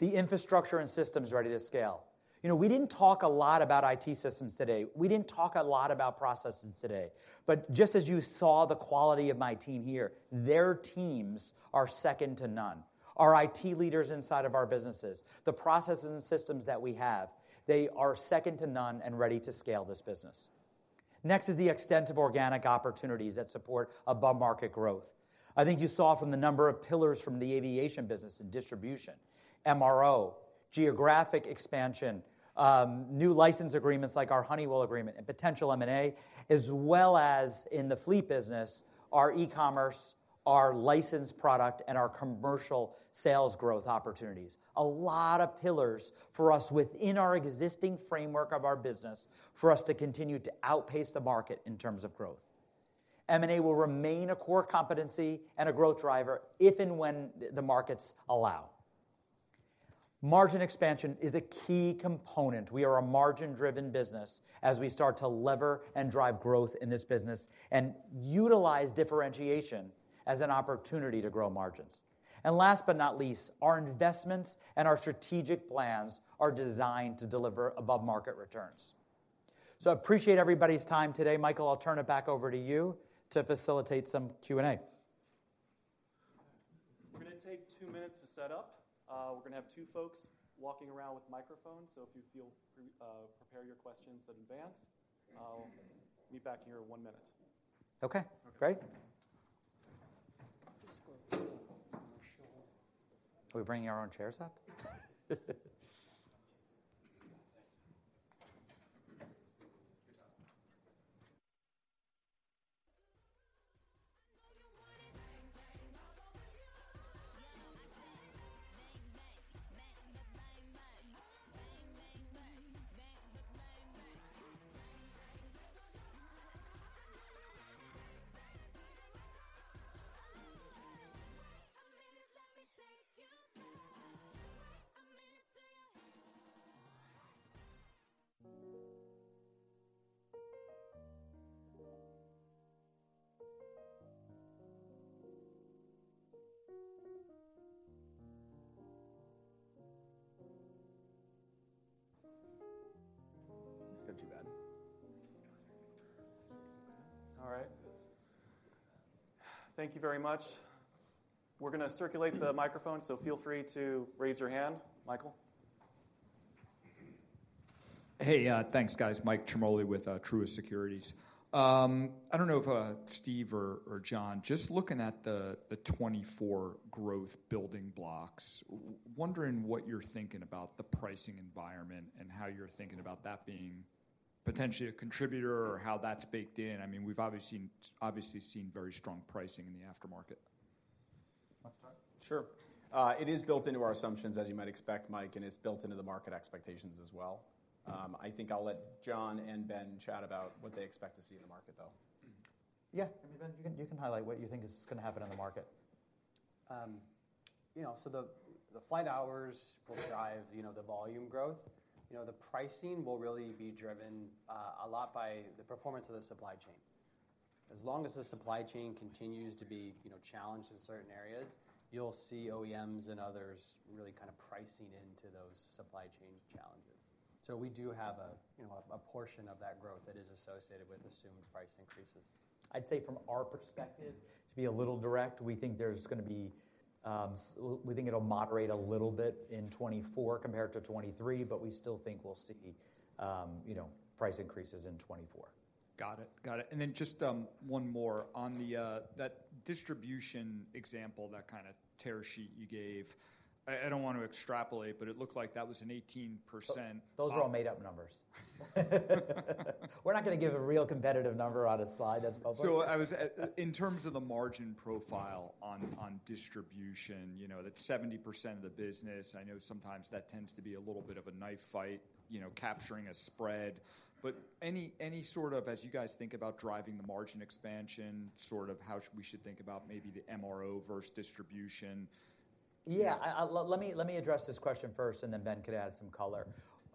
The infrastructure and systems ready to scale. You know, we didn't talk a lot about IT systems today. We didn't talk a lot about processes today, but just as you saw the quality of my team here, their teams are second to none. Our IT leaders inside of our businesses, the processes and systems that we have, they are second to none and ready to scale this business. Next is the extent of organic opportunities that support above-market growth. I think you saw from the number of pillars from the aviation business and distribution, MRO, geographic expansion, new license agreements like our Honeywell agreement and potential M&A, as well as in the fleet business, our e-commerce, our licensed product, and our commercial sales growth opportunities. A lot of pillars for us within our existing framework of our business, for us to continue to outpace the market in terms of growth. M&A will remain a core competency and a growth driver if and when the markets allow. Margin expansion is a key component. We are a margin-driven business as we start to lever and drive growth in this business and utilize differentiation as an opportunity to grow margins. And last but not least, our investments and our strategic plans are designed to deliver above-market returns. I appreciate everybody's time today. Michael, I'll turn it back over to you to facilitate some Q&A. We're gonna take two minutes to set up. We're gonna have two folks walking around with microphones, so if you feel, prepare your questions in advance. I'll be back here in one minute. Okay, great. Are we bringing our own chairs up? All right. Thank you very much. We're going to circulate the microphone, so feel free to raise your hand. Michael? Hey, thanks, guys. Mike Ciarmoli with Truist Securities. I don't know if Steve or John, just looking at the 2024 growth building blocks, wondering what you're thinking about the pricing environment and how you're thinking about that being potentially a contributor or how that's baked in. I mean, we've obviously seen very strong pricing in the aftermarket. Sure. It is built into our assumptions, as you might expect, Mike, and it's built into the market expectations as well. I think I'll let John and Ben chat about what they expect to see in the market, though. Yeah. I mean, Ben, you can, you can highlight what you think is going to happen in the market. You know, so the flight hours will drive, you know, the volume growth. You know, the pricing will really be driven a lot by the performance of the supply chain. As long as the supply chain continues to be, you know, challenged in certain areas, you'll see OEMs and others really kind of pricing into those supply chain challenges. So we do have a, you know, a portion of that growth that is associated with assumed price increases. I'd say from our perspective, to be a little direct, we think there's going to be. We think it'll moderate a little bit in 2024 compared to 2023, but we still think we'll see, you know, price increases in 2024. Got it. Got it, and then just one more. On that distribution example, that kind of tear sheet you gave, I don't want to extrapolate, but it looked like that was an 18%-- Those were all made-up numbers. We're not going to give a real competitive number on a slide that's public. In terms of the margin profile on distribution, you know, that's 70% of the business. I know sometimes that tends to be a little bit of a knife fight, you know, capturing a spread. But any sort of, as you guys think about driving the margin expansion, sort of how we should think about maybe the MRO versus distribution? Yeah, let me address this question first, and then Ben could add some color.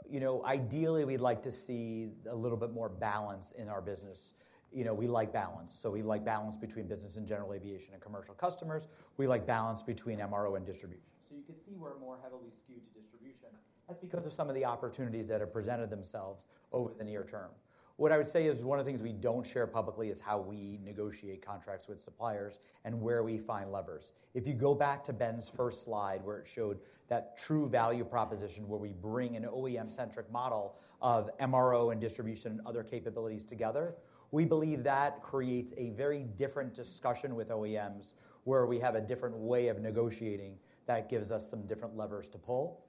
You know, ideally, we'd like to see a little bit more balance in our business. You know, we like balance. So we like balance between business and general aviation and commercial customers. We like balance between MRO and distribution. So you could see we're more heavily skewed to distribution. That's because of some of the opportunities that have presented themselves over the near term. What I would say is one of the things we don't share publicly is how we negotiate contracts with suppliers and where we find levers. If you go back to Ben's first slide, where it showed that true value proposition, where we bring an OEM-centric model of MRO and distribution and other capabilities together, we believe that creates a very different discussion with OEMs, where we have a different way of negotiating that gives us some different levers to pull.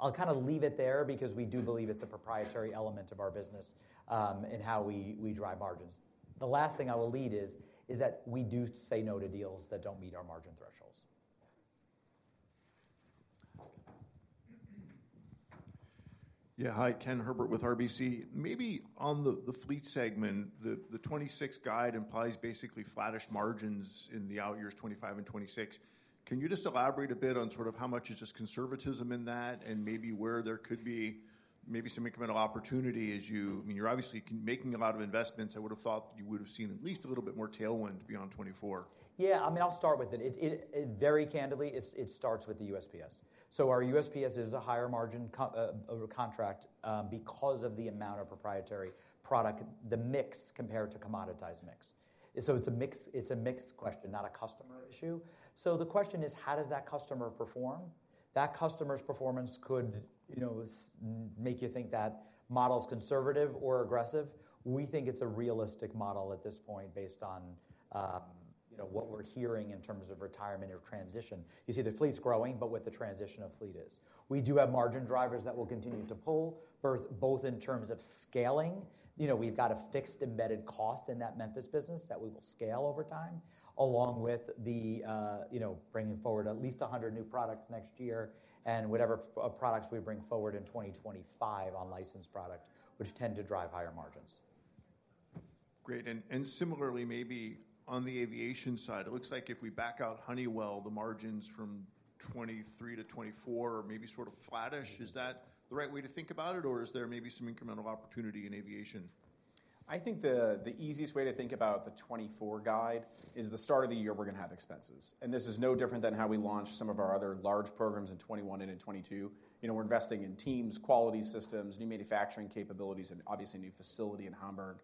I'll kind of leave it there because we do believe it's a proprietary element of our business, in how we drive margins. The last thing I will lead is that we do say no to deals that don't meet our margin thresholds. Yeah. Hi, Ken Herbert with RBC. Maybe on the fleet segment, the 2026 guide implies basically flattish margins in the out years, 2025 and 2026. Can you just elaborate a bit on sort of how much is just conservatism in that and maybe where there could be maybe some incremental opportunity as you—I mean, you're obviously making a lot of investments. I would have thought you would have seen at least a little bit more tailwind beyond 2024. Yeah, I mean, I'll start with it. It very candidly starts with the USPS. So our USPS is a higher margin contract because of the amount of proprietary product, the mix compared to commoditized mix. So it's a mix question, not a customer issue. So the question is: how does that customer perform? That customer's performance could, you know, make you think that model's conservative or aggressive. We think it's a realistic model at this point based on, you know, what we're hearing in terms of retirement or transition. You see, the fleet's growing, but with the transition of fleet is. We do have margin drivers that will continue to pull both in terms of scaling, you know, we've got a fixed embedded cost in that Memphis business that we will scale over time, along with the, you know, bringing forward at least 100 new products next year and whatever products we bring forward in 2025 on licensed product, which tend to drive higher margins. Great. And similarly, maybe on the aviation side, it looks like if we back out Honeywell, the margins from 2023 to 2024 are maybe sort of flattish. Is that the right way to think about it, or is there maybe some incremental opportunity in aviation? I think the easiest way to think about the 2024 guide is the start of the year, we're going to have expenses, and this is no different than how we launched some of our other large programs in 2021 and in 2022. You know, we're investing in teams, quality systems, new manufacturing capabilities, and obviously, a new facility in Hamburg.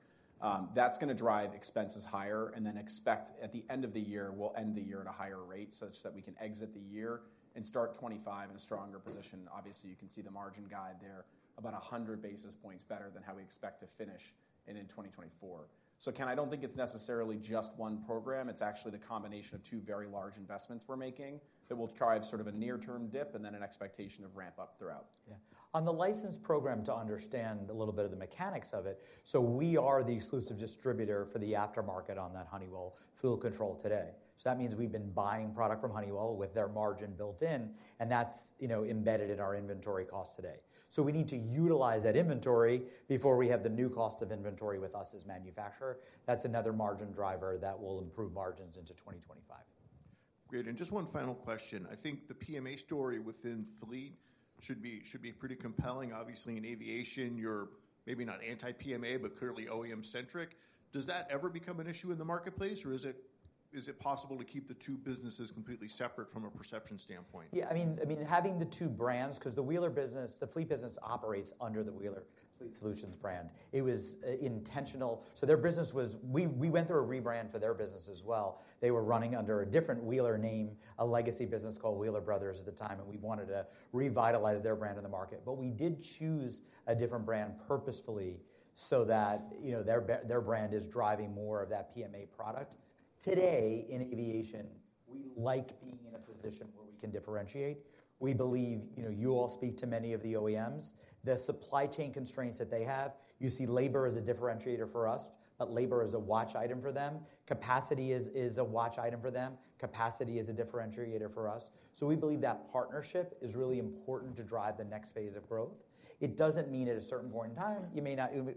That's going to drive expenses higher, and then expect at the end of the year, we'll end the year at a higher rate such that we can exit the year and start 2025 in a stronger position. Obviously, you can see the margin guide there, about 100 basis points better than how we expect to finish in 2024. So Ken, I don't think it's necessarily just one program. It's actually the combination of two very large investments we're making that will drive sort of a near-term dip and then an expectation of ramp up throughout. Yeah. On the licensed program, to understand a little bit of the mechanics of it, so we are the exclusive distributor for the aftermarket on that Honeywell fuel control today. So that means we've been buying product from Honeywell with their margin built in, and that's, you know, embedded in our inventory cost today. So we need to utilize that inventory before we have the new cost of inventory with us as manufacturer. That's another margin driver that will improve margins into 2025. Great, and just one final question: I think the PMA story within Fleet should be pretty compelling. Obviously, in aviation, you're maybe not anti-PMA, but clearly OEM-centric. Does that ever become an issue in the marketplace, or is it--Is it possible to keep the two businesses completely separate from a perception standpoint? Yeah, I mean, I mean, having the two brands, 'cause the Wheeler business, the fleet business operates under the Wheeler Fleet Solutions brand. It was intentional. So their business was—we went through a rebrand for their business as well. They were running under a different Wheeler name, a legacy business called Wheeler Brothers at the time, and we wanted to revitalize their brand in the market. But we did choose a different brand purposefully, so that, you know, their brand is driving more of that PMA product. Today, in aviation, we like being in a position where we can differentiate. We believe, you know, you all speak to many of the OEMs. The supply chain constraints that they have, you see labor as a differentiator for us, but labor is a watch item for them. Capacity is a watch item for them. Capacity is a differentiator for us. So we believe that partnership is really important to drive the next phase of growth. It doesn't mean at a certain point in time we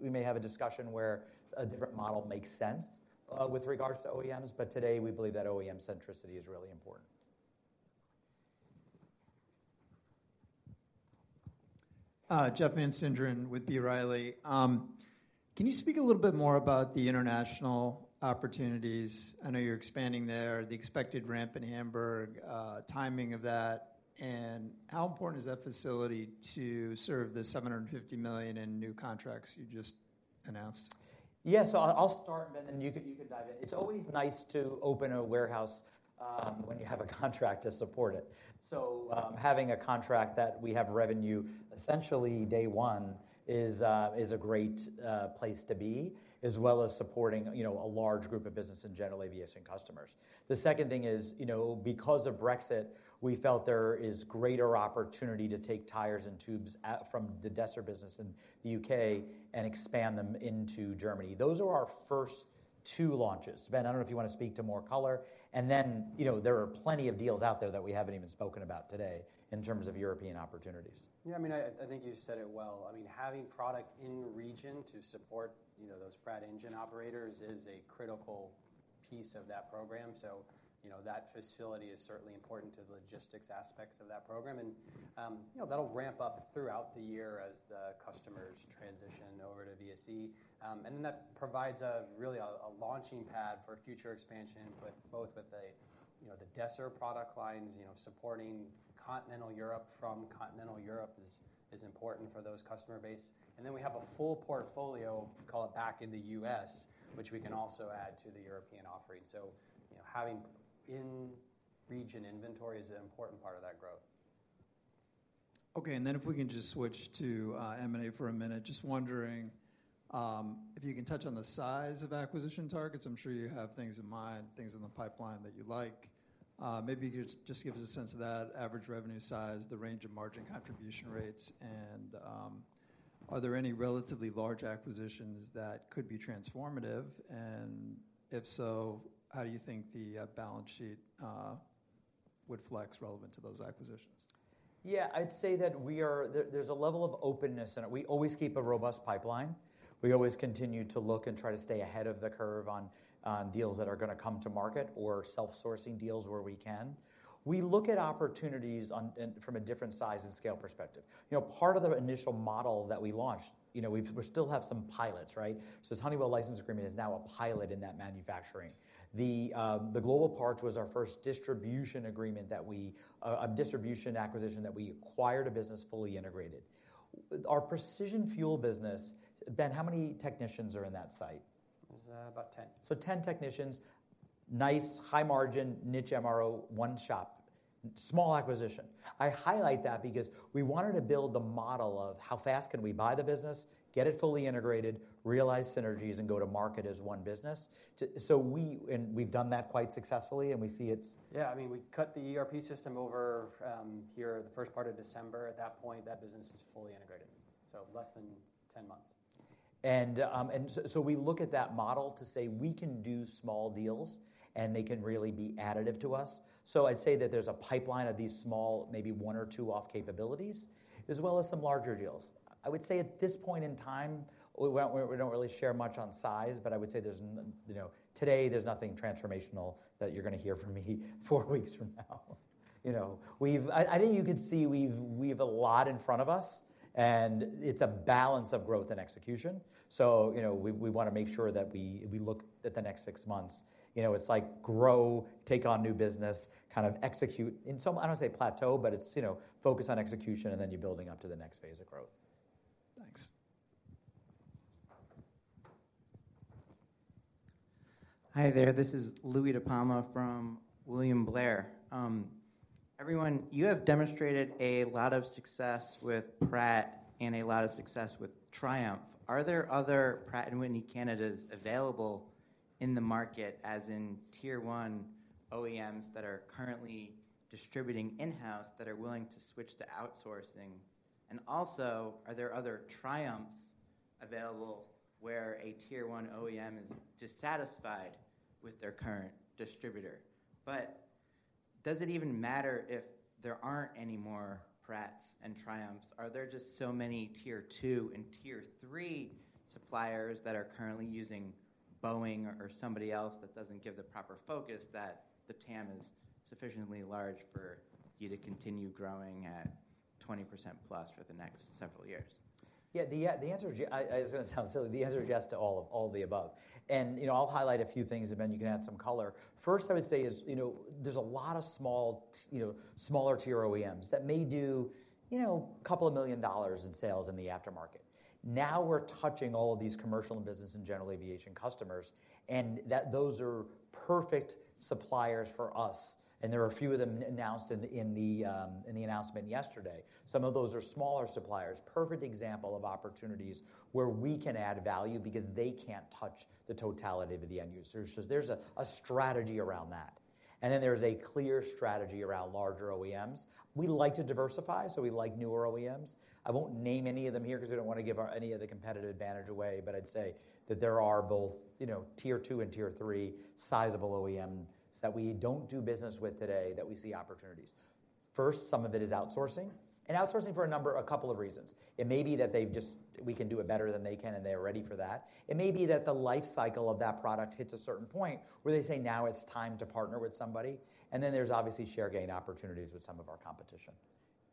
may have a discussion where a different model makes sense with regards to OEMs, but today, we believe that OEM centricity is really important. Jeff Van Sinderen with B. Riley. Can you speak a little bit more about the international opportunities? I know you're expanding there, the expected ramp in Hamburg, timing of that, and how important is that facility to serve the $750 million in new contracts you just announced? Yes, so I'll start, and then you can dive in. It's always nice to open a warehouse when you have a contract to support it. So, having a contract that we have revenue, essentially day one, is a great place to be, as well as supporting, you know, a large group of business and general aviation customers. The second thing is, you know, because of Brexit, we felt there is greater opportunity to take tires and tubes out from the Desser business in the U.K. and expand them into Germany. Those are our first two launches. Ben, I don't know if you wanna speak to more color, and then, you know, there are plenty of deals out there that we haven't even spoken about today in terms of European opportunities. Yeah, I mean, I, I think you said it well. I mean, having product in region to support, you know, those Pratt engine operators is a critical piece of that program. So, you know, that facility is certainly important to the logistics aspects of that program. And, you know, that'll ramp up throughout the year as the customers transition over to VSE. And then that provides a really launching pad for future expansion, with both the, you know, the Desser product lines, you know, supporting continental Europe from continental Europe is important for those customer base. And then we have a full portfolio, call it back in the U.S., which we can also add to the European offering. So, you know, having in-region inventory is an important part of that growth. Okay, and then if we can just switch to M&A for a minute. Just wondering if you can touch on the size of acquisition targets. I'm sure you have things in mind, things in the pipeline that you like. Maybe you could just give us a sense of that average revenue size, the range of margin contribution rates, and are there any relatively large acquisitions that could be transformative? And if so, how do you think the balance sheet would flex relevant to those acquisitions? Yeah, I'd say that we are-- There, there's a level of openness, and we always keep a robust pipeline. We always continue to look and try to stay ahead of the curve on deals that are gonna come to market or self-sourcing deals where we can. We look at opportunities on, and from a different size and scale perspective. You know, part of the initial model that we launched, you know, we've - we still have some pilots, right? So this Honeywell license agreement is now a pilot in that manufacturing. The, the Global Parts was our first distribution agreement that we-- a distribution acquisition, that we acquired a business fully integrated. Our Precision Fuel business-- Ben, how many technicians are in that site? It's about 10. So 10 technicians, nice, high margin, niche MRO, one shop, small acquisition. I highlight that because we wanted to build the model of how fast can we buy the business, get it fully integrated, realize synergies, and go to market as one business. So we've done that quite successfully, and we see it's-- Yeah, I mean, we cut the ERP system over here, the first part of December. At that point, that business is fully integrated, so less than 10 months. And so we look at that model to say, we can do small deals, and they can really be additive to us. So I'd say that there's a pipeline of these small, maybe one or two-off capabilities, as well as some larger deals. I would say at this point in time, we don't really share much on size, but I would say there's you know, today there's nothing transformational that you're gonna hear from me four weeks from now, you know. I think you could see we've a lot in front of us, and it's a balance of growth and execution. So, you know, we wanna make sure that we look at the next six months. You know, it's like grow, take on new business, kind of execute in some-- I don't want to say plateau, but it's, you know, focus on execution, and then you're building up to the next phase of growth. Thanks. Hi, there. This is Louie DiPalma from William Blair. Everyone, you have demonstrated a lot of success with Pratt and a lot of success with Triumph. Are there other Pratt & Whitney candidates available in the market, as in Tier 1 OEMs that are currently distributing in-house, that are willing to switch to outsourcing? And also, are there other Triumphs available where a Tier 1 OEM is dissatisfied with their current distributor? But does it even matter if there aren't any more Pratts and Triumphs? Are there just so many Tier 2 and Tier 3 suppliers that are currently using Boeing or somebody else that doesn't give the proper focus, that the TAM is sufficiently large for you to continue growing at +20% for the next several years? Yeah, the answer is, it's gonna sound silly. The answer is yes to all of, all of the above. And, you know, I'll highlight a few things, and then you can add some color. First, I would say is, you know, there's a lot of small, you know, smaller tier OEMs that may do, you know, $2 million in sales in the aftermarket. Now, we're touching all of these commercial and business and general aviation customers, and that, those are perfect suppliers for us, and there are a few of them announced in the announcement yesterday. Some of those are smaller suppliers. Perfect example of opportunities where we can add value because they can't touch the totality of the end users. So there's a strategy around that, and then there's a clear strategy around larger OEMs. We like to diversify, so we like newer OEMs. I won't name any of them here 'cause we don't wanna give our-any of the competitive advantage away, but I'd say that there are both, you know, tier two and tier three sizable OEMs that we don't do business with today, that we see opportunities. First, some of it is outsourcing, and outsourcing for a number-a couple of reasons. It may be that they've just-- We can do it better than they can, and they're ready for that. It may be that the life cycle of that product hits a certain point, where they say, "Now it's time to partner with somebody." And then there's obviously share gain opportunities with some of our competition.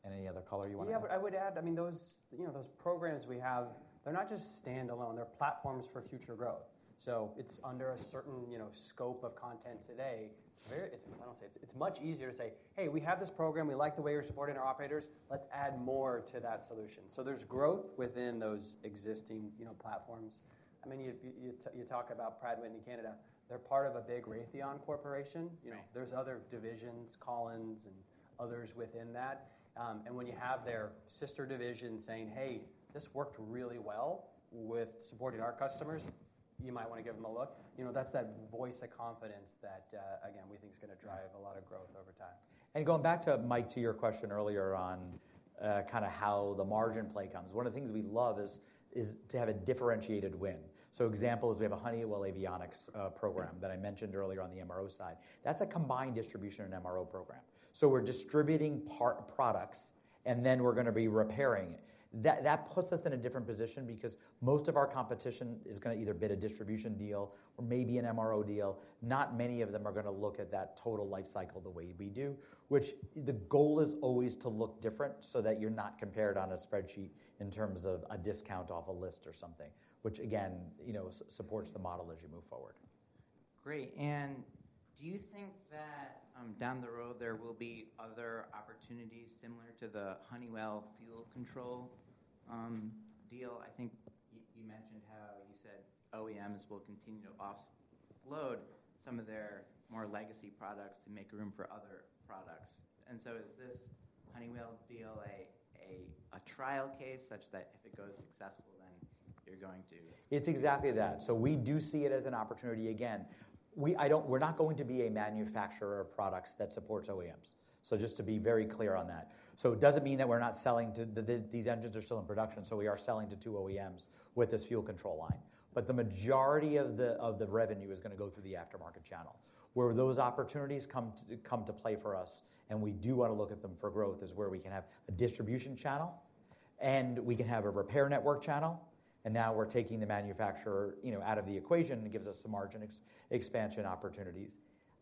Any other color you wanna add? Yeah, but I would add, I mean, those, you know, those programs we have, they're not just standalone. They're platforms for future growth. So it's under a certain, you know, scope of content today, where it's - I don't want to say... It's much easier to say, "Hey, we have this program. We like the way you're supporting our operators. Let's add more to that solution." So there's growth within those existing, you know, platforms. I mean, you talk about Pratt & Whitney Canada. They're part of a big Raytheon corporation. Right. You know, there's other divisions, Collins and others within that. When you have their sister division saying, "Hey, this worked really well with supporting our customers. You might wanna give them a look." You know, that's that voice of confidence that, again, we think is gonna drive a lot of growth over time. Going back to Mike, to your question earlier on, kinda how the margin play comes. One of the things we love is to have a differentiated win. So example is we have a Honeywell Avionics program that I mentioned earlier on the MRO side. That's a combined distribution and MRO program. So we're distributing part products, and then we're gonna be repairing it. That puts us in a different position because most of our competition is gonna either bid a distribution deal or maybe an MRO deal. Not many of them are gonna look at that total life cycle the way we do, which the goal is always to look different so that you're not compared on a spreadsheet in terms of a discount off a list or something. Which again, you know, supports the model as you move forward. Great, and do you think that down the road, there will be other opportunities similar to the Honeywell fuel control deal? I think you mentioned how you said OEMs will continue to offload some of their more legacy products to make room for other products. And so is this Honeywell deal a trial case, such that if it goes successful, then you're going to-- It's exactly that. So we do see it as an opportunity. Again, we—I don't—we're not going to be a manufacturer of products that supports OEMs. So just to be very clear on that. So it doesn't mean that we're not selling to-- These engines are still in production, so we are selling to two OEMs with this fuel control line. But the majority of the revenue is gonna go through the aftermarket channel, where those opportunities come to play for us, and we do wanna look at them for growth, as where we can have a distribution channel, and we can have a repair network channel, and now we're taking the manufacturer, you know, out of the equation. It gives us some margin expansion opportunities.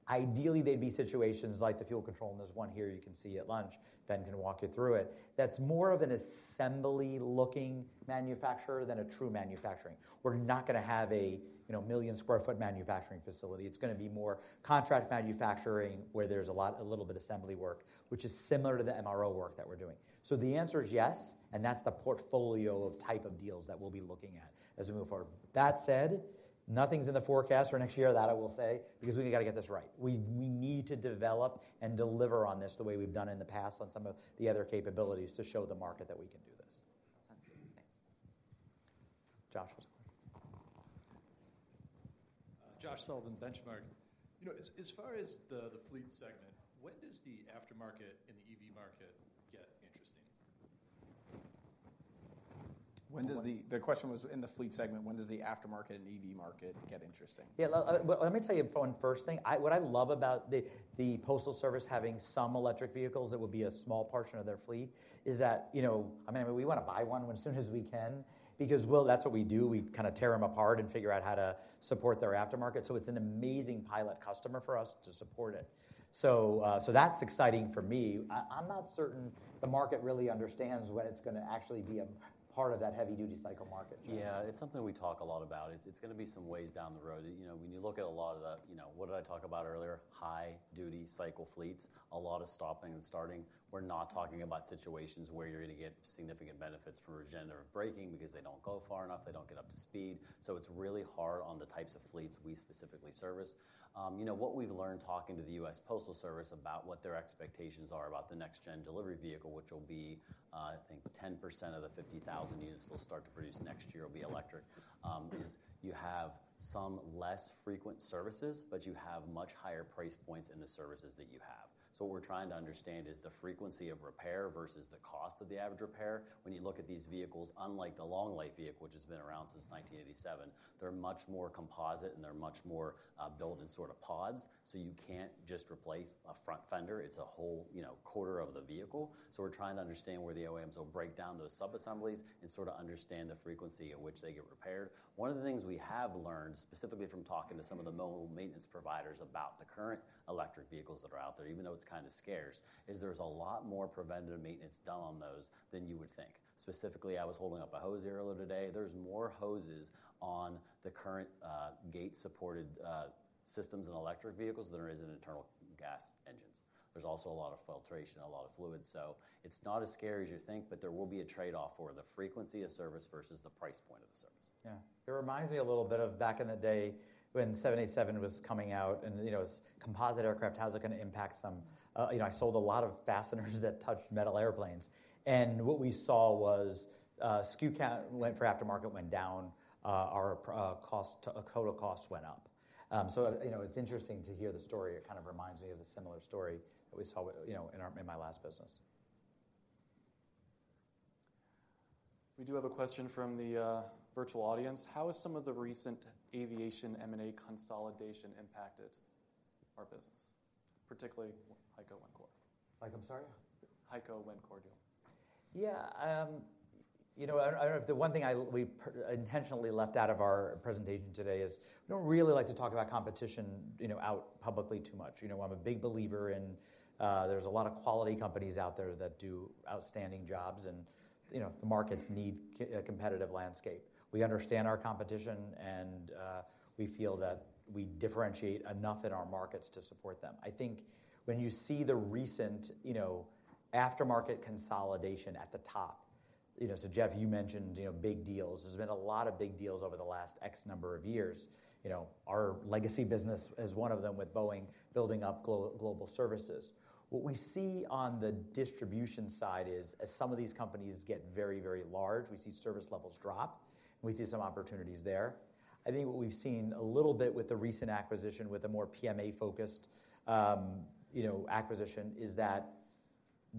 Ideally, they'd be situations like the fuel control, and there's one here you can see at launch. Ben can walk you through it. That's more of an assembly-looking manufacturer than a true manufacturing. We're not gonna have a, you know, 1-million-sq-ft manufacturing facility. It's gonna be more contract manufacturing, where there's a lot, a little bit assembly work, which is similar to the MRO work that we're doing. So the answer is yes, and that's the portfolio of type of deals that we'll be looking at as we move forward. That said, nothing's in the forecast for next year, that I will say, because we got to get this right. We need to develop and deliver on this the way we've done in the past on some of the other capabilities to show the market that we can do this. Sounds good. Thanks. Josh, what's the question? Josh Sullivan, Benchmark. You know, as far as the fleet segment, when does the aftermarket and the EV market get interesting? When does the-- The question was in the fleet segment, when does the aftermarket and EV market get interesting? Yeah, let me tell you one first thing. What I love about the Postal Service having some electric vehicles, it would be a small portion of their fleet, is that, you know. I mean, we wanna buy one as soon as we can because, well, that's what we do. We kinda tear them apart and figure out how to support their aftermarket. So it's an amazing pilot customer for us to support it. So, so that's exciting for me. I'm not certain the market really understands what it's gonna actually be a part of that heavy-duty cycle market. Yeah, it's something we talk a lot about. It's gonna be some ways down the road. You know, when you look at a lot of the, you know, what did I talk about earlier? High-duty cycle fleets, a lot of stopping and starting. We're not talking about situations where you're gonna get significant benefits from regenerative braking because they don't go far enough. They don't get up to speed. So it's really hard on the types of fleets we specifically service. You know, what we've learned talking to the U.S. Postal Service about what their expectations are about the Next-Gen Delivery Vehicle, which will be, I think, 10% of the 50,000 units they'll start to produce next year will be electric, is you have some less frequent services, but you have much higher price points in the services that you have. So what we're trying to understand is the frequency of repair versus the cost of the average repair when you look at these vehicles, unlike the Long Life Vehicle, which has been around since 1987. They're much more composite, and they're much more built in sort of pods. So you can't just replace a front fender, it's a whole, you know, quarter of the vehicle. So we're trying to understand where the OEMs will break down those sub-assemblies and sort of understand the frequency at which they get repaired. One of the things we have learned, specifically from talking to some of the mobile maintenance providers about the current electric vehicles that are out there, even though it's kind of scarce, is there's a lot more preventative maintenance done on those than you would think. Specifically, I was holding up a hose earlier today. There's more hoses on the current, Gates-supported, systems in electric vehicles than there is in internal gas engines. There's also a lot of filtration, a lot of fluid. So it's not as scary as you think, but there will be a trade-off for the frequency of service versus the price point of the service. Yeah. It reminds me a little bit of back in the day when 787 was coming out, and, you know, its composite aircraft, how's it gonna impact some-- You know, I sold a lot of fasteners that touched metal airplanes. And what we saw was, SKU count for aftermarket went down, our total cost went up. So, you know, it's interesting to hear the story. It kind of reminds me of the similar story that we saw with, you know, in our—in my last business. We do have a question from the virtual audience: How has some of the recent aviation M&A consolidation impacted our business, particularly HEICO-Wencor? Mike, I'm sorry? HEICO-Wencor deal. Yeah. You know, I don't know if the one thing we intentionally left out of our presentation today is we don't really like to talk about competition, you know, out publicly too much. You know, I'm a big believer in, there's a lot of quality companies out there that do outstanding jobs, and, you know, the markets need a competitive landscape. We understand our competition, and, we feel that we differentiate enough in our markets to support them. I think when you see the recent, you know, aftermarket consolidation at the top, you know, so Jeff, you mentioned, you know, big deals. There's been a lot of big deals over the last X number of years. You know, our legacy business is one of them, with Boeing building up Global Services. What we see on the distribution side is, as some of these companies get very, very large, we see service levels drop, and we see some opportunities there. I think what we've seen a little bit with the recent acquisition, with a more PMA-focused, you know, acquisition, is that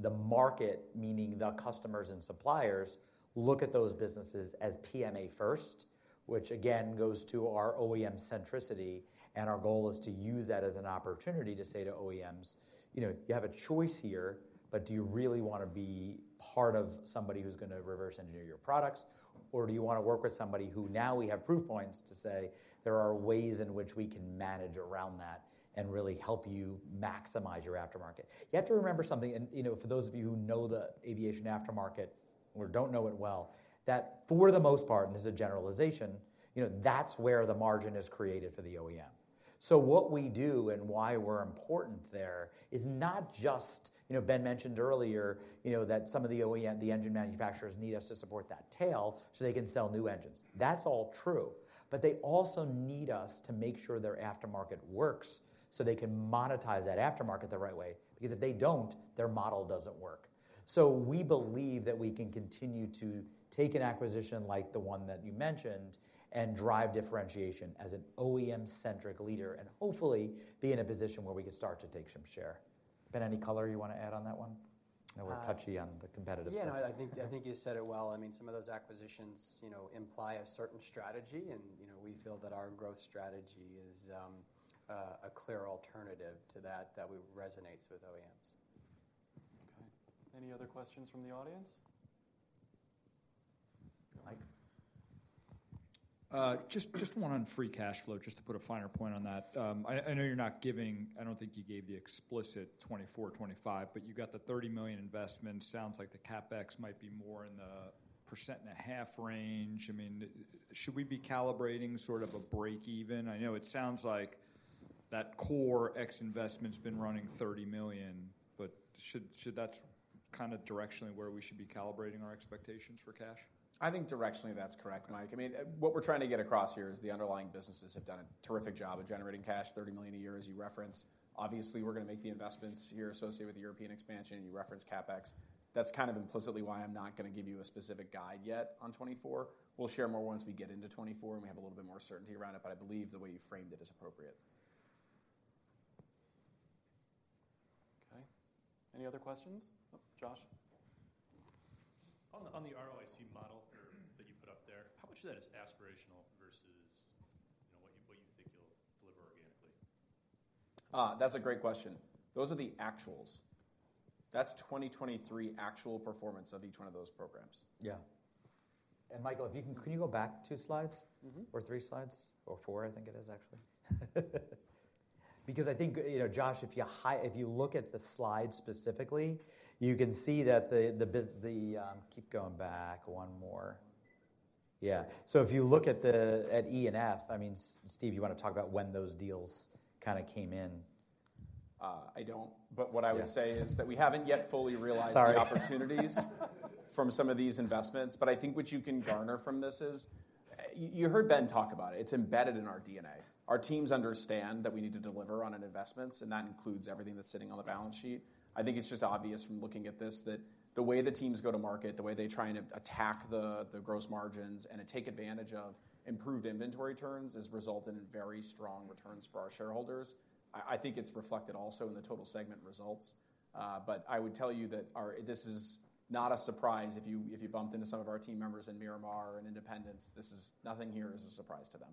the market, meaning the customers and suppliers, look at those businesses as PMA first, which again, goes to our OEM centricity, and our goal is to use that as an opportunity to say to OEMs: "You know, you have a choice here, but do you really want to be part of somebody who's gonna reverse engineer your products? Or do you want to work with somebody who now we have proof points to say, there are ways in which we can manage around that and really help you maximize your aftermarket?" You have to remember something, and you know, for those of you who know the aviation aftermarket or don't know it well, that for the most part, and this is a generalization, you know, that's where the margin is created for the OEM. So what we do and why we're important there is not just-- You know, Ben mentioned earlier, you know, that some of the OEM, the engine manufacturers, need us to support that tail so they can sell new engines. That's all true, but they also need us to make sure their aftermarket works, so they can monetize that aftermarket the right way, because if they don't, their model doesn't work. So we believe that we can continue to take an acquisition like the one that you mentioned and drive differentiation as an OEM-centric leader and hopefully, be in a position where we can start to take some share. Ben, any color you want to add on that one? I know we're touchy on the competitive front. Yeah, no, I think, I think you said it well. I mean, some of those acquisitions, you know, imply a certain strategy, and, you know, we feel that our growth strategy is a clear alternative to that, that resonates with OEMs. Okay. Any other questions from the audience? Mike. Just, just one on free cash flow, just to put a finer point on that. I know you're not giving. I don't think you gave the explicit 2024, 2025, but you got the $30 million investment. Sounds like the CapEx might be more in the 1.5% range. I mean, should we be calibrating sort of a break even? I know it sounds like that core CapEx investment's been running $30 million, but should that kind of directionally where we should be calibrating our expectations for cash? I think directionally, that's correct, Mike. I mean, what we're trying to get across here is the underlying businesses have done a terrific job of generating cash, $30 million a year, as you referenced. Obviously, we're gonna make the investments here associated with the European expansion. You referenced CapEx. That's kind of implicitly why I'm not gonna give you a specific guide yet on 2024. We'll share more once we get into 2024, and we have a little bit more certainty around it, but I believe the way you framed it is appropriate. Okay. Any other questions? Oh, Josh. On the ROIC model that you put up there, how much of that is aspirational versus, you know, what you think you'll deliver organically? That's a great question. Those are the actuals. That's 2023 actual performance of each one of those programs. Yeah. And Michael, if you can-- Can you go back two slides? Or three slides? Or four, I think it is, actually. Because I think, you know, Josh, if you look at the slide specifically, you can see that the. Keep going back one more. Yeah. So if you look at the, at E and F, I mean, Steve, you want to talk about when those deals kind of came in? I don't. Yeah. But what I would say is that we haven't yet fully realized the opportunities from some of these investments. But I think what you can garner from this is, you, you heard Ben talk about it, it's embedded in our DNA. Our teams understand that we need to deliver on an investments, and that includes everything that's sitting on the balance sheet. I think it's just obvious from looking at this, that the way the teams go to market, the way they try and attack the, the gross margins and then take advantage of improved inventory turns, has resulted in very strong returns for our shareholders. I think it's reflected also in the total segment results. But I would tell you that our - this is not a surprise if you, if you bumped into some of our team members in Miramar and Independence. This is - nothing here is a surprise to them.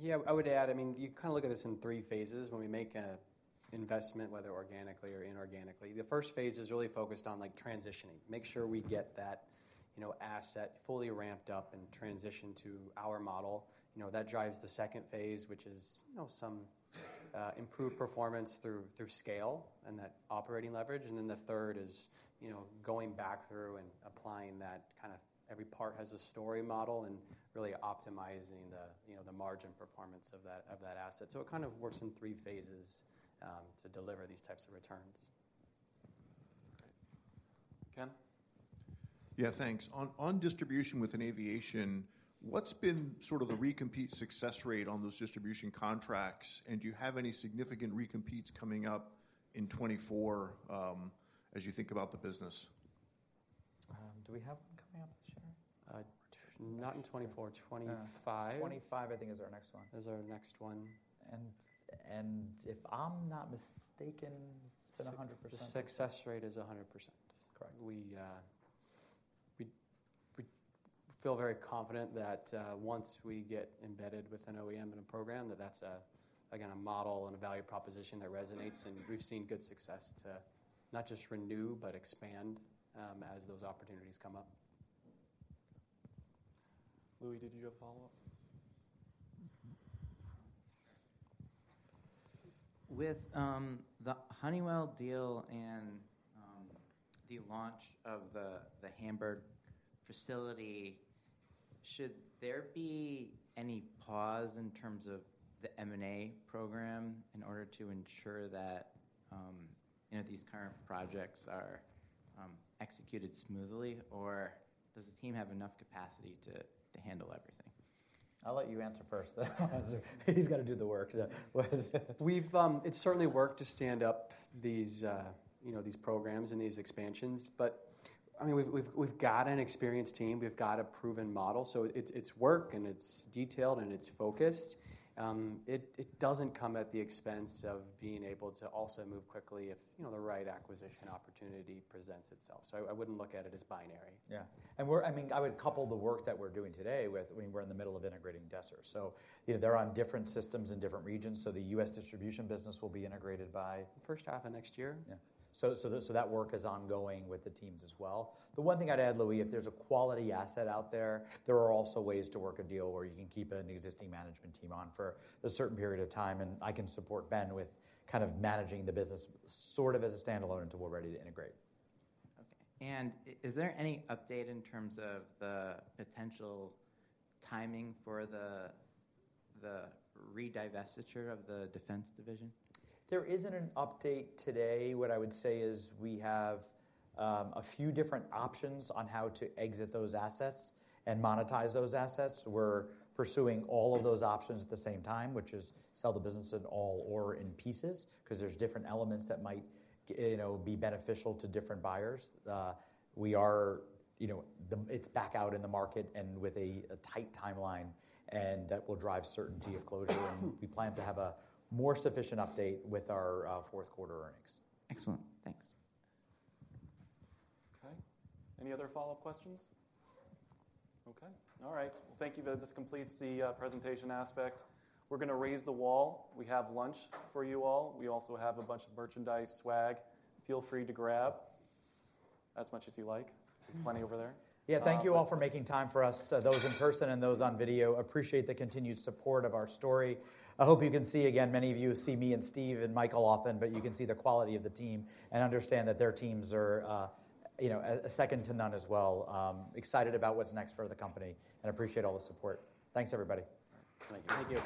Yeah, I would add, I mean, you kind of look at this in three phases when we make a investment, whether organically or inorganically. The first phase is really focused on, like, transitioning. Make sure we get that, you know, asset fully ramped up and transitioned to our model. You know, that drives the second phase, which is, you know, some improved performance through scale and that operating leverage. And then the third is, you know, going back through and applying that kind of every part has a story model and really optimizing the, you know, the margin performance of that asset. So it kind of works in three phases to deliver these types of returns. Okay. Ken? Yeah, thanks. On distribution within aviation, what's been sort of the recompete success rate on those distribution contracts? And do you have any significant recompetes coming up in 2024 as you think about the business? Do we have one coming up this year? Not in 2024. 2025. 2025, I think is our next one. Is our next one. If I'm not mistaken, it's been 100%. The success rate is 100%. Correct. We feel very confident that, once we get embedded with an OEM in a program, that that's again a model and a value proposition that resonates. And we've seen good success to not just renew, but expand, as those opportunities come up. Louie, did you have a follow-up? With the Honeywell deal and the launch of the Hamburg facility, should there be any pause in terms of the M&A program in order to ensure that you know these current projects are executed smoothly? Or does the team have enough capacity to handle everything? I'll let you answer first. He's got to do the work, so what-- We've. It's certainly work to stand up these, you know, these programs and these expansions, but, I mean, we've got an experienced team. We've got a proven model, so it's work, and it's detailed, and it's focused. It doesn't come at the expense of being able to also move quickly if, you know, the right acquisition opportunity presents itself. So I wouldn't look at it as binary. Yeah. And we're, I mean, I would couple the work that we're doing today with, I mean, we're in the middle of integrating Desser. So, you know, they're on different systems in different regions, so the U.S. distribution business will be integrated by? First half of next year. Yeah. So that work is ongoing with the teams as well. The one thing I'd add, Louie, if there's a quality asset out there, there are also ways to work a deal where you can keep an existing management team on for a certain period of time, and I can support Ben with kind of managing the business sort of as a standalone until we're ready to integrate. Okay. And is there any update in terms of the potential timing for the re-divestiture of the defense division? There isn't an update today. What I would say is we have a few different options on how to exit those assets and monetize those assets. We're pursuing all of those options at the same time, which is sell the business in all or in pieces, 'cause there's different elements that might you know, be beneficial to different buyers. We are, you know. It's back out in the market and with a tight timeline, and that will drive certainty of closure. And we plan to have a more sufficient update with our fourth quarter earnings. Excellent. Thanks. Okay. Any other follow-up questions? Okay. All right. Thank you, guys. This completes the presentation aspect. We're gonna raise the wall. We have lunch for you all. We also have a bunch of merchandise swag. Feel free to grab as much as you like. Plenty over there. Yeah, thank you all for making time for us, those in person and those on video. Appreciate the continued support of our story. I hope you can see again, many of you see me and Steve and Michael often, but you can see the quality of the team and understand that their teams are, you know, a second to none as well. Excited about what's next for the company and appreciate all the support. Thanks, everybody. Thank you. Thank you.